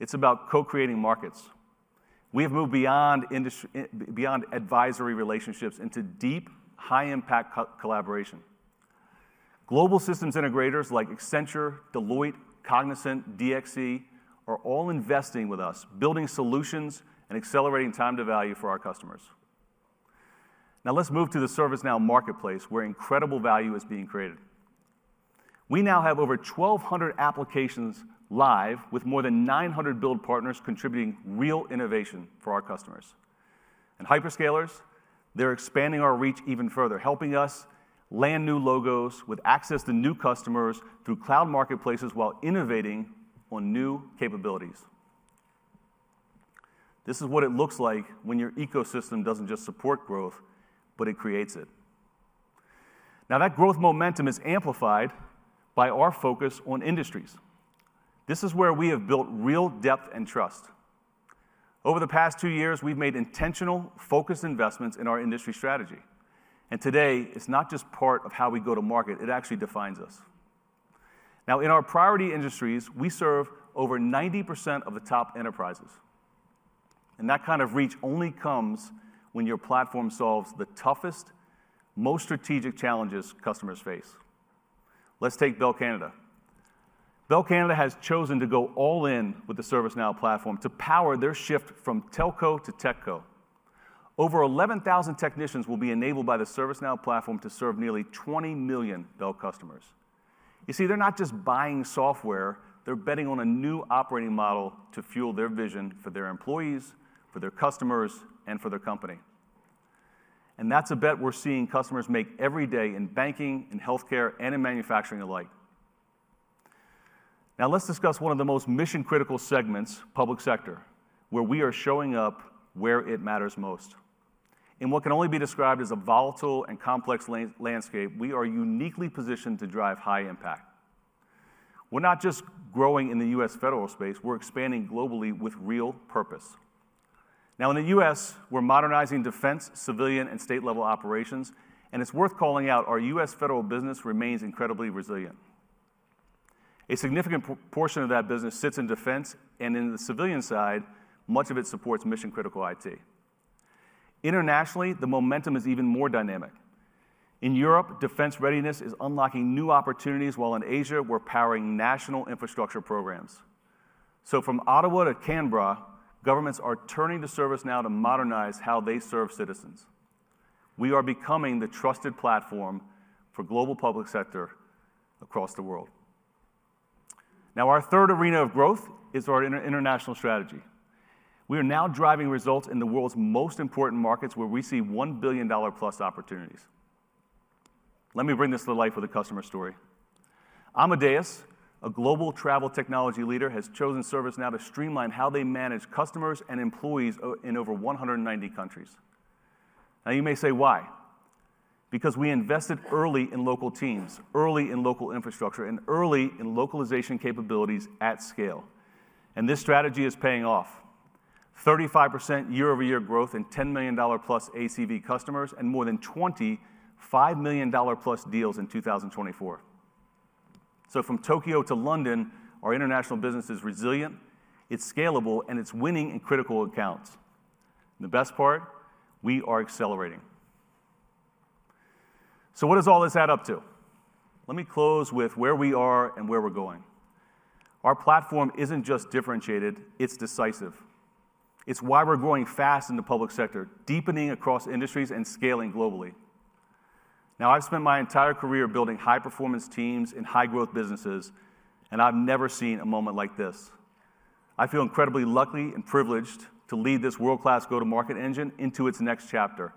It's about co-creating markets. We have moved beyond advisory relationships into deep, high-impact collaboration. Global systems integrators like Accenture, Deloitte, Cognizant, DXC are all investing with us, building solutions and accelerating time to value for our customers. Now, let's move to the ServiceNow marketplace, where incredible value is being created. We now have over 1,200 applications live with more than 900 build partners contributing real innovation for our customers. Hyperscalers, they're expanding our reach even further, helping us land new logos with access to new customers through cloud marketplaces while innovating on new capabilities. This is what it looks like when your ecosystem doesn't just support growth, but it creates it. Now, that growth momentum is amplified by our focus on industries. This is where we have built real depth and trust. Over the past two years, we've made intentional, focused investments in our industry strategy. Today, it's not just part of how we go to market. It actually defines us. Now, in our priority industries, we serve over 90% of the top enterprises. That kind of reach only comes when your platform solves the toughest, most strategic challenges customers face. Let's take Bell Canada. Bell Canada has chosen to go all in with the ServiceNow platform to power their shift from telco to techco. Over 11,000 technicians will be enabled by the ServiceNow platform to serve nearly 20 million Bell customers. You see, they're not just buying software. They're betting on a new operating model to fuel their vision for their employees, for their customers, and for their company. That's a bet we're seeing customers make every day in banking, in healthcare, and in manufacturing alike. Now, let's discuss one of the most mission-critical segments, public sector, where we are showing up where it matters most. In what can only be described as a volatile and complex landscape, we are uniquely positioned to drive high impact. We're not just growing in the U.S. federal space. We're expanding globally with real purpose. In the U.S., we're modernizing defense, civilian, and state-level operations. It's worth calling out our U.S. federal business remains incredibly resilient. A significant portion of that business sits in defense. In the civilian side, much of it supports mission-critical IT. Internationally, the momentum is even more dynamic. In Europe, defense readiness is unlocking new opportunities, while in Asia, we're powering national infrastructure programs. From Ottawa to Canberra, governments are turning to ServiceNow to modernize how they serve citizens. We are becoming the trusted platform for global public sector across the world. Now, our third arena of growth is our international strategy. We are now driving results in the world's most important markets, where we see $1 billion-plus opportunities. Let me bring this to life with a customer story. Amadeus, a global travel technology leader, has chosen ServiceNow to streamline how they manage customers and employees in over 190 countries. Now, you may say, "Why?" Because we invested early in local teams, early in local infrastructure, and early in localization capabilities at scale. This strategy is paying off: 35% year-over-year growth in $10 million+ ACV customers and more than 20 $5 million+ deals in 2024. From Tokyo to London, our international business is resilient, it's scalable, and it's winning in critical accounts. The best part, we are accelerating. What does all this add up to? Let me close with where we are and where we're going. Our platform isn't just differentiated. It's decisive. It's why we're growing fast in the public sector, deepening across industries and scaling globally. Now, I've spent my entire career building high-performance teams in high-growth businesses, and I've never seen a moment like this. I feel incredibly lucky and privileged to lead this world-class go-to-market engine into its next chapter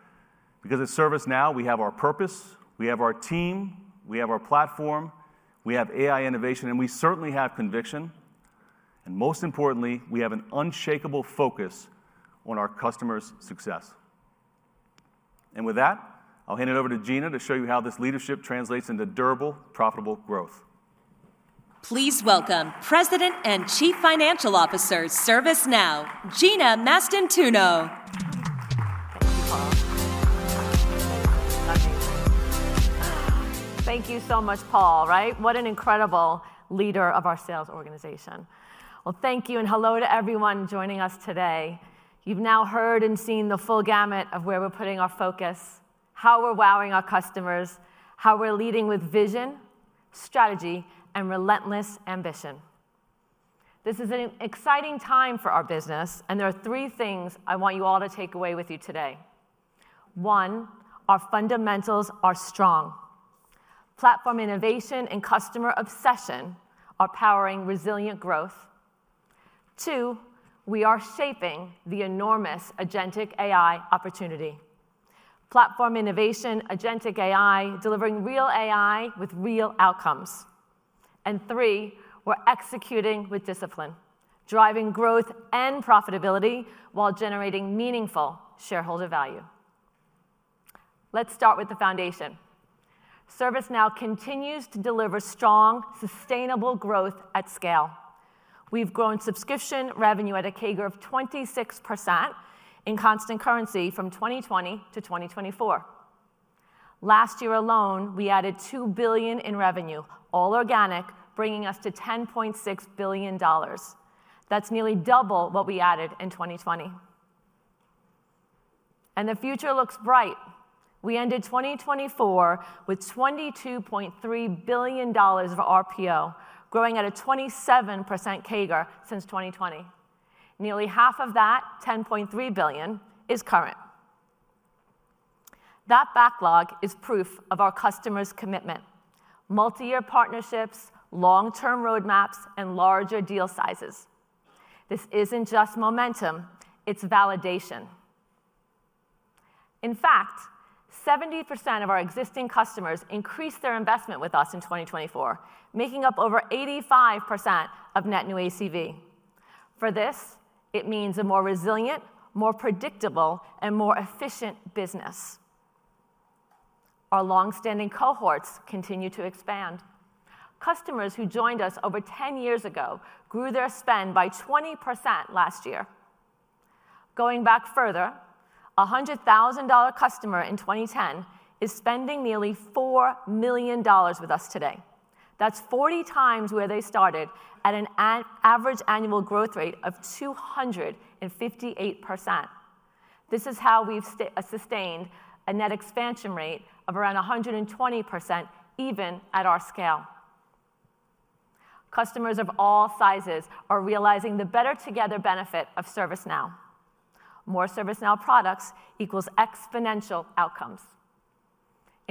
because at ServiceNow, we have our purpose, we have our team, we have our platform, we have AI innovation, and we certainly have conviction. Most importantly, we have an unshakable focus on our customers' success. I'll hand it over to Gina to show you how this leadership translates into durable, profitable growth. Please welcome President and Chief Financial Officer, ServiceNow, Gina Mastantuono. Thank you so much, Paul, right? What an incredible leader of our sales organization. Thank you and hello to everyone joining us today. You've now heard and seen the full gamut of where we're putting our focus, how we're wowing our customers, how we're leading with vision, strategy, and relentless ambition. This is an exciting time for our business, and there are three things I want you all to take away with you today. One, our fundamentals are strong. Platform innovation and customer obsession are powering resilient growth. Two, we are shaping the enormous Agentic AI opportunity. Platform innovation, Agentic AI, delivering real AI with real outcomes. Three, we're executing with discipline, driving growth and profitability while generating meaningful shareholder value. Let's start with the foundation. ServiceNow continues to deliver strong, sustainable growth at scale. We've grown subscription revenue at a CAGR of 26% in constant currency from 2020 to 2024. Last year alone, we added $2 billion in revenue, all organic, bringing us to $10.6 billion. That's nearly double what we added in 2020. The future looks bright. We ended 2024 with $22.3 billion of RPO, growing at a 27% CAGR since 2020. Nearly half of that, $10.3 billion, is current. That backlog is proof of our customers' commitment: multi-year partnerships, long-term roadmaps, and larger deal sizes. This isn't just momentum. It's validation. In fact, 70% of our existing customers increased their investment with us in 2024, making up over 85% of net new ACV. For this, it means a more resilient, more predictable, and more efficient business. Our longstanding cohorts continue to expand. Customers who joined us over 10 years ago grew their spend by 20% last year. Going back further, a $100,000 customer in 2010 is spending nearly $4 million with us today. That's 40 times where they started at an average annual growth rate of 258%. This is how we've sustained a net expansion rate of around 120%, even at our scale. Customers of all sizes are realizing the better-together benefit of ServiceNow. More ServiceNow products equals exponential outcomes.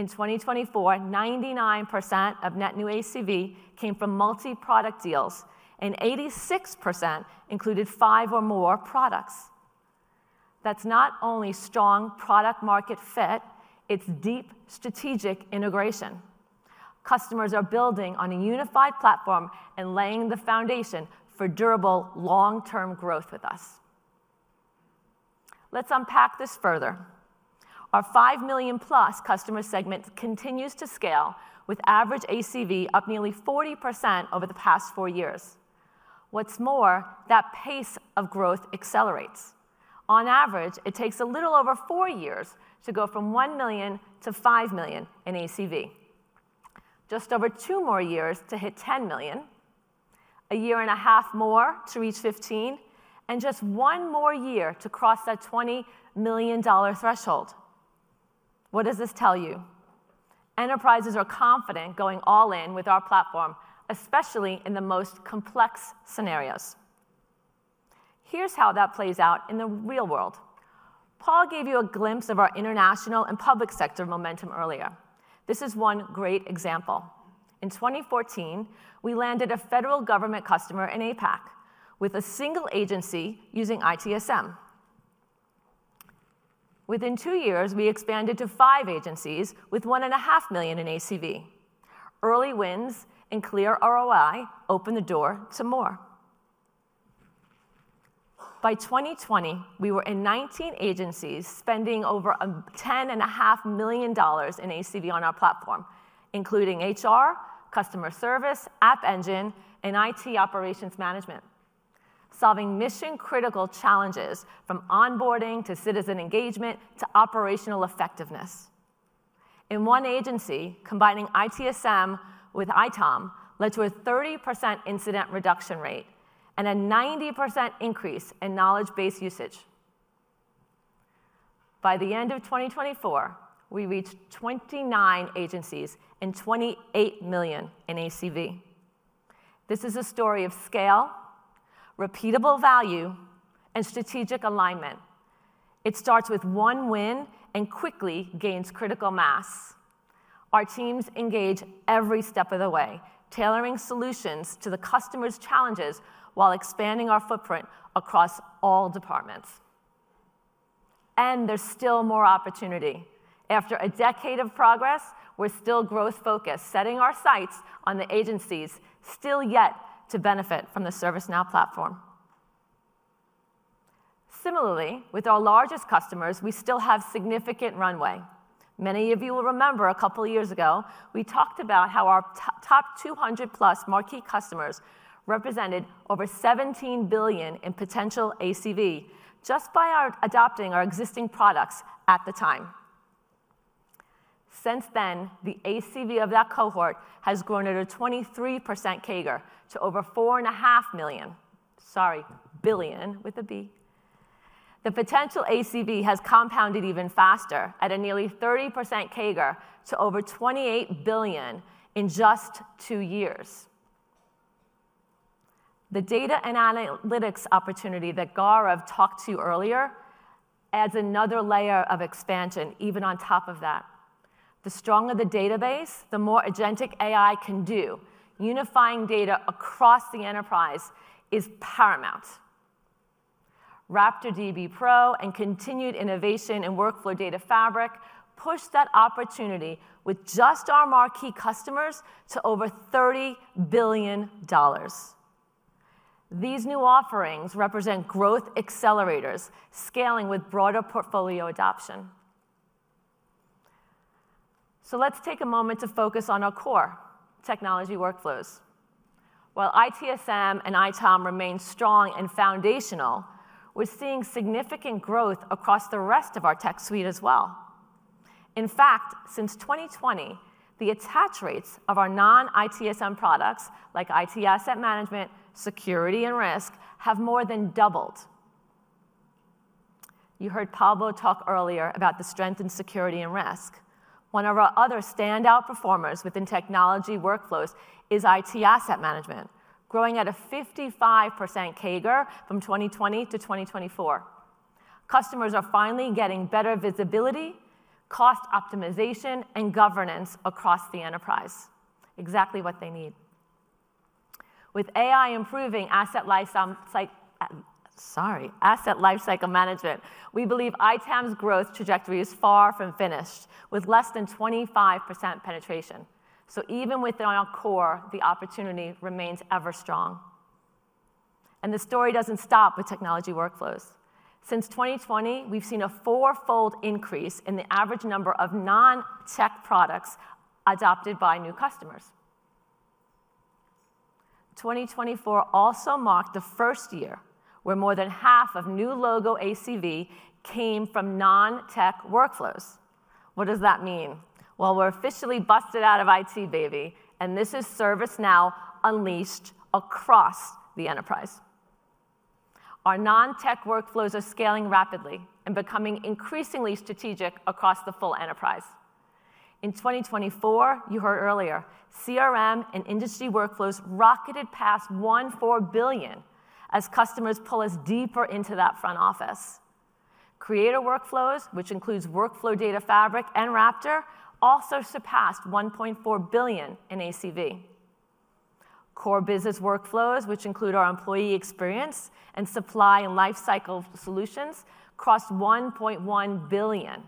In 2024, 99% of net new ACV came from multi-product deals, and 86% included five or more products. That's not only strong product-market fit. It's deep strategic integration. Customers are building on a unified platform and laying the foundation for durable, long-term growth with us. Let's unpack this further. Our $5 million+ customer segment continues to scale, with average ACV up nearly 40% over the past four years. What's more, that pace of growth accelerates. On average, it takes a little over four years to go from 1 million to 5 million in ACV, just over two more years to hit 10 million, a year and a half more to reach 15, and just one more year to cross that $20 million threshold. What does this tell you? Enterprises are confident going all in with our platform, especially in the most complex scenarios. Here's how that plays out in the real world. Paul gave you a glimpse of our international and public sector momentum earlier. This is one great example. In 2014, we landed a federal government customer in APAC with a single agency using ITSM. Within two years, we expanded to five agencies with $1.5 million in ACV. Early wins and clear ROI opened the door to more. By 2020, we were in 19 agencies spending over $10.5 million in ACV on our platform, including HR, customer service, App Engine, and IT Operations Management, solving mission-critical challenges from onboarding to citizen engagement to operational effectiveness. In one agency, combining ITSM with ITOM led to a 30% incident reduction rate and a 90% increase in knowledge-based usage. By the end of 2024, we reached 29 agencies and $28 million in ACV. This is a story of scale, repeatable value, and strategic alignment. It starts with one win and quickly gains critical mass. Our teams engage every step of the way, tailoring solutions to the customer's challenges while expanding our footprint across all departments. There is still more opportunity. After a decade of progress, we're still growth-focused, setting our sights on the agencies still yet to benefit from the ServiceNow platform. Similarly, with our largest customers, we still have significant runway. Many of you will remember a couple of years ago, we talked about how our top 200+ marquee customers represented over $17 billion in potential ACV just by adopting our existing products at the time. Since then, the ACV of that cohort has grown at a 23% CAGR to over $4.5 billion. Sorry, billion with a B. The potential ACV has compounded even faster at a nearly 30% CAGR to over $28 billion in just two years. The data and analytics opportunity that Gaurav talked to you earlier adds another layer of expansion, even on top of that. The stronger the database, the more Agentic AI can do. Unifying data across the enterprise is paramount. RaptorDB Pro and continued innovation in workflow data fabric push that opportunity with just our marquee customers to over $30 billion. These new offerings represent growth accelerators, scaling with broader portfolio adoption. Let's take a moment to focus on our core technology workflows. While ITSM and ITOM remain strong and foundational, we're seeing significant growth across the rest of our tech suite as well. In fact, since 2020, the attach rates of our non-ITSM products, like IT Asset Management, Security, and Risk, have more than doubled. You heard Pablo talk earlier about the strength in Security and Risk. One of our other standout performers within technology workflows is IT Asset Management, growing at a 55% CAGR from 2020 to 2024. Customers are finally getting better visibility, cost optimization, and governance across the enterprise, exactly what they need. With AI improving asset lifecycle management, we believe ITAM's growth trajectory is far from finished, with less than 25% penetration. Even within our core, the opportunity remains ever strong. The story doesn't stop with technology workflows. Since 2020, we've seen a four-fold increase in the average number of non-tech products adopted by new customers. 2024 also marked the first year where more than half of new logo ACV came from non-tech workflows. What does that mean? We're officially busted out of IT, baby, and this is ServiceNow unleashed across the enterprise. Our non-tech workflows are scaling rapidly and becoming increasingly strategic across the full enterprise. In 2024, you heard earlier, CRM and industry workflows rocketed past $1.4 billion as customers pull us deeper into that front office. Creator workflows, which includes Workflow Data Fabric and RaptorDB, also surpassed $1.4 billion in ACV. Core business workflows, which include our employee experience and supply and lifecycle solutions, crossed $1.1 billion.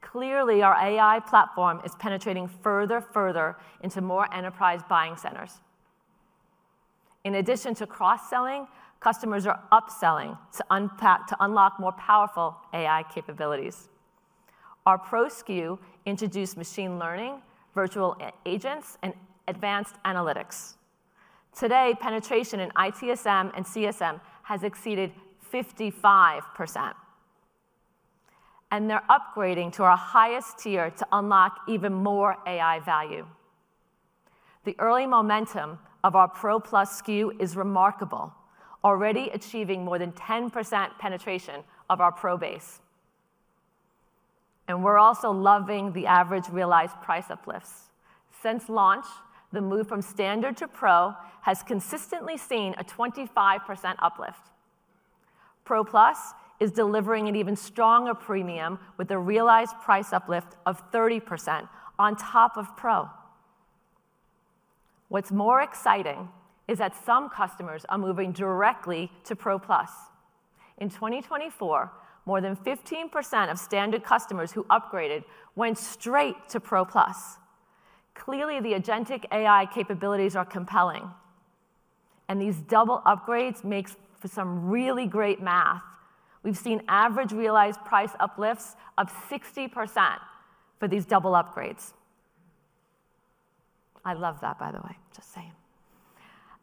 Clearly, our AI platform is penetrating further, further into more enterprise buying centers. In addition to cross-selling, customers are upselling to unlock more powerful AI capabilities. Our Pro SKU introduced machine learning, virtual agents, and advanced analytics. Today, penetration in ITSM and CSM has exceeded 55%. They are upgrading to our highest tier to unlock even more AI value. The early momentum of our Pro Plus SKU is remarkable, already achieving more than 10% penetration of our pro base. We are also loving the average realized price uplifts. Since launch, the move from standard to pro has consistently seen a 25% uplift. Pro Plus is delivering an even stronger premium with a realized price uplift of 30% on top of pro. What is more exciting is that some customers are moving directly to Pro Plus. In 2024, more than 15% of standard customers who upgraded went straight to Pro Plus. Clearly, the Agentic AI capabilities are compelling. These double upgrades make for some really great math. We've seen average realized price uplifts of 60% for these double upgrades. I love that, by the way, just saying.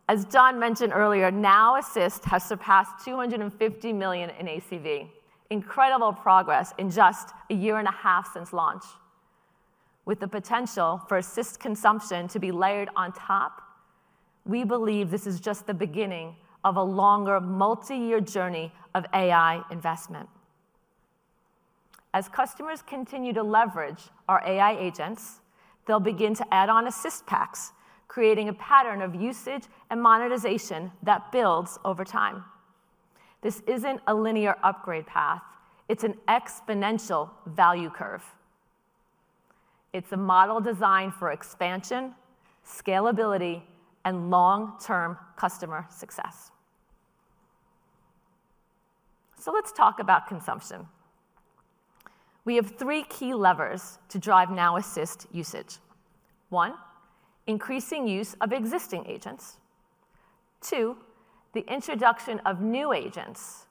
As John mentioned earlier, Now Assist has surpassed $250 million in ACV. Incredible progress in just a year and a half since launch. With the potential for Assist consumption to be layered on top, we believe this is just the beginning of a longer multi-year journey of AI investment. As customers continue to leverage our AI agents, they'll begin to add on Assist packs, creating a pattern of usage and monetization that builds over time. This isn't a linear upgrade path. It's an exponential value curve. It's a model designed for expansion, scalability, and long-term customer success. Let's talk about consumption. We have three key levers to drive Now Assist usage. One, increasing use of existing agents. Two, the introduction of new agents.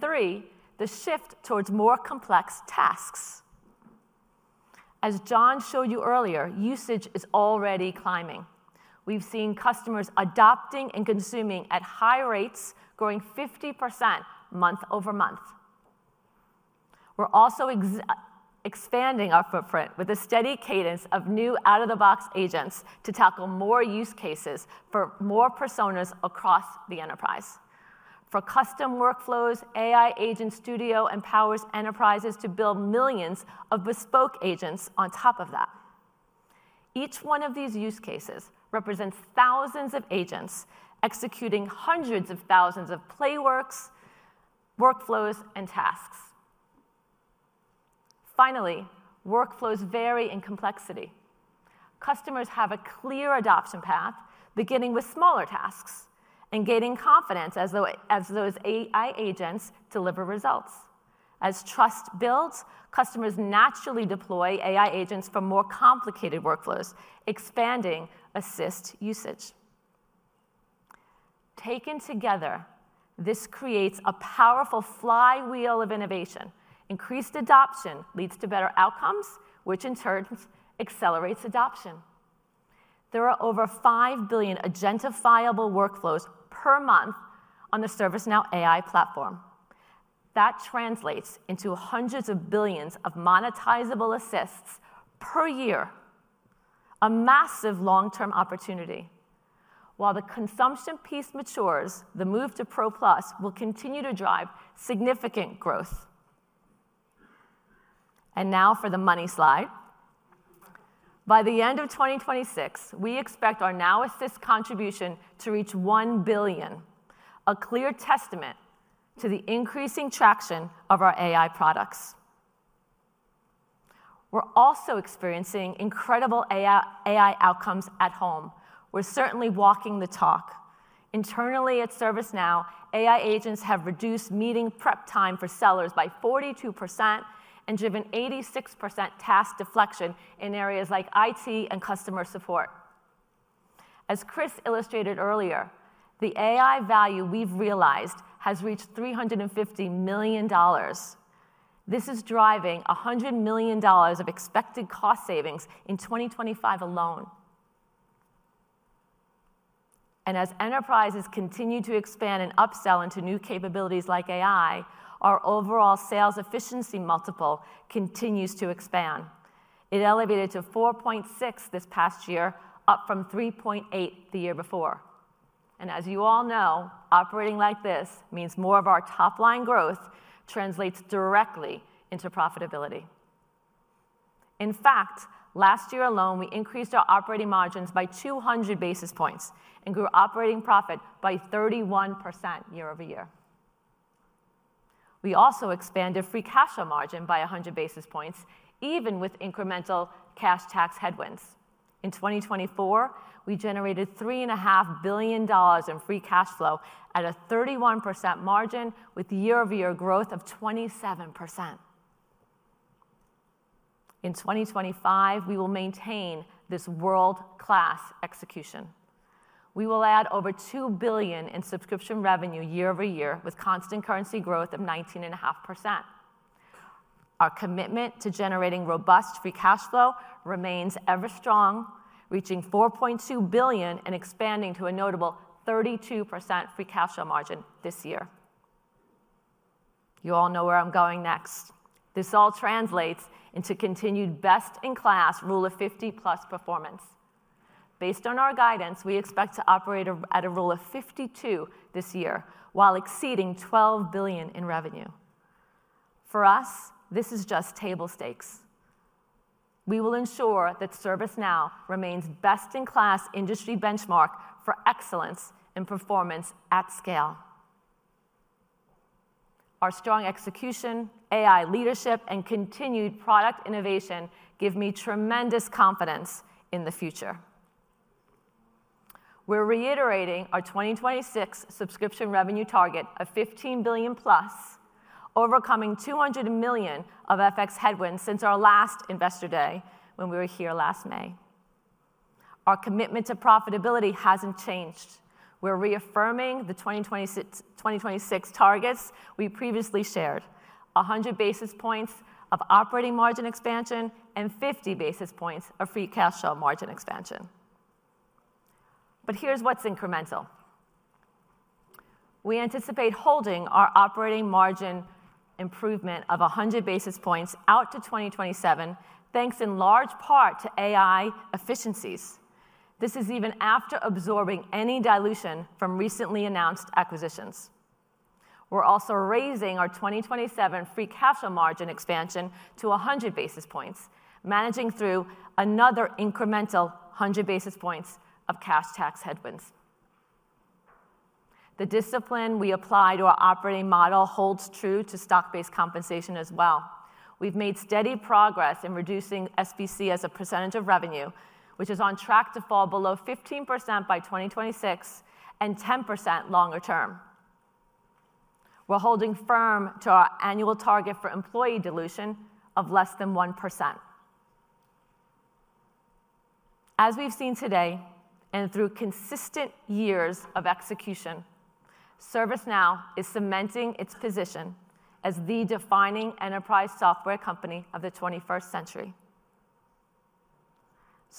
Three, the shift towards more complex tasks. As John showed you earlier, usage is already climbing. We've seen customers adopting and consuming at high rates, growing 50% month over month. We're also expanding our footprint with a steady cadence of new out-of-the-box agents to tackle more use cases for more personas across the enterprise. For custom workflows, AI Agent Studio empowers enterprises to build millions of bespoke agents on top of that. Each one of these use cases represents thousands of agents executing hundreds of thousands of playworks, workflows, and tasks. Finally, workflows vary in complexity. Customers have a clear adoption path, beginning with smaller tasks and gaining confidence as those AI agents deliver results. As trust builds, customers naturally deploy AI agents for more complicated workflows, expanding Assist usage. Taken together, this creates a powerful flywheel of innovation. Increased adoption leads to better outcomes, which in turn accelerates adoption. There are over 5 billion identifiable workflows per month on the ServiceNow AI Platform. That translates into hundreds of billions of monetizable assists per year, a massive long-term opportunity. While the consumption piece matures, the move to Pro Plus will continue to drive significant growth. Now for the money slide. By the end of 2026, we expect our Now Assist contribution to reach $1 billion, a clear testament to the increasing traction of our AI products. We're also experiencing incredible AI outcomes at home. We're certainly walking the talk. Internally at ServiceNow, AI agents have reduced meeting prep time for sellers by 42% and driven 86% task deflection in areas like IT and customer support. As Chris illustrated earlier, the AI value we've realized has reached $350 million. This is driving $100 million of expected cost savings in 2025 alone. As enterprises continue to expand and upsell into new capabilities like AI, our overall sales efficiency multiple continues to expand. It elevated to 4.6 this past year, up from 3.8 the year before. As you all know, operating like this means more of our top-line growth translates directly into profitability. In fact, last year alone, we increased our operating margins by 200 basis points and grew operating profit by 31% year-over-year. We also expanded free cash flow margin by 100 basis points, even with incremental cash tax headwinds. In 2024, we generated $3.5 billion in free cash flow at a 31% margin with year-over-year growth of 27%. In 2025, we will maintain this world-class execution. We will add over $2 billion in subscription revenue year-over-year with constant currency growth of 19.5%. Our commitment to generating robust free cash flow remains ever strong, reaching $4.2 billion and expanding to a notable 32% free cash flow margin this year. You all know where I'm going next. This all translates into continued best-in-class Rule of 50+ performance. Based on our guidance, we expect to operate at a rule of 52 this year while exceeding $12 billion in revenue. For us, this is just table stakes. We will ensure that ServiceNow remains best-in-class industry benchmark for excellence and performance at scale. Our strong execution, AI leadership, and continued product innovation give me tremendous confidence in the future. We're reiterating our 2026 subscription revenue target of $15 billion+, overcoming $200 million of FX headwinds since our last investor day when we were here last May. Our commitment to profitability hasn't changed. We're reaffirming the 2026 targets we previously shared: 100 basis points of operating margin expansion and 50 basis points of free cash flow margin expansion. Here's what's incremental. We anticipate holding our operating margin improvement of 100 basis points out to 2027, thanks in large part to AI efficiencies. This is even after absorbing any dilution from recently announced acquisitions. We're also raising our 2027 free cash flow margin expansion to 100 basis points, managing through another incremental 100 basis points of cash tax headwinds. The discipline we apply to our operating model holds true to stock-based compensation as well. We've made steady progress in reducing SBC as a percentage of revenue, which is on track to fall below 15% by 2026 and 10% longer term. We're holding firm to our annual target for employee dilution of less than 1%. As we've seen today and through consistent years of execution, ServiceNow is cementing its position as the defining enterprise software company of the 21st century.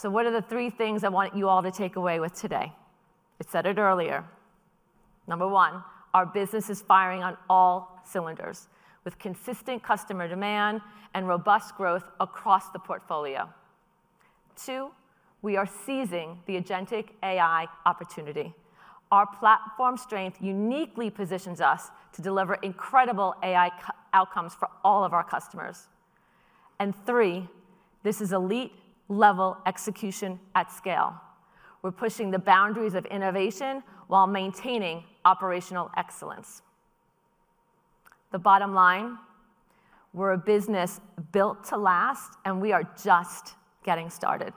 What are the three things I want you all to take away with today? I said it earlier. Number one, our business is firing on all cylinders with consistent customer demand and robust growth across the portfolio. Two, we are seizing the Agentic AI opportunity. Our platform strength uniquely positions us to deliver incredible AI outcomes for all of our customers. Three, this is elite-level execution at scale. We're pushing the boundaries of innovation while maintaining operational excellence. The bottom line, we're a business built to last, and we are just getting started.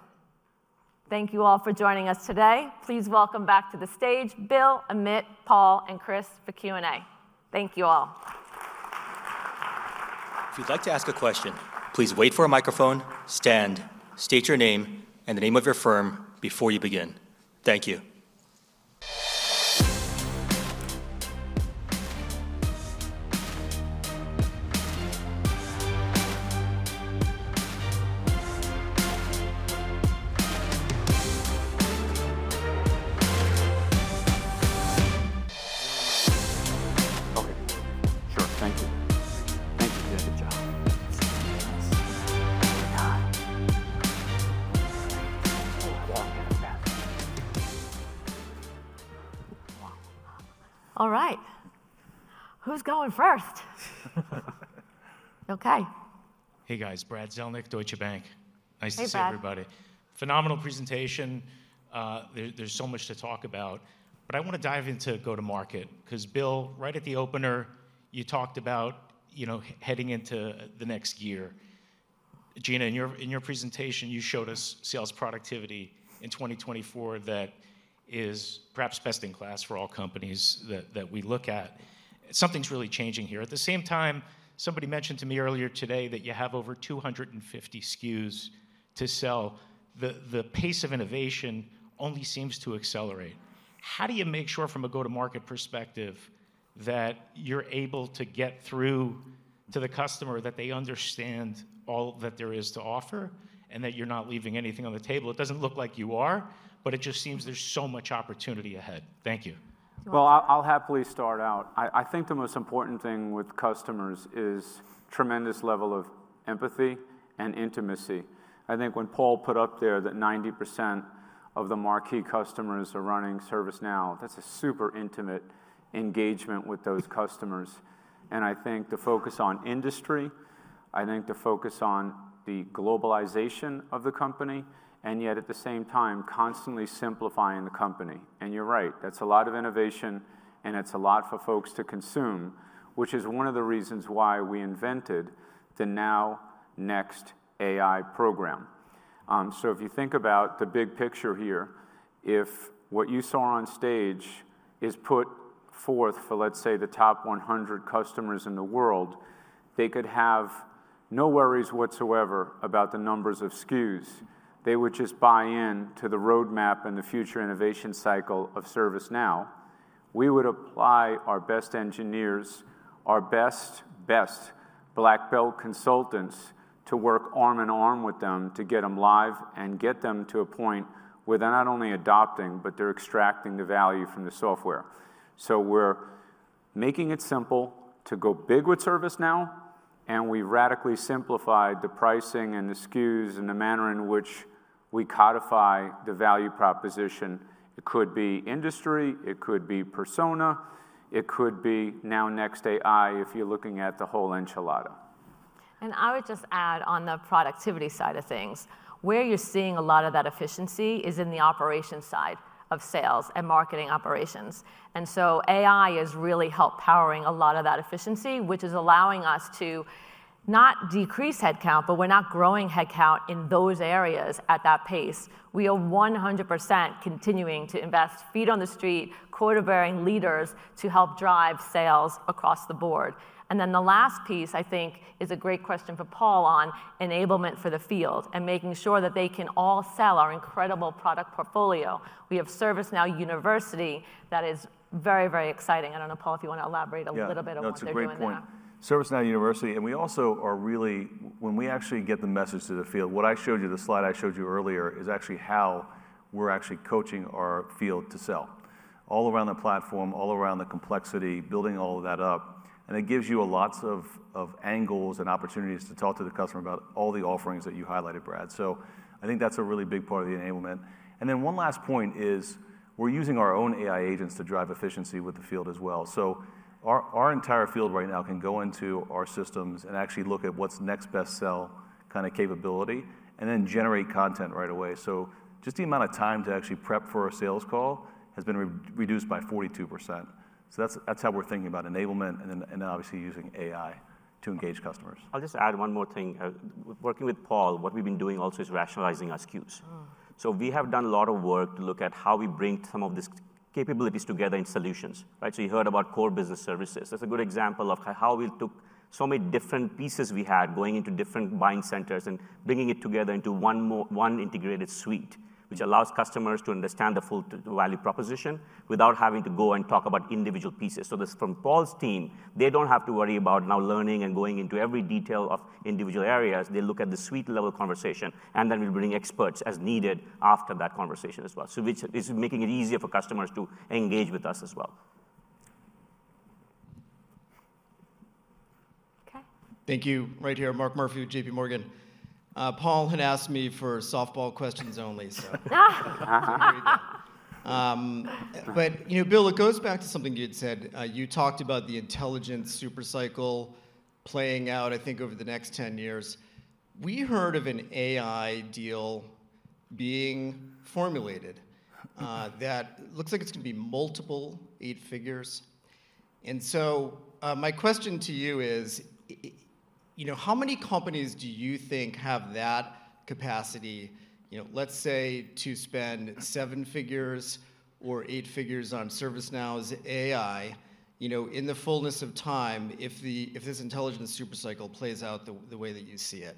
Thank you all for joining us today. Please welcome back to the stage Bill, Amit, Paul, and Chris for Q&A. Thank you all. If you'd like to ask a question, please wait for a microphone, stand, state your name, and the name of your firm before you begin. Thank you. Okay. Sure. Thank you. Thank you. You did a good job. All right. Who's going first? Okay. Hey, guys. Brad Zelnick, Deutsche Bank. Nice to see everybody. Phenomenal presentation. There's so much to talk about. I want to dive into go-to-market because Bill, right at the opener, you talked about heading into the next year. Gina, in your presentation, you showed us sales productivity in 2024 that is perhaps best in class for all companies that we look at. Something's really changing here. At the same time, somebody mentioned to me earlier today that you have over 250 SKUs to sell. The pace of innovation only seems to accelerate. How do you make sure from a go-to-market perspective that you're able to get through to the customer that they understand all that there is to offer and that you're not leaving anything on the table? It doesn't look like you are, but it just seems there's so much opportunity ahead. Thank you. I think the most important thing with customers is tremendous level of empathy and intimacy. I think when Paul put up there that 90% of the marquee customers are running ServiceNow, that's a super intimate engagement with those customers. I think to focus on industry, I think to focus on the globalization of the company, and yet at the same time, constantly simplifying the company. You're right. That's a lot of innovation, and it's a lot for folks to consume, which is one of the reasons why we invented the Now Next AI program. If you think about the big picture here, if what you saw on stage is put forth for, let's say, the top 100 customers in the world, they could have no worries whatsoever about the numbers of SKUs. They would just buy into the roadmap and the future innovation cycle of ServiceNow. We would apply our best engineers, our best, best black belt consultants to work arm in arm with them to get them live and get them to a point where they're not only adopting, but they're extracting the value from the software. We're making it simple to go big with ServiceNow, and we radically simplified the pricing and the SKUs and the manner in which we codify the value proposition. It could be industry, it could be persona, it could be Now Next AI if you're looking at the whole enchilada. I would just add on the productivity side of things. Where you're seeing a lot of that efficiency is in the operation side of sales and marketing operations. AI is really help powering a lot of that efficiency, which is allowing us to not decrease headcount, but we're not growing headcount in those areas at that pace. We are 100% continuing to invest feet on the street, quarter bearing leaders to help drive sales across the board. The last piece, I think, is a great question for Paul on enablement for the field and making sure that they can all sell our incredible product portfolio. We have ServiceNow University that is very, very exciting. I don't know, Paul, if you want to elaborate a little bit about ServiceNow. That's a great point. ServiceNow University, and we also are really, when we actually get the message to the field, what I showed you, the slide I showed you earlier, is actually how we're actually coaching our field to sell all around the platform, all around the complexity, building all of that up. It gives you lots of angles and opportunities to talk to the customer about all the offerings that you highlighted, Brad. I think that's a really big part of the enablement. One last point is we're using our own AI agents to drive efficiency with the field as well. Our entire field right now can go into our systems and actually look at what's next best sell kind of capability and then generate content right away. The amount of time to actually prep for a sales call has been reduced by 42%. That's how we're thinking about enablement and obviously using AI to engage customers. I'll just add one more thing. Working with Paul, what we've been doing also is rationalizing our SKUs. We have done a lot of work to look at how we bring some of these capabilities together in solutions. You heard about core business services. That's a good example of how we took so many different pieces we had going into different buying centers and bringing it together into one integrated suite, which allows customers to understand the full value proposition without having to go and talk about individual pieces. From Paul's team, they don't have to worry about now learning and going into every detail of individual areas. They look at the suite-level conversation, and then we bring experts as needed after that conversation as well, which is making it easier for customers to engage with us as well. Okay. Thank you. Right here, Mark Murphy, JPMorgan. Paul had asked me for softball questions only, so. Bill, it goes back to something you'd said. You talked about the intelligence supercycle playing out, I think, over the next 10 years. We heard of an AI deal being formulated that looks like it's going to be multiple eight figures. My question to you is, how many companies do you think have that capacity, let's say, to spend seven figures or eight figures on ServiceNow's AI in the fullness of time if this intelligence supercycle plays out the way that you see it?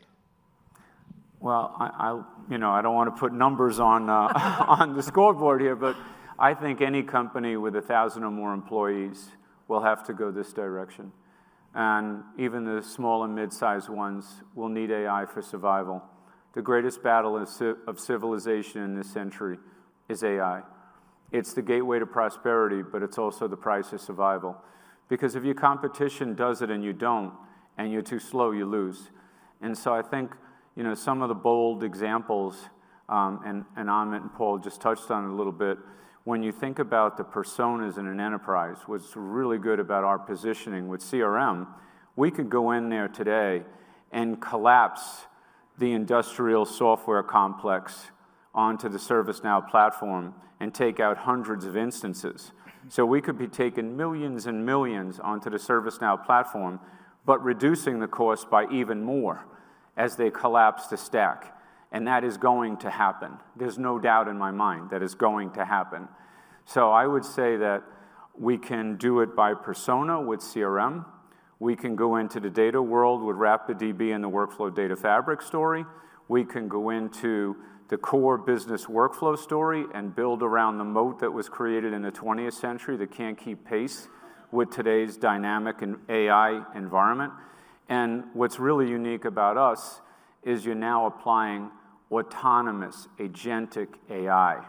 I don't want to put numbers on the scoreboard here, but I think any company with 1,000 or more employees will have to go this direction. Even the small and mid-sized ones will need AI for survival. The greatest battle of civilization in this century is AI. It's the gateway to prosperity, but it's also the price of survival. Because if your competition does it and you don't, and you're too slow, you lose. I think some of the bold examples, and Amit and Paul just touched on it a little bit, when you think about the personas in an enterprise, what's really good about our positioning with CRM, we could go in there today and collapse the industrial software complex onto the ServiceNow platform and take out hundreds of instances. We could be taking millions and millions onto the ServiceNow platform, but reducing the cost by even more as they collapse the stack. That is going to happen. There's no doubt in my mind that it's going to happen. I would say that we can do it by persona with CRM. We can go into the data world with RaptorDB and the Workflow Data Fabric story. We can go into the core business workflow story and build around the moat that was created in the 20th century that can't keep pace with today's dynamic AI environment. What's really unique about us is you're now applying autonomous agentic AI.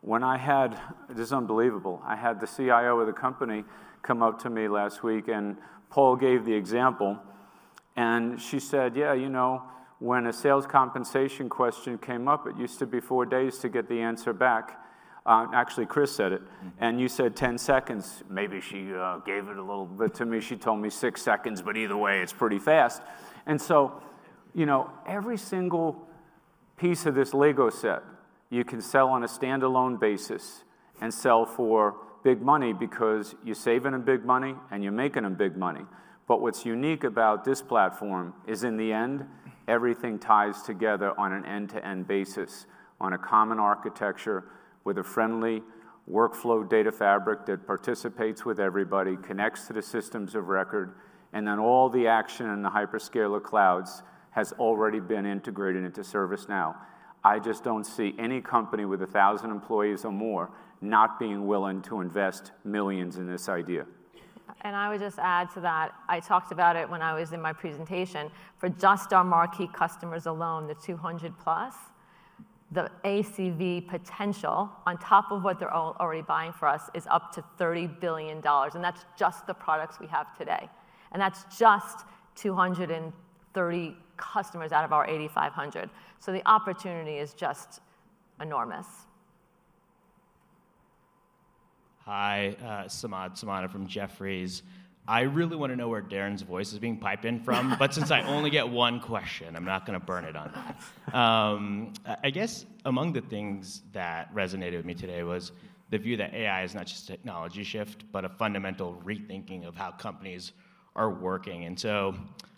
When I had, this is unbelievable, I had the CIO of the company come up to me last week, and Paul gave the example. She said, "Yeah, you know when a sales compensation question came up, it used to be four days to get the answer back." Actually, Chris said it. You said 10 seconds. Maybe she gave it a little bit to me. She told me six seconds, but either way, it's pretty fast. Every single piece of this Lego set you can sell on a standalone basis and sell for big money because you're saving them big money and you're making them big money. What is unique about this platform is in the end, everything ties together on an end-to-end basis on a common architecture with a friendly workflow data fabric that participates with everybody, connects to the systems of record, and then all the action in the hyperscaler clouds has already been integrated into ServiceNow. I just do not see any company with 1,000 employees or more not being willing to invest millions in this idea. I would just add to that. I talked about it when I was in my presentation. For just our marquee customers alone, the 200+, the ACV potential on top of what they're already buying for us is up to $30 billion. That's just the products we have today. That's just 230 customers out of our 8,500. The opportunity is just enormous. Hi, Samad from Jefferies. I really want to know where Darren's voice is being piped in from, but since I only get one question, I'm not going to burn it on that. I guess among the things that resonated with me today was the view that AI is not just a technology shift, but a fundamental rethinking of how companies are working.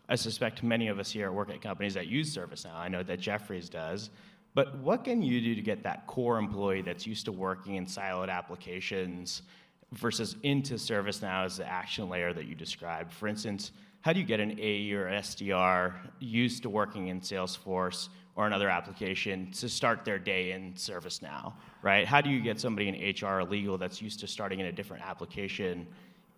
I suspect many of us here work at companies that use ServiceNow. I know that Jefferies does. What can you do to get that core employee that's used to working in siloed applications versus into ServiceNow as the action layer that you described? For instance, how do you get an AE or SDR used to working in Salesforce or another application to start their day in ServiceNow? How do you get somebody in HR or legal that's used to starting in a different application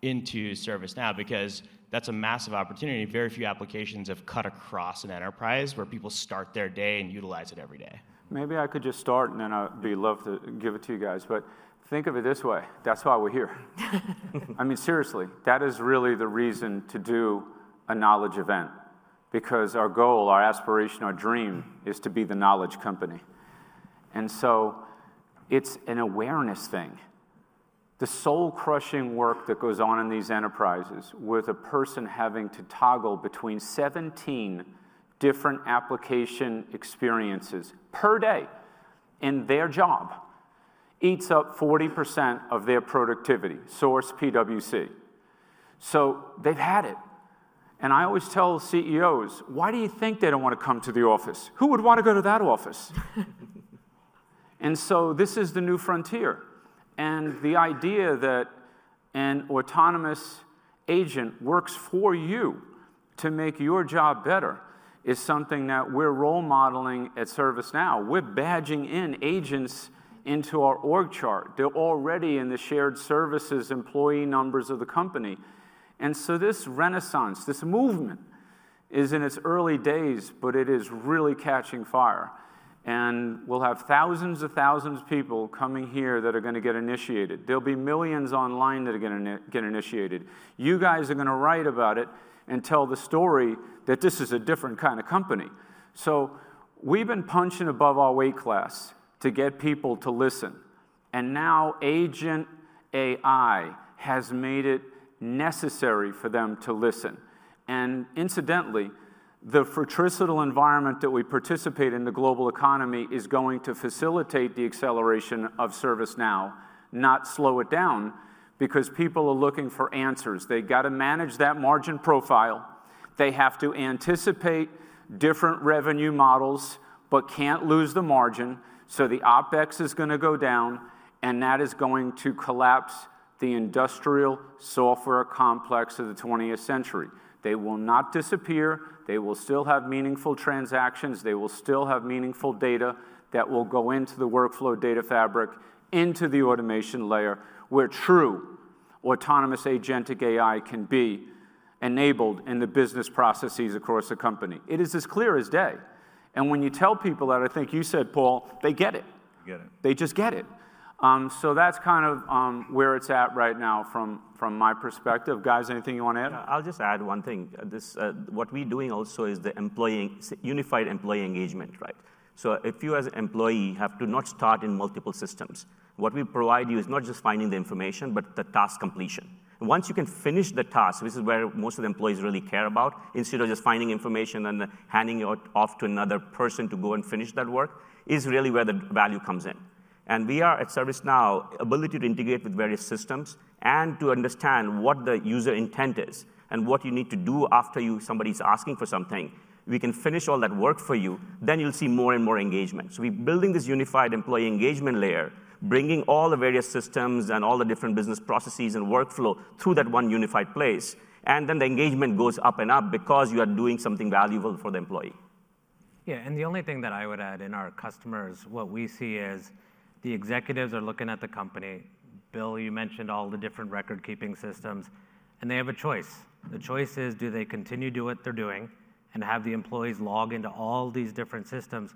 into ServiceNow? Because that's a massive opportunity. Very few applications have cut across an enterprise where people start their day and utilize it every day. Maybe I could just start, and then I'd love to give it to you guys. Think of it this way. That's why we're here. I mean, seriously, that is really the reason to do a knowledge event. Because our goal, our aspiration, our dream is to be the knowledge company. And so it's an awareness thing. The soul-crushing work that goes on in these enterprises with a person having to toggle between 17 different application experiences per day in their job eats up 40% of their productivity, source PwC. They have had it. I always tell CEOs, "Why do you think they do not want to come to the office? Who would want to go to that office?" This is the new frontier. The idea that an autonomous agent works for you to make your job better is something that we are role modeling at ServiceNow. We are badging in agents into our org chart. They are already in the shared services employee numbers of the company. This renaissance, this movement is in its early days, but it is really catching fire. We will have thousands and thousands of people coming here that are going to get initiated. There'll be millions online that are going to get initiated. You guys are going to write about it and tell the story that this is a different kind of company. We have been punching above our weight class to get people to listen. Now agent AI has made it necessary for them to listen. Incidentally, the fratricidal environment that we participate in the global economy is going to facilitate the acceleration of ServiceNow, not slow it down, because people are looking for answers. They have got to manage that margin profile. They have to anticipate different revenue models, but cannot lose the margin. The OpEx is going to go down, and that is going to collapse the industrial software complex of the 20th century. They will not disappear. They will still have meaningful transactions. They will still have meaningful data that will go into the Workflow Data Fabric, into the automation layer, where true autonomous agentic AI can be enabled in the business processes across the company. It is as clear as day. When you tell people that, I think you said, Paul, they get it. They just get it. That's kind of where it's at right now from my perspective. Guys, anything you want to add? I'll just add one thing. What we're doing also is the unified employee engagement. If you as an employee have to not start in multiple systems, what we provide you is not just finding the information, but the task completion. Once you can finish the task, which is where most of the employees really care about, instead of just finding information and handing it off to another person to go and finish that work, is really where the value comes in. We are at ServiceNow, ability to integrate with various systems and to understand what the user intent is and what you need to do after somebody's asking for something. We can finish all that work for you. You will see more and more engagement. We are building this unified employee engagement layer, bringing all the various systems and all the different business processes and workflow through that one unified place. The engagement goes up and up because you are doing something valuable for the employee. Yeah. The only thing that I would add in our customers, what we see is the executives are looking at the company. Bill, you mentioned all the different record-keeping systems, and they have a choice. The choice is, do they continue to do what they're doing and have the employees log into all these different systems,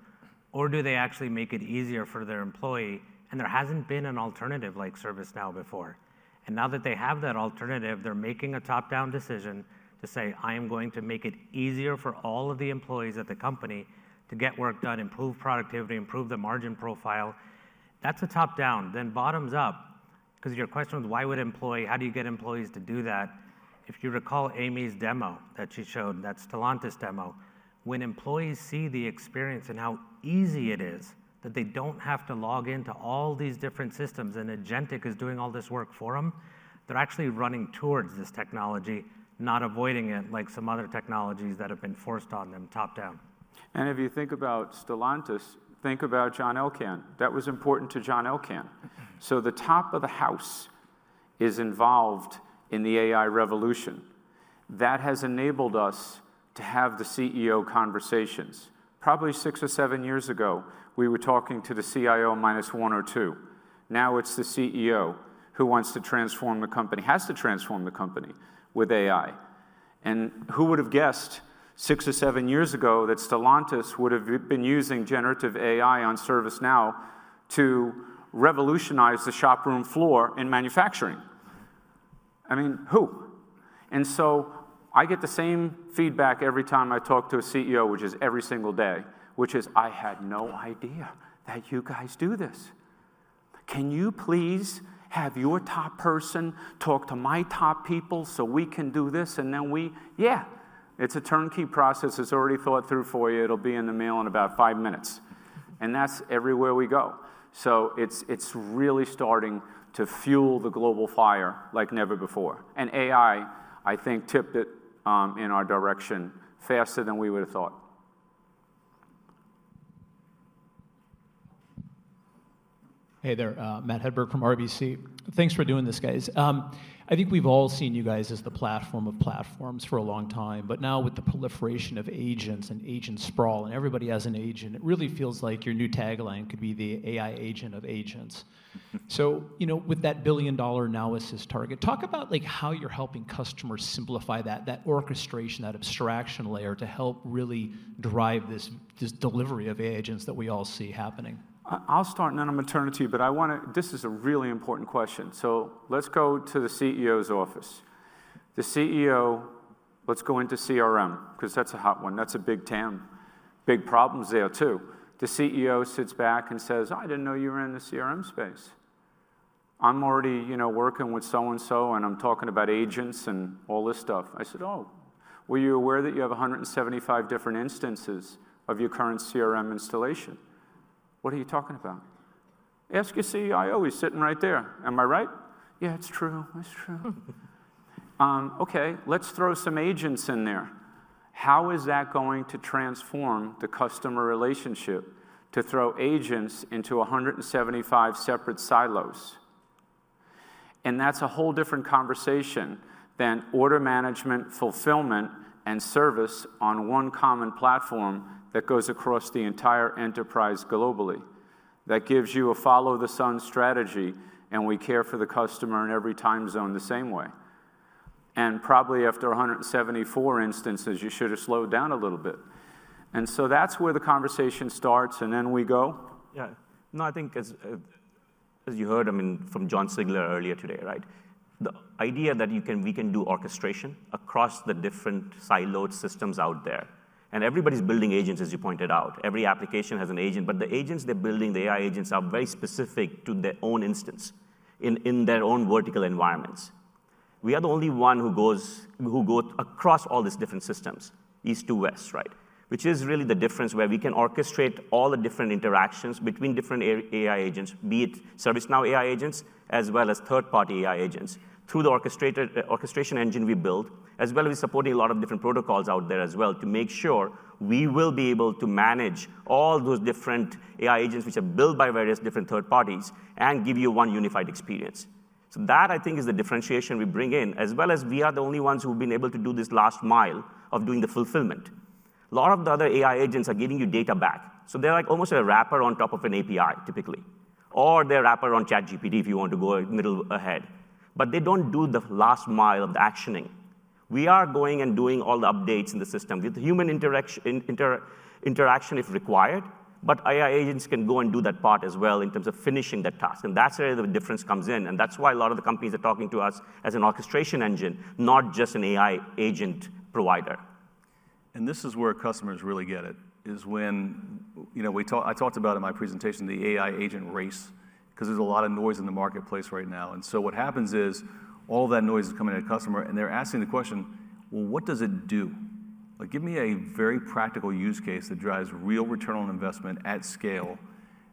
or do they actually make it easier for their employee? There hasn't been an alternative like ServiceNow before. Now that they have that alternative, they're making a top-down decision to say, "I am going to make it easier for all of the employees at the company to get work done, improve productivity, improve the margin profile." That's a top-down, then bottoms up. Because your question was, why would employee? How do you get employees to do that? If you recall Amy's demo that she showed, that Stellantis demo, when employees see the experience and how easy it is that they don't have to log into all these different systems and agentic is doing all this work for them, they're actually running towards this technology, not avoiding it like some other technologies that have been forced on them top-down. If you think about Stellantis, think about John Elkann. That was important to John Elkann. The top of the house is involved in the AI revolution. That has enabled us to have the CEO conversations. Probably six or seven years ago, we were talking to the CIO minus one or two. Now it's the CEO who wants to transform the company, has to transform the company with AI. Who would have guessed six or seven years ago that Stellantis would have been using generative AI on ServiceNow to revolutionize the shop floor in manufacturing? I mean, who? I get the same feedback every time I talk to a CEO, which is every single day, which is, "I had no idea that you guys do this. Can you please have your top person talk to my top people so we can do this?" "Yeah, it's a turnkey process. It's already thought through for you. It'll be in the mail in about five minutes." That is everywhere we go. It is really starting to fuel the global fire like never before. AI, I think, tipped it in our direction faster than we would have thought. Hey there, Matt Hedberg from RBC. Thanks for doing this, guys. I think we've all seen you guys as the platform of platforms for a long time. But now with the proliferation of agents and agent sprawl and everybody has an agent, it really feels like your new tagline could be the AI agent of agents. With that billion-dollar Now Assist target, talk about how you're helping customers simplify that, that orchestration, that abstraction layer to help really drive this delivery of agents that we all see happening. I'll start, and then I'm going to turn it to you. This is a really important question. Let's go to the CEO's office. The CEO, let's go into CRM because that's a hot one. That's a big town, big problems there too. The CEO sits back and says, "I didn't know you were in the CRM space. I'm already working with so-and-so, and I'm talking about agents and all this stuff. I said, "Oh, were you aware that you have 175 different instances of your current CRM installation?" "What are you talking about?" "Ask your CIO, he's sitting right there. Am I right?" "Yeah, it's true. It's true." Okay, let's throw some agents in there. How is that going to transform the customer relationship to throw agents into 175 separate silos? That is a whole different conversation than order management, fulfillment, and service on one common platform that goes across the entire enterprise globally. That gives you a follow-the-sun strategy, and we care for the customer in every time zone the same way. Probably after 174 instances, you should have slowed down a little bit. That is where the conversation starts. Then we go. No, I think as you heard from John Zigler earlier today, the idea that we can do orchestration across the different siloed systems out there. Everybody's building agents, as you pointed out. Every application has an agent. The agents they're building, the AI agents, are very specific to their own instance in their own vertical environments. We are the only one who goes across all these different systems, east to west, which is really the difference where we can orchestrate all the different interactions between different AI agents, be it ServiceNow AI agents as well as third-party AI agents through the orchestration engine we build, as well as supporting a lot of different protocols out there as well to make sure we will be able to manage all those different AI agents which are built by various different third parties and give you one unified experience. That, I think, is the differentiation we bring in, as well as we are the only ones who've been able to do this last mile of doing the fulfillment. A lot of the other AI agents are giving you data back. They're almost a wrapper on top of an API, typically, or they're a wrapper on ChatGPT if you want to go a little ahead. They don't do the last mile of the actioning. We are going and doing all the updates in the system with human interaction if required. AI agents can go and do that part as well in terms of finishing that task. That's where the difference comes in. That's why a lot of the companies are talking to us as an orchestration engine, not just an AI agent provider. This is where customers really get it, is when I talked about in my presentation the AI agent race because there's a lot of noise in the marketplace right now. What happens is all that noise is coming at a customer, and they're asking the question, "Well, what does it do? Give me a very practical use case that drives real return on investment at scale,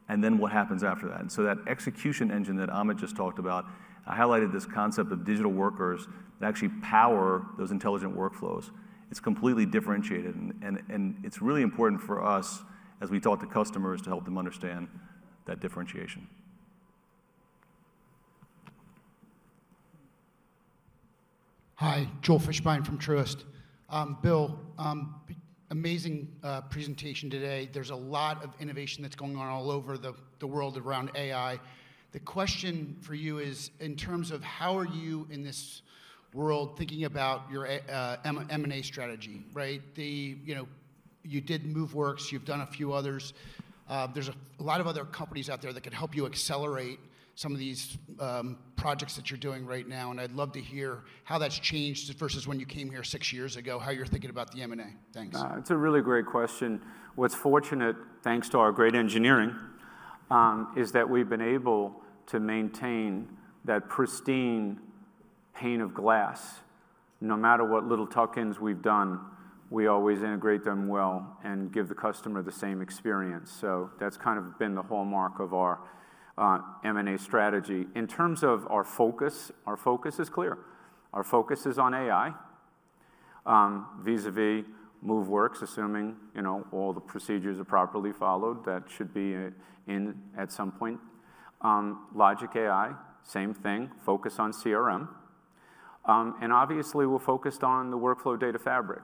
and then what happens after that?" That execution engine that Amit just talked about, I highlighted this concept of digital workers that actually power those intelligent workflows. It's completely differentiated. It's really important for us, as we talk to customers, to help them understand that differentiation. Hi, Joel Fishbein from Truist. Bill, amazing presentation today. There's a lot of innovation that's going on all over the world around AI. The question for you is, in terms of how are you in this world thinking about your M&A strategy? You did Moveworks. You've done a few others. There's a lot of other companies out there that could help you accelerate some of these projects that you're doing right now. I'd love to hear how that's changed versus when you came here six years ago, how you're thinking about the M&A. Thanks. It's a really great question. What's fortunate, thanks to our great engineering, is that we've been able to maintain that pristine pane of glass. No matter what little tuck-ins we've done, we always integrate them well and give the customer the same experience. That's kind of been the hallmark of our M&A strategy. In terms of our focus, our focus is clear. Our focus is on AI vis-à-vis Moveworks, assuming all the procedures are properly followed. That should be in at some point. Logic.AI, same thing, focus on CRM. Obviously, we're focused on the Workflow Data Fabric,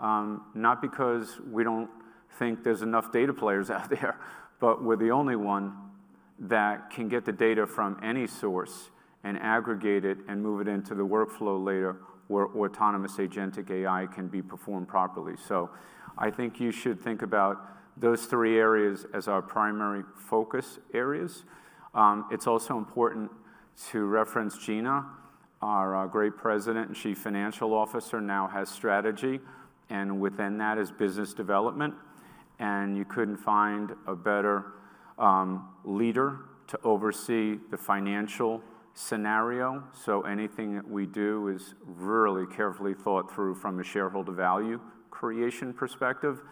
not because we do not think there's enough data players out there, but we're the only one that can get the data from any source and aggregate it and move it into the workflow later where autonomous agentic AI can be performed properly. I think you should think about those three areas as our primary focus areas. It's also important to reference Gina, our great President and Chief Financial Officer. Now has strategy, and within that is business development. You could not find a better leader to oversee the financial scenario. Anything that we do is really carefully thought through from a shareholder value creation perspective.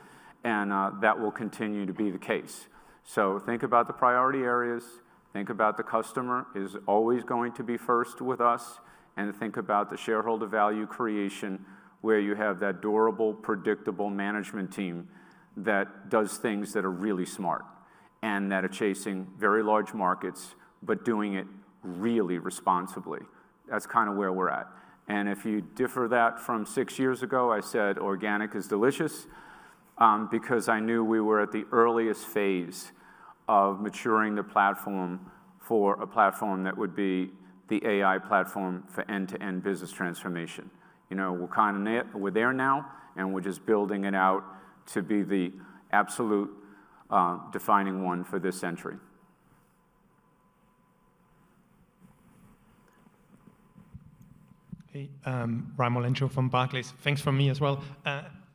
That will continue to be the case. Think about the priority areas. Think about the customer is always going to be first with us. Think about the shareholder value creation where you have that durable, predictable management team that does things that are really smart and that are chasing very large markets, but doing it really responsibly. That's kind of where we're at. If you differ that from six years ago, I said organic is delicious because I knew we were at the earliest phase of maturing the platform for a platform that would be the AI platform for end-to-end business transformation. We're kind of there now, and we're just building it out to be the absolute defining one for this century. Hey, Ryan Muldoon from Barclays. Thanks from me as well.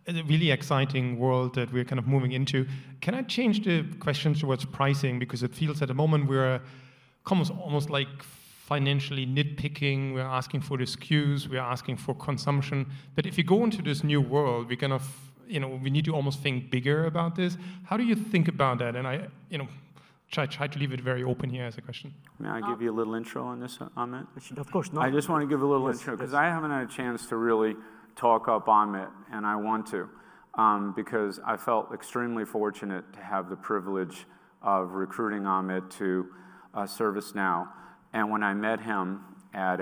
It's a really exciting world that we're kind of moving into. Can I change the question towards pricing? Because it feels at the moment we're almost like financially nitpicking. We're asking for the SKUs. We're asking for consumption. If you go into this new world, we need to almost think bigger about this. How do you think about that? I tried to leave it very open here as a question. May I give you a little intro on this, Amit? Of course. I just want to give a little intro because I haven't had a chance to really talk up Amit, and I want to because I felt extremely fortunate to have the privilege of recruiting Amit to ServiceNow. When I met him at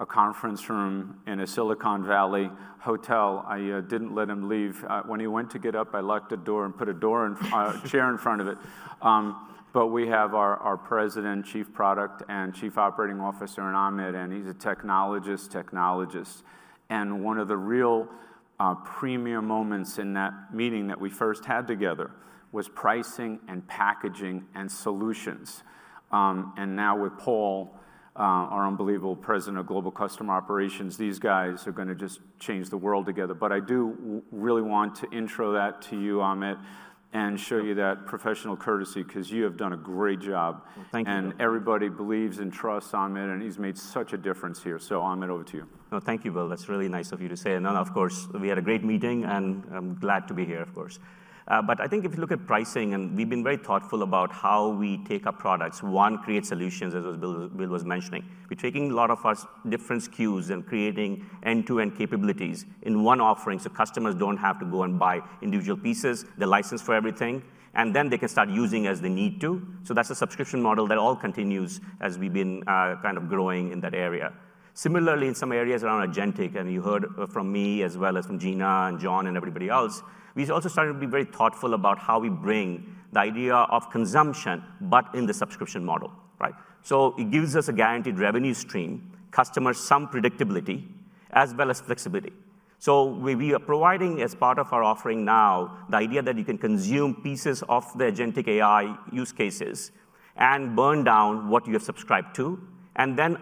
a conference room in a Silicon Valley hotel, I didn't let him leave. When he went to get up, I locked the door and put a chair in front of it. We have our President, Chief Product Officer, and Chief Operating Officer in Amit, and he's a technologist, technologist. One of the real premium moments in that meeting that we first had together was pricing and packaging and solutions. Now with Paul, our unbelievable President of Global Customer Operations, these guys are going to just change the world together. I do really want to intro that to you, Amit, and show you that professional courtesy because you have done a great job. Everybody believes and trusts Amit, and he's made such a difference here. Amit, over to you. No, thank you, Bill. That's really nice of you to say. Of course, we had a great meeting, and I'm glad to be here, of course. I think if you look at pricing, and we've been very thoughtful about how we take our products. One, create solutions, as Bill was mentioning. We're taking a lot of our different SKUs and creating end-to-end capabilities in one offering so customers don't have to go and buy individual pieces. They're licensed for everything, and then they can start using as they need to. That's a subscription model that all continues as we've been kind of growing in that area. Similarly, in some areas around agentic, and you heard from me as well as from Gina and John and everybody else, we also started to be very thoughtful about how we bring the idea of consumption, but in the subscription model. It gives us a guaranteed revenue stream, customers some predictability, as well as flexibility. We are providing, as part of our offering now, the idea that you can consume pieces of the agentic AI use cases and burn down what you have subscribed to, and then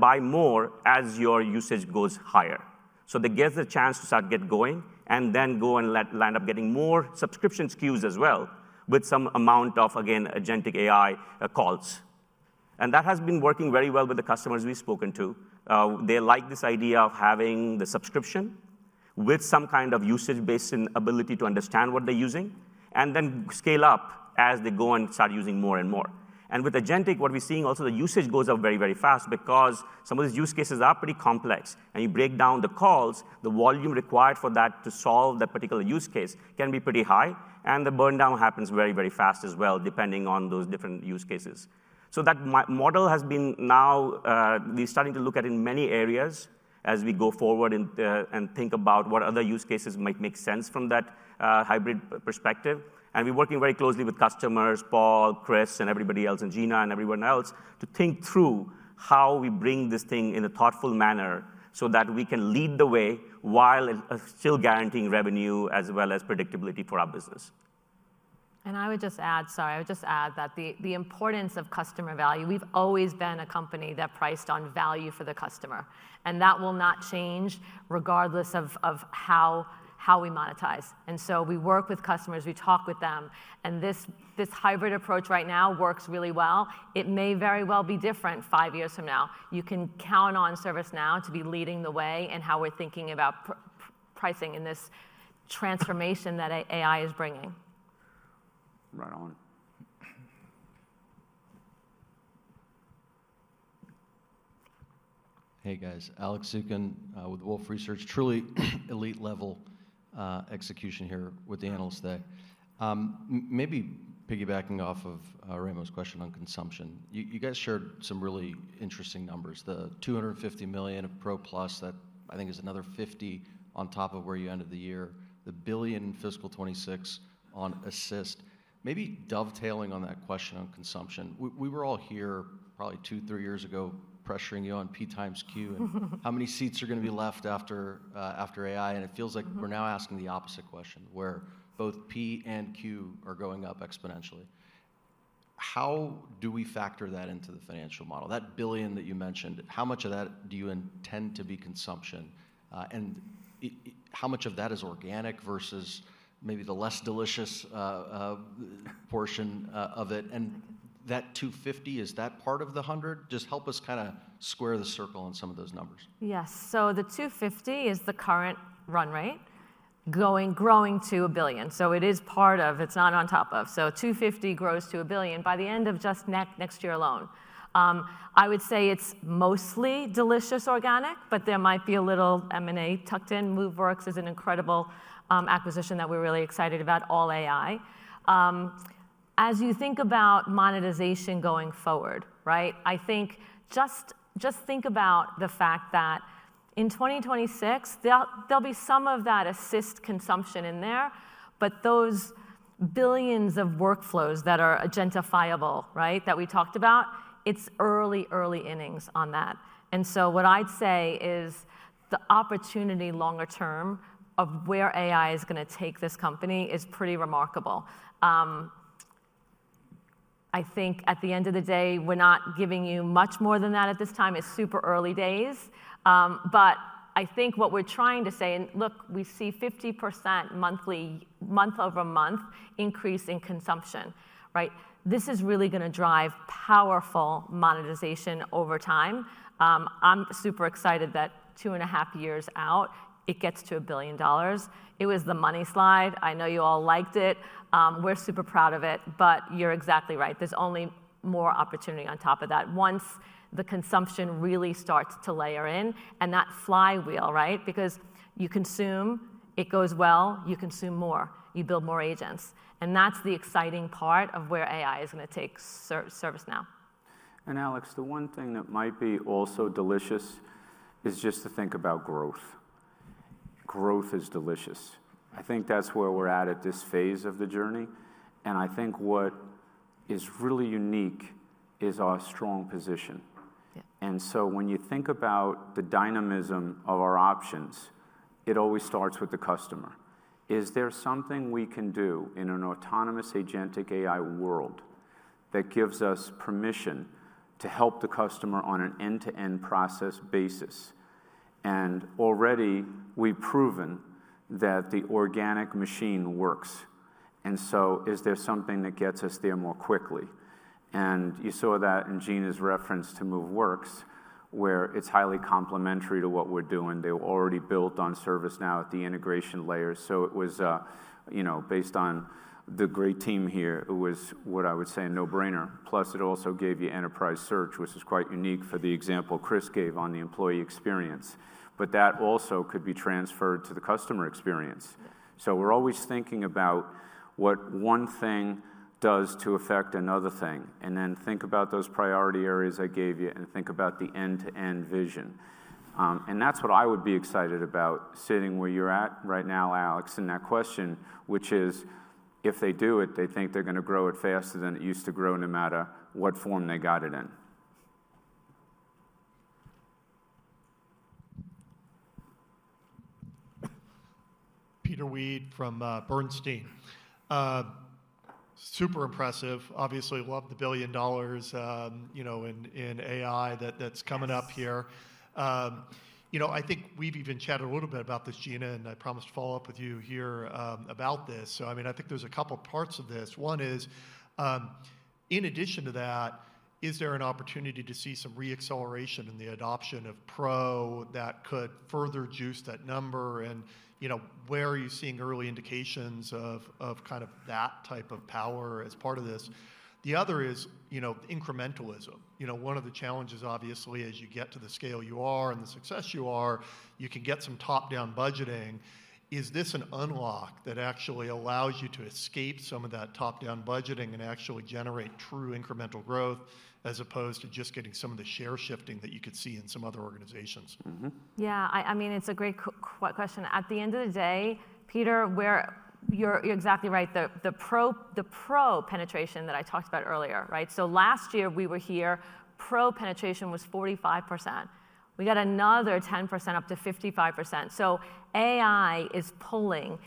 buy more as your usage goes higher. They get the chance to start getting going and then go and land up getting more subscription SKUs as well with some amount of, again, agentic AI calls. That has been working very well with the customers we've spoken to. They like this idea of having the subscription with some kind of usage-based ability to understand what they're using and then scale up as they go and start using more and more. With agentic, what we're seeing also, the usage goes up very, very fast because some of these use cases are pretty complex. You break down the calls, the volume required for that to solve that particular use case can be pretty high. The burndown happens very, very fast as well, depending on those different use cases. That model has been now we're starting to look at in many areas as we go forward and think about what other use cases might make sense from that hybrid perspective. We're working very closely with customers, Paul, Chris, and everybody else, and Gina and everyone else to think through how we bring this thing in a thoughtful manner so that we can lead the way while still guaranteeing revenue as well as predictability for our business. I would just add, sorry, I would just add that the importance of customer value. We've always been a company that priced on value for the customer. That will not change regardless of how we monetize. We work with customers. We talk with them. This hybrid approach right now works really well. It may very well be different five years from now. You can count on ServiceNow to be leading the way in how we're thinking about pricing in this transformation that AI is bringing. Right on. Hey, guys. Alex Zukin with Wolfe Research, truly elite-level execution here with the analysts today. Maybe piggybacking off of Ryan's question on consumption, you guys shared some really interesting numbers. The $250 million of Pro Plus, that I think is another $50 million on top of where you ended the year, the $1 billion in fiscal 2026 on assist. Maybe dovetailing on that question on consumption, we were all here probably two, three years ago pressuring you on P times Q and how many seats are going to be left after AI. It feels like we're now asking the opposite question where both P and Q are going up exponentially. How do we factor that into the financial model? That billion that you mentioned, how much of that do you intend to be consumption? How much of that is organic versus maybe the less delicious portion of it? That 250, is that part of the 100? Just help us kind of square the circle on some of those numbers. Yes. The 250 is the current run rate growing to a billion. It is part of, it's not on top of. 250 grows to a billion by the end of just next year alone. I would say it's mostly delicious organic, but there might be a little M&A tucked in. Moveworks is an incredible acquisition that we're really excited about, all AI. As you think about monetization going forward, I think just think about the fact that in 2026, there'll be some of that assist consumption in there. Those billions of workflows that are identifiable that we talked about, it's early, early innings on that. What I'd say is the opportunity longer term of where AI is going to take this company is pretty remarkable. I think at the end of the day, we're not giving you much more than that at this time. It's super early days. I think what we're trying to say, and look, we see 50% monthly month over month increase in consumption. This is really going to drive powerful monetization over time. I'm super excited that two and a half years out, it gets to a billion dollars. It was the money slide. I know you all liked it. We're super proud of it. You're exactly right. There's only more opportunity on top of that once the consumption really starts to layer in and that flywheel because you consume, it goes well, you consume more, you build more agents. That's the exciting part of where AI is going to take ServiceNow. Alex, the one thing that might be also delicious is just to think about growth. Growth is delicious. I think that's where we're at at this phase of the journey. I think what is really unique is our strong position. When you think about the dynamism of our options, it always starts with the customer. Is there something we can do in an autonomous agentic AI world that gives us permission to help the customer on an end-to-end process basis? Already we've proven that the organic machine works. Is there something that gets us there more quickly? You saw that in Gina's reference to Moveworks, where it's highly complementary to what we're doing. They were already built on ServiceNow at the integration layer. It was based on the great team here, who was, what I would say, a no-brainer. Plus, it also gave you enterprise search, which is quite unique for the example Chris gave on the employee experience. That also could be transferred to the customer experience. We're always thinking about what one thing does to affect another thing. Think about those priority areas I gave you and think about the end-to-end vision. That is what I would be excited about sitting where you're at right now, Alex, and that question, which is, if they do it, they think they're going to grow it faster than it used to grow no matter what form they got it in. Peter Weed from Bernstein. Super impressive. Obviously, love the billion dollars in AI that's coming up here. I think we've even chatted a little bit about this, Gina, and I promised to follow up with you here about this. I think there's a couple of parts of this. One is, in addition to that, is there an opportunity to see some re-acceleration in the adoption of Pro that could further juice that number? Where are you seeing early indications of kind of that type of power as part of this? The other is incrementalism. One of the challenges, obviously, as you get to the scale you are and the success you are, you can get some top-down budgeting. Is this an unlock that actually allows you to escape some of that top-down budgeting and actually generate true incremental growth as opposed to just getting some of the share shifting that you could see in some other organizations? Yeah. I mean, it's a great question. At the end of the day, Peter, you're exactly right. The Pro penetration that I talked about earlier. Last year we were here, Pro penetration was 45%. We got another 10% up to 55%. AI is pulling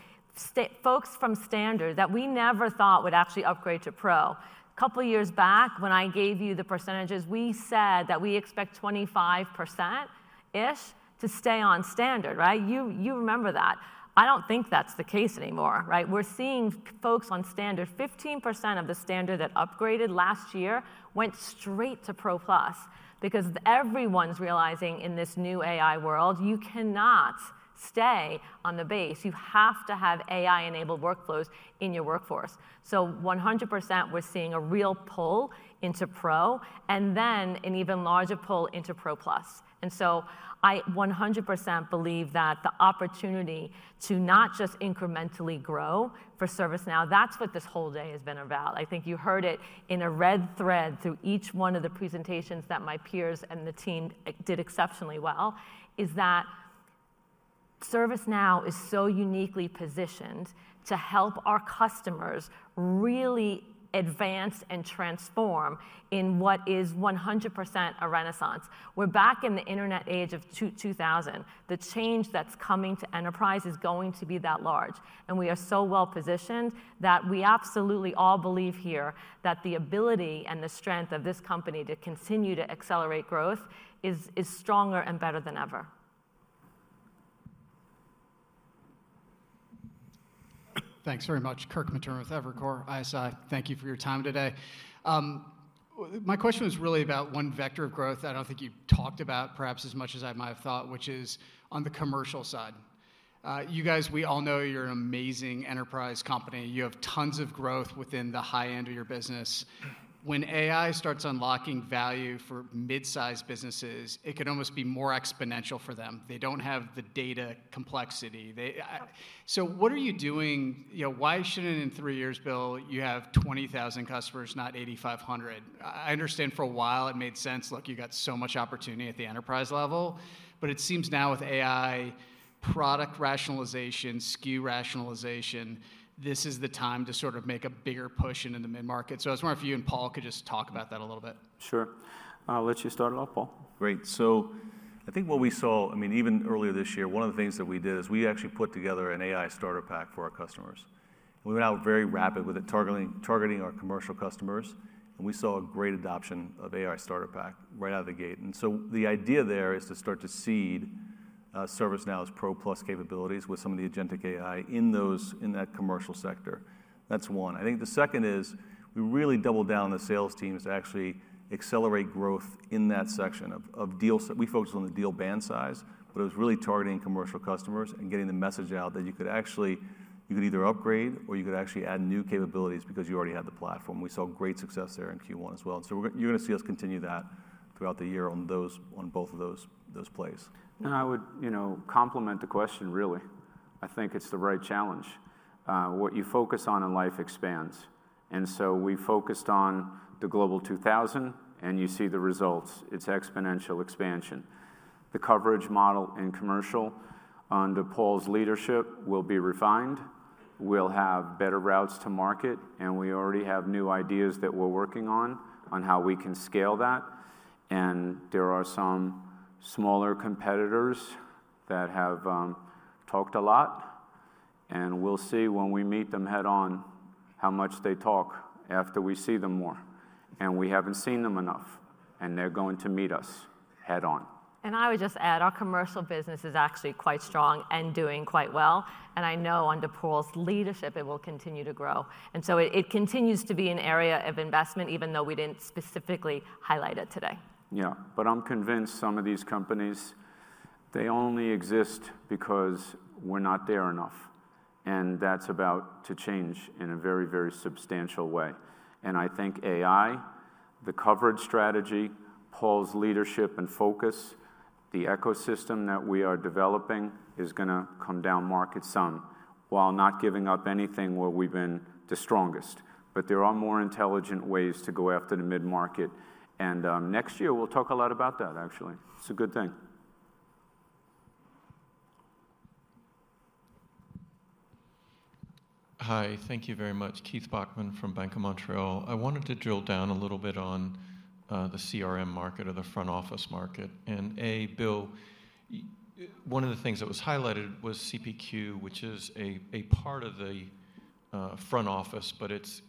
folks from Standard that we never thought would actually upgrade to Pro. A couple of years back, when I gave you the percentages, we said that we expect 25%-ish to stay on Standard. You remember that. I don't think that's the case anymore. We're seeing folks on Standard. 15% of the Standard that upgraded last year went straight to Pro Plus because everyone's realizing in this new AI world, you cannot stay on the base. You have to have AI-enabled workflows in your workforce. 100%, we're seeing a real pull into Pro and then an even larger pull into Pro Plus. I 100% believe that the opportunity to not just incrementally grow for ServiceNow, that's what this whole day has been about. I think you heard it in a red thread through each one of the presentations that my peers and the team did exceptionally well, is that ServiceNow is so uniquely positioned to help our customers really advance and transform in what is 100% a renaissance. We're back in the internet age of 2000. The change that's coming to enterprise is going to be that large. We are so well positioned that we absolutely all believe here that the ability and the strength of this company to continue to accelerate growth is stronger and better than ever. Thanks very much. Kirk Materne with Evercore ISI. Thank you for your time today. My question was really about one vector of growth that I don't think you talked about perhaps as much as I might have thought, which is on the commercial side. You guys, we all know you're an amazing enterprise company. You have tons of growth within the high end of your business. When AI starts unlocking value for mid-size businesses, it could almost be more exponential for them. They don't have the data complexity. What are you doing? Why shouldn't in three years, Bill, you have 20,000 customers, not 8,500? I understand for a while it made sense. Look, you got so much opportunity at the enterprise level. It seems now with AI, product rationalization, SKU rationalization, this is the time to sort of make a bigger push into the mid-market. I was wondering if you and Paul could just talk about that a little bit. Sure. I'll let you start it off, Paul. Great. I think what we saw, I mean, even earlier this year, one of the things that we did is we actually put together an AI starter pack for our customers. We went out very rapid with it, targeting our commercial customers. We saw a great adoption of AI starter pack right out of the gate. The idea there is to start to seed ServiceNow's Pro Plus capabilities with some of the agentic AI in that commercial sector. That's one. I think the second is we really doubled down on the sales teams to actually accelerate growth in that section of deals. We focused on the deal band size, but it was really targeting commercial customers and getting the message out that you could actually either upgrade or you could actually add new capabilities because you already had the platform. We saw great success there in Q1 as well. You are going to see us continue that throughout the year on both of those plays. I would complement the question, really. I think it's the right challenge. What you focus on in life expands. We focused on the global 2000, and you see the results. It's exponential expansion. The coverage model in commercial under Paul's leadership will be refined. will have better routes to market, and we already have new ideas that we are working on on how we can scale that. There are some smaller competitors that have talked a lot. We will see when we meet them head-on how much they talk after we see them more. We have not seen them enough. They are going to meet us head-on. I would just add our commercial business is actually quite strong and doing quite well. I know under Paul's leadership, it will continue to grow. It continues to be an area of investment, even though we did not specifically highlight it today. I am convinced some of these companies only exist because we are not there enough. That is about to change in a very, very substantial way. I think AI, the coverage strategy, Paul's leadership and focus, the ecosystem that we are developing is going to come down market some while not giving up anything where we've been the strongest. There are more intelligent ways to go after the mid-market. Next year, we'll talk a lot about that, actually. Hi. Thank you very much. Keith Bachman from Bank of Montreal. I wanted to drill down a little bit on the CRM market or the front office market. A, Bill, one of the things that was highlighted was CPQ, which is a part of the front office, but it's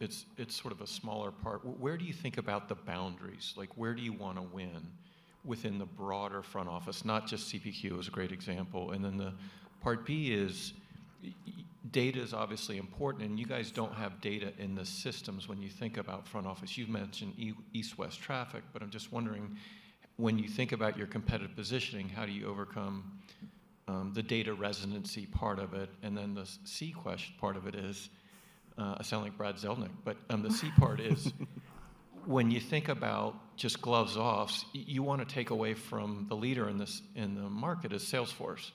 sort of a smaller part. Where do you think about the boundaries? Where do you want to win within the broader front office? Not just CPQ is a great example. The part B is data is obviously important. You guys don't have data in the systems when you think about front office. You've mentioned east-west traffic, but I'm just wondering, when you think about your competitive positioning, how do you overcome the data residency part of it? The C question part of it is I sound like Brad Zelnick, but the C part is, when you think about just gloves off, you want to take away from the leader in the market is Salesforce.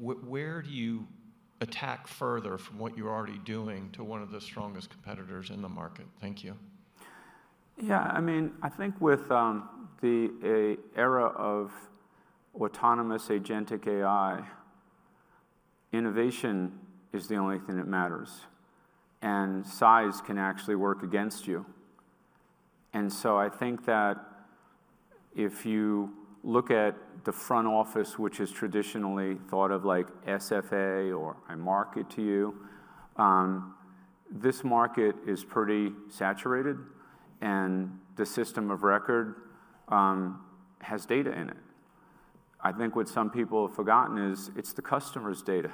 Where do you attack further from what you're already doing to one of the strongest competitors in the market? Thank you. Yeah. I mean, I think with the era of autonomous agentic AI, innovation is the only thing that matters. Size can actually work against you. I think that if you look at the front office, which is traditionally thought of like SFA or I market to you, this market is pretty saturated. The system of record has data in it. I think what some people have forgotten is it's the customer's data.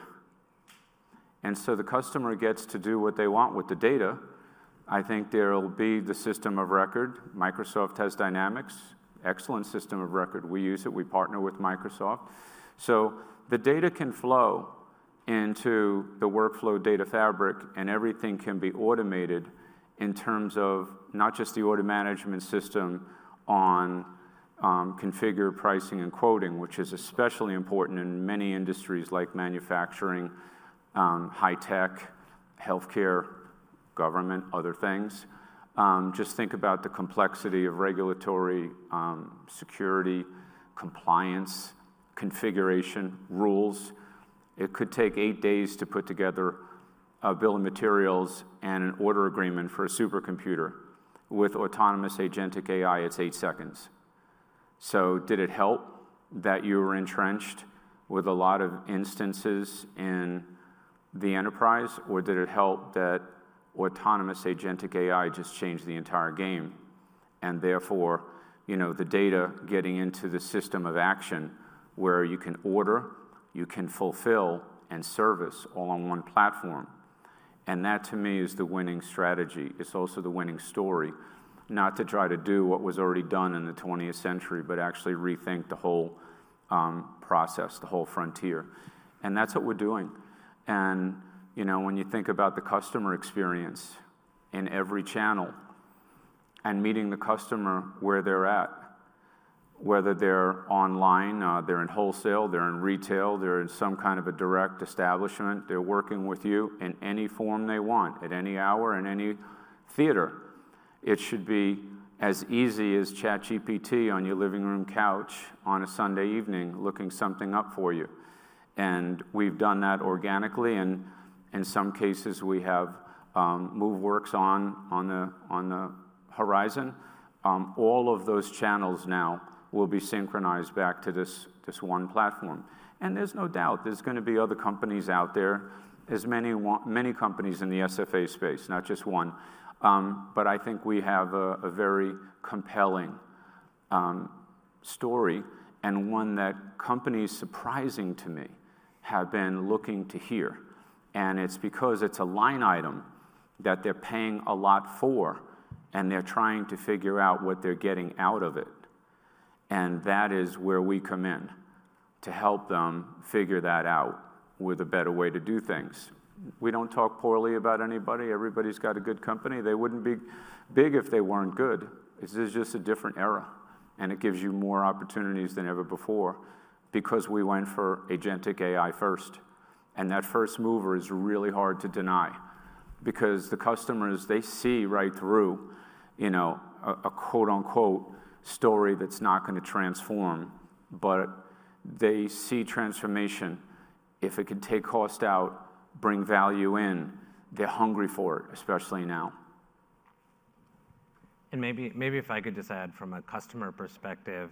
The customer gets to do what they want with the data. I think there will be the system of record. Microsoft has Dynamics, excellent system of record. We use it. We partner with Microsoft. The data can flow into the workflow data fabric, and everything can be automated in terms of not just the order management system on configure pricing and quoting, which is especially important in many industries like manufacturing, high tech, healthcare, government, other things. Just think about the complexity of regulatory security, compliance, configuration, rules. It could take eight days to put together a bill of materials and an order agreement for a supercomputer. With autonomous agentic AI, it's eight seconds. Did it help that you were entrenched with a lot of instances in the enterprise, or did it help that autonomous agentic AI just changed the entire game? Therefore, the data getting into the system of action where you can order, you can fulfill, and service all on one platform. That, to me, is the winning strategy. It's also the winning story, not to try to do what was already done in the 20th century, but actually rethink the whole process, the whole frontier. That's what we're doing. When you think about the customer experience in every channel and meeting the customer where they're at, whether they're online, they're in wholesale, they're in retail, they're in some kind of a direct establishment, they're working with you in any form they want, at any hour, in any theater, it should be as easy as ChatGPT on your living room couch on a Sunday evening looking something up for you. We have done that organically. In some cases, we have Moveworks on the horizon. All of those channels now will be synchronized back to this one platform. There is no doubt there are going to be other companies out there, as many companies in the SFA space, not just one. I think we have a very compelling story and one that companies, surprising to me, have been looking to hear. It is because it is a line item that they are paying a lot for, and they are trying to figure out what they are getting out of it. That is where we come in to help them figure that out with a better way to do things. We do not talk poorly about anybody. Everybody has a good company. They would not be big if they were not good. This is just a different era. It gives you more opportunities than ever before because we went for agentic AI first. That first mover is really hard to deny because the customers, they see right through a quote-unquote story that is not going to transform, but they see transformation. If it can take cost out, bring value in, they are hungry for it, especially now. Maybe if I could just add from a customer perspective,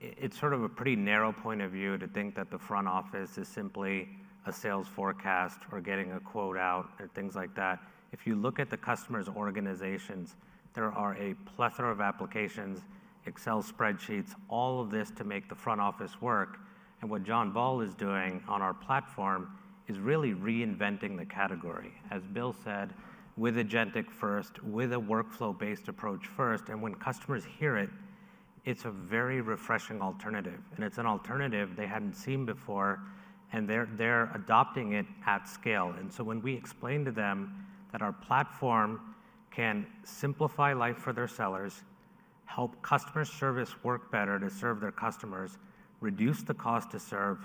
it's sort of a pretty narrow point of view to think that the front office is simply a sales forecast or getting a quote out and things like that. If you look at the customer's organizations, there are a plethora of applications, Excel spreadsheets, all of this to make the front office work. What John Ball is doing on our platform is really reinventing the category, as Bill said, with agentic first, with a workflow-based approach first. When customers hear it, it's a very refreshing alternative. It's an alternative they hadn't seen before. They're adopting it at scale. When we explain to them that our platform can simplify life for their sellers, help customer service work better to serve their customers, reduce the cost to serve,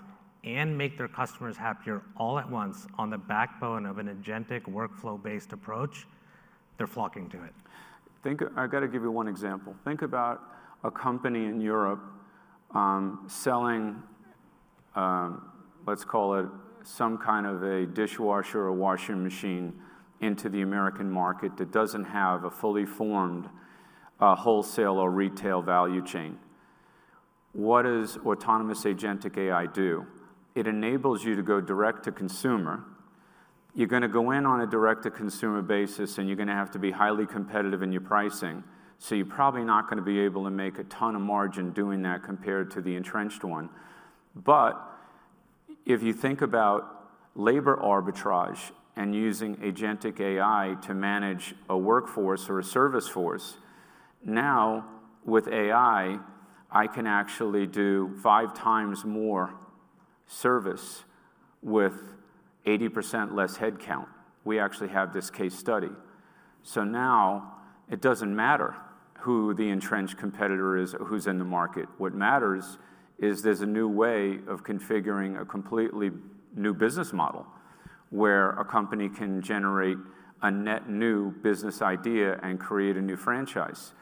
and make their customers happier all at once on the backbone of an agentic workflow-based approach, they're flocking to it. I got to give you one example. Think about a company in Europe selling, let's call it some kind of a dishwasher or washing machine into the American market that doesn't have a fully formed wholesale or retail value chain. What does autonomous agentic AI do? It enables you to go direct to consumer. You're going to go in on a direct-to-consumer basis, and you're going to have to be highly competitive in your pricing. You're probably not going to be able to make a ton of margin doing that compared to the entrenched one. If you think about labor arbitrage and using agentic AI to manage a workforce or a service force, now with AI, I can actually do five times more service with 80% less headcount. We actually have this case study. Now it does not matter who the entrenched competitor is or who is in the market. What matters is there is a new way of configuring a completely new business model where a company can generate a net new business idea and create a new franchise.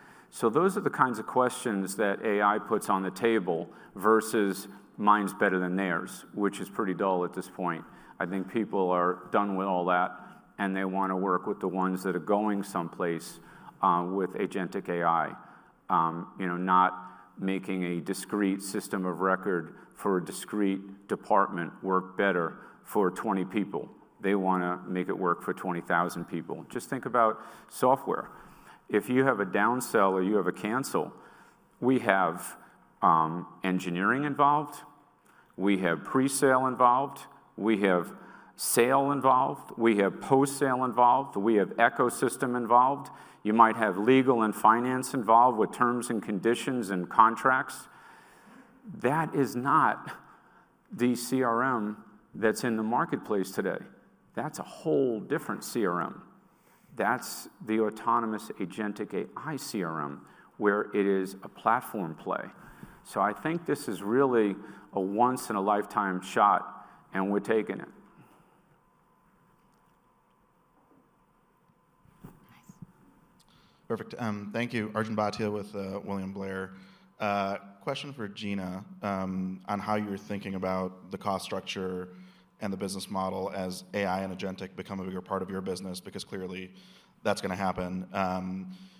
Those are the kinds of questions that AI puts on the table versus minds better than theirs, which is pretty dull at this point. I think people are done with all that, and they want to work with the ones that are going someplace with agentic AI, not making a discrete system of record for a discrete department work better for 20 people. They want to make it work for 20,000 people. Just think about software. If you have a downsell or you have a cancel, we have engineering involved. We have presale involved. We have sale involved. We have post-sale involved. We have ecosystem involved. You might have legal and finance involved with terms and conditions and contracts. That is not the CRM that's in the marketplace today. That is a whole different CRM. That is the autonomous agentic AI CRM where it is a platform play. I think this is really a once-in-a-lifetime shot, and we're taking it. Thank you. Arjun Bhatia with William Blair. Question for Gina on how you're thinking about the cost structure and the business model as AI and agentic become a bigger part of your business because clearly that's going to happen.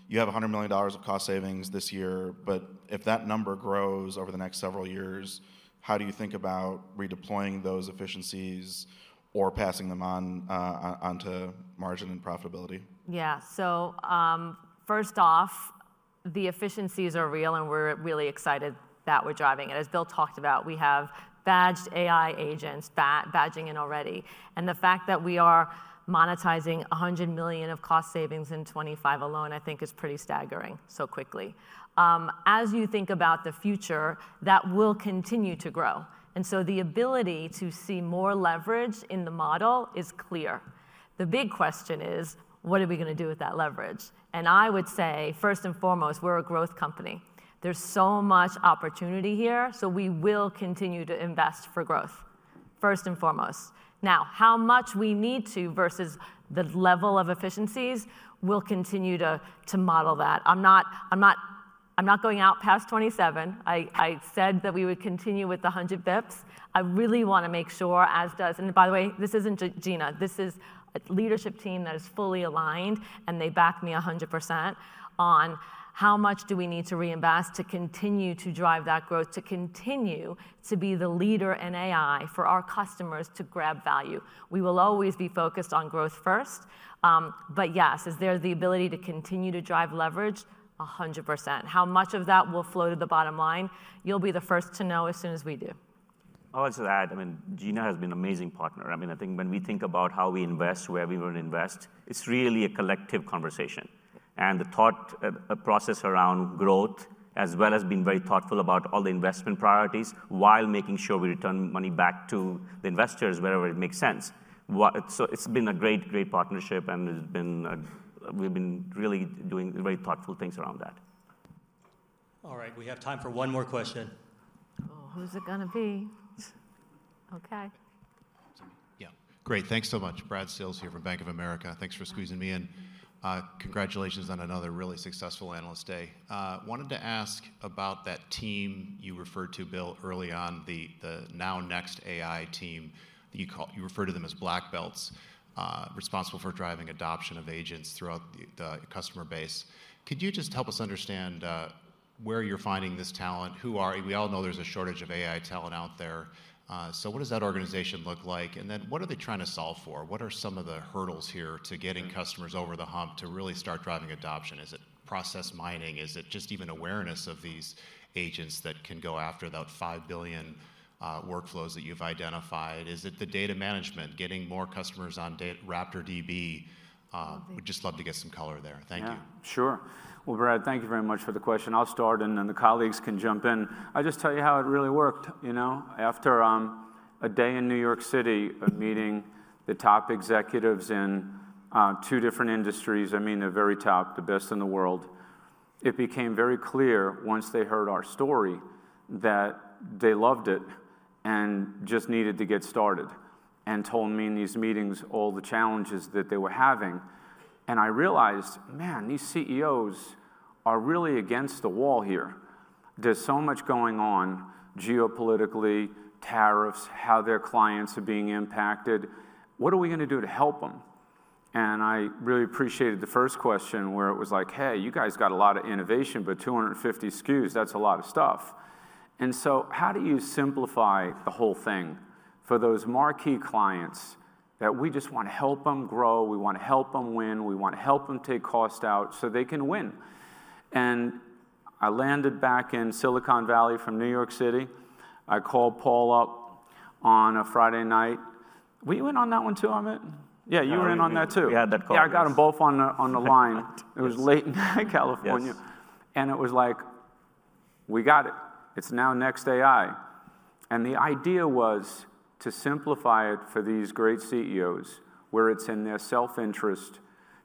You have $100 million of cost savings this year, but if that number grows over the next several years, how do you think about redeploying those efficiencies or passing them onto margin and profitability? Yeah. First off, the efficiencies are real, and we're really excited that we're driving it. As Bill talked about, we have badged AI agents badging in already. The fact that we are monetizing $100 million of cost savings in 2025 alone, I think, is pretty staggering so quickly. As you think about the future, that will continue to grow. The ability to see more leverage in the model is clear. The big question is, what are we going to do with that leverage? I would say, first and foremost, we're a growth company. There's so much opportunity here, so we will continue to invest for growth, first and foremost. Now, how much we need to versus the level of efficiencies will continue to model that. I'm not going out past 2027. I said that we would continue with the 100 basis points. I really want to make sure, as does—and by the way, this isn't Gina. This is a leadership team that is fully aligned, and they back me 100% on how much do we need to reinvest to continue to drive that growth, to continue to be the leader in AI for our customers to grab value. We will always be focused on growth first. Yes, is there the ability to continue to drive leverage? 100%. How much of that will flow to the bottom line? You'll be the first to know as soon as we do. I'll add to that. I mean, Gina has been an amazing partner. I mean, I think when we think about how we invest, where we want to invest, it's really a collective conversation. The thought process around growth, as well as being very thoughtful about all the investment priorities while making sure we return money back to the investors wherever it makes sense. It's been a great, great partnership, and we've been really doing very thoughtful things around that. All right. We have time for one more question. Oh, who's it going to be? Okay. Sorry. Yeah. Great. Thanks so much. Brad Sales here from Bank of America. Thanks for squeezing me in. Congratulations on another really successful Analyst Day. Wanted to ask about that team you referred to, Bill, early on, the now-next AI team that you refer to them as black belts, responsible for driving adoption of agents throughout the customer base. Could you just help us understand where you're finding this talent? We all know there's a shortage of AI talent out there. What does that organization look like? What are they trying to solve for? What are some of the hurdles here to getting customers over the hump to really start driving adoption? Is it process mining? Is it just even awareness of these agents that can go after about 5 billion workflows that you've identified? Is it the data management, getting more customers on RaptorDB? We'd just love to get some color there. Thank you. Yeah. Sure. Brad, thank you very much for the question. I'll start, and then the colleagues can jump in. I'll just tell you how it really worked. After a day in New York City, meeting the top executives in two different industries, I mean, the very top, the best in the world, it became very clear once they heard our story that they loved it and just needed to get started and told me in these meetings all the challenges that they were having. I realized, man, these CEOs are really against the wall here. There's so much going on geopolitically, tariffs, how their clients are being impacted. What are we going to do to help them? I really appreciated the first question where it was like, "Hey, you guys got a lot of innovation, but 250 SKUs, that's a lot of stuff." How do you simplify the whole thing for those marquee clients that we just want to help them grow? We want to help them win. We want to help them take cost out so they can win. I landed back in Silicon Valley from New York City. I called Paul up on a Friday night. We went on that one too, I met. Yeah, you were in on that too. Yeah, I got them both on the line. It was late in California. It was like, "We got it. It's Now Next AI." The idea was to simplify it for these great CEOs where it's in their self-interest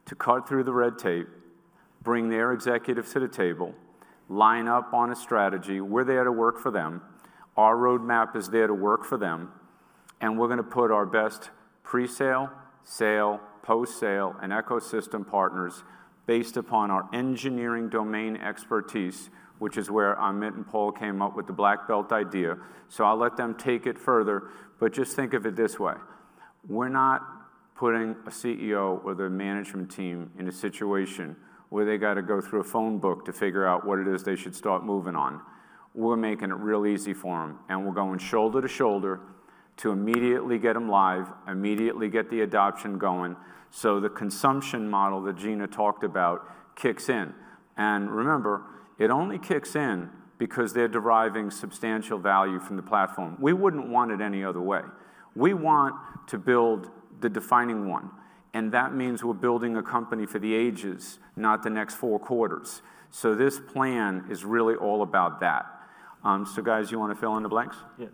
to cut through the red tape, bring their executives to the table, line up on a strategy. We're there to work for them. Our roadmap is there to work for them. We're going to put our best presale, sale, post-sale, and ecosystem partners based upon our engineering domain expertise, which is where Amit and Paul came up with the black belt idea. I'll let them take it further. Just think of it this way. We're not putting a CEO or the management team in a situation where they got to go through a phone book to figure out what it is they should start moving on. We're making it real easy for them, and we're going shoulder to shoulder to immediately get them live, immediately get the adoption going so the consumption model that Gina talked about kicks in. Remember, it only kicks in because they're deriving substantial value from the platform. We wouldn't want it any other way. We want to build the defining one. That means we're building a company for the ages, not the next four quarters. This plan is really all about that. Guys, you want to fill in the blanks? Yeah.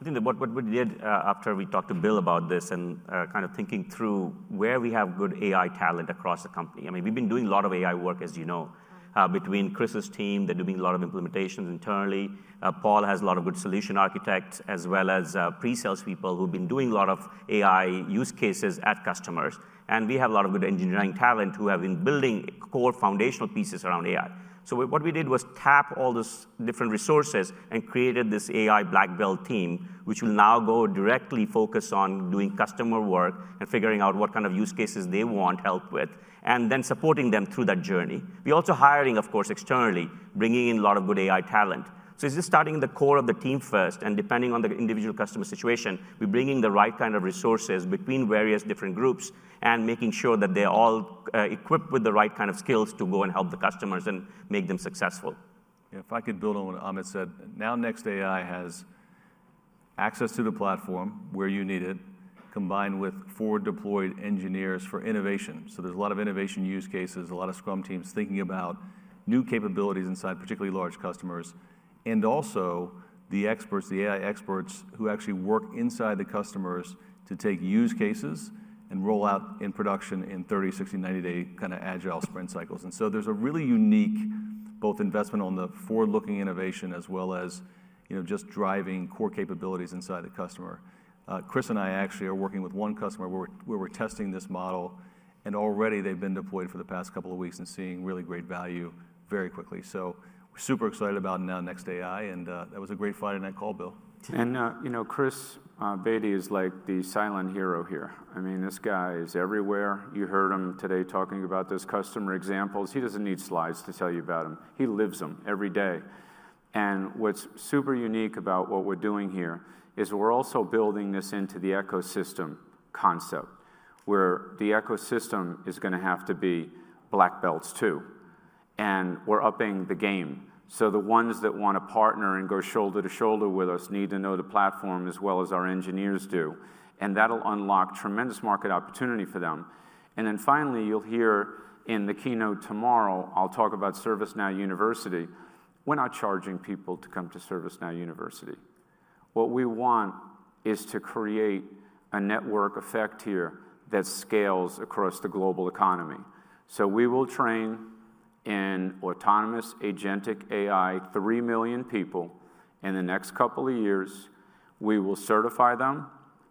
I think what we did after we talked to Bill about this and kind of thinking through where we have good AI talent across the company. I mean, we've been doing a lot of AI work, as you know, between Chris's team. They're doing a lot of implementations internally. Paul has a lot of good solution architects as well as presales people who've been doing a lot of AI use cases at customers. We have a lot of good engineering talent who have been building core foundational pieces around AI. What we did was tap all those different resources and created this AI black belt team, which will now go directly focus on doing customer work and figuring out what kind of use cases they want help with and then supporting them through that journey. We're also hiring, of course, externally, bringing in a lot of good AI talent. It's just starting in the core of the team first. Depending on the individual customer situation, we're bringing the right kind of resources between various different groups and making sure that they're all equipped with the right kind of skills to go and help the customers and make them successful. Yeah. If I could build on what Amit said, Now Next AI has access to the platform where you need it, combined with forward-deployed engineers for innovation. There are a lot of innovation use cases, a lot of Scrum teams thinking about new capabilities inside particularly large customers, and also the experts, the AI experts who actually work inside the customers to take use cases and roll out in production in 30-, 60-, 90-day kind of agile sprint cycles. There is a really unique both investment on the forward-looking innovation as well as just driving core capabilities inside the customer. Chris and I actually are working with one customer where we're testing this model, and already they've been deployed for the past couple of weeks and seeing really great value very quickly. We are super excited about Now Next AI. That was a great Friday night call, Bill. Chris Bedi is like the silent hero here. I mean, this guy is everywhere. You heard him today talking about those customer examples. He doesn't need slides to tell you about them. He lives them every day. What's super unique about what we're doing here is we're also building this into the ecosystem concept where the ecosystem is going to have to be black belts too. We're upping the game. The ones that want to partner and go shoulder to shoulder with us need to know the platform as well as our engineers do. That will unlock tremendous market opportunity for them. Finally, you'll hear in the keynote tomorrow, I'll talk about ServiceNow University. We're not charging people to come to ServiceNow University. What we want is to create a network effect here that scales across the global economy. We will train in autonomous agentic AI 3 million people in the next couple of years. We will certify them.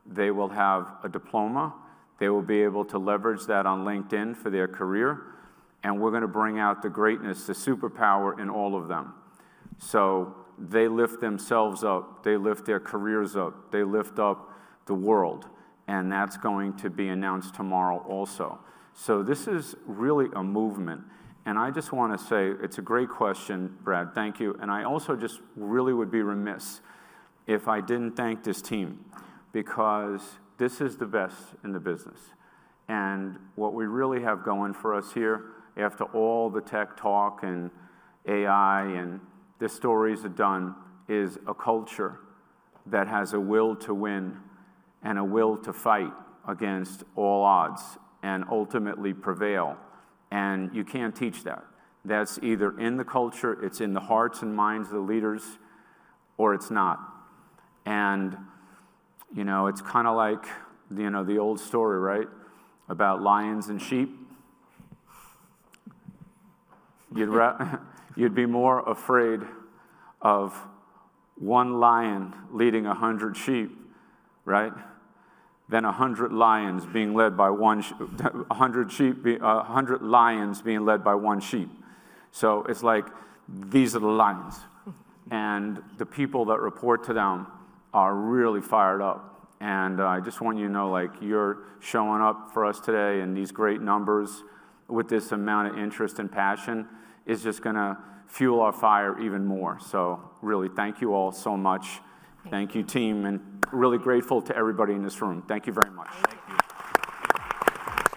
They will have a diploma. They will be able to leverage that on LinkedIn for their career. We're going to bring out the greatness, the superpower in all of them. They lift themselves up. They lift their careers up. They lift up the world. That's going to be announced tomorrow also. This is really a movement. I just want to say it's a great question, Brad. Thank you. I also just really would be remiss if I didn't thank this team because this is the best in the business. What we really have going for us here after all the tech talk and AI and the stories are done is a culture that has a will to win and a will to fight against all odds and ultimately prevail. You can't teach that. That's either in the culture, it's in the hearts and minds of the leaders, or it's not. It's kind of like the old story, right, about lions and sheep. You'd be more afraid of one lion leading 100 sheep, right, than 100 lions being led by one sheep. It is like these are the lions. The people that report to them are really fired up. I just want you to know you're showing up for us today in these great numbers with this amount of interest and passion is just going to fuel our fire even more. Really, thank you all so much. Thank you, team. Really grateful to everybody in this room. Thank you very much. Thank you.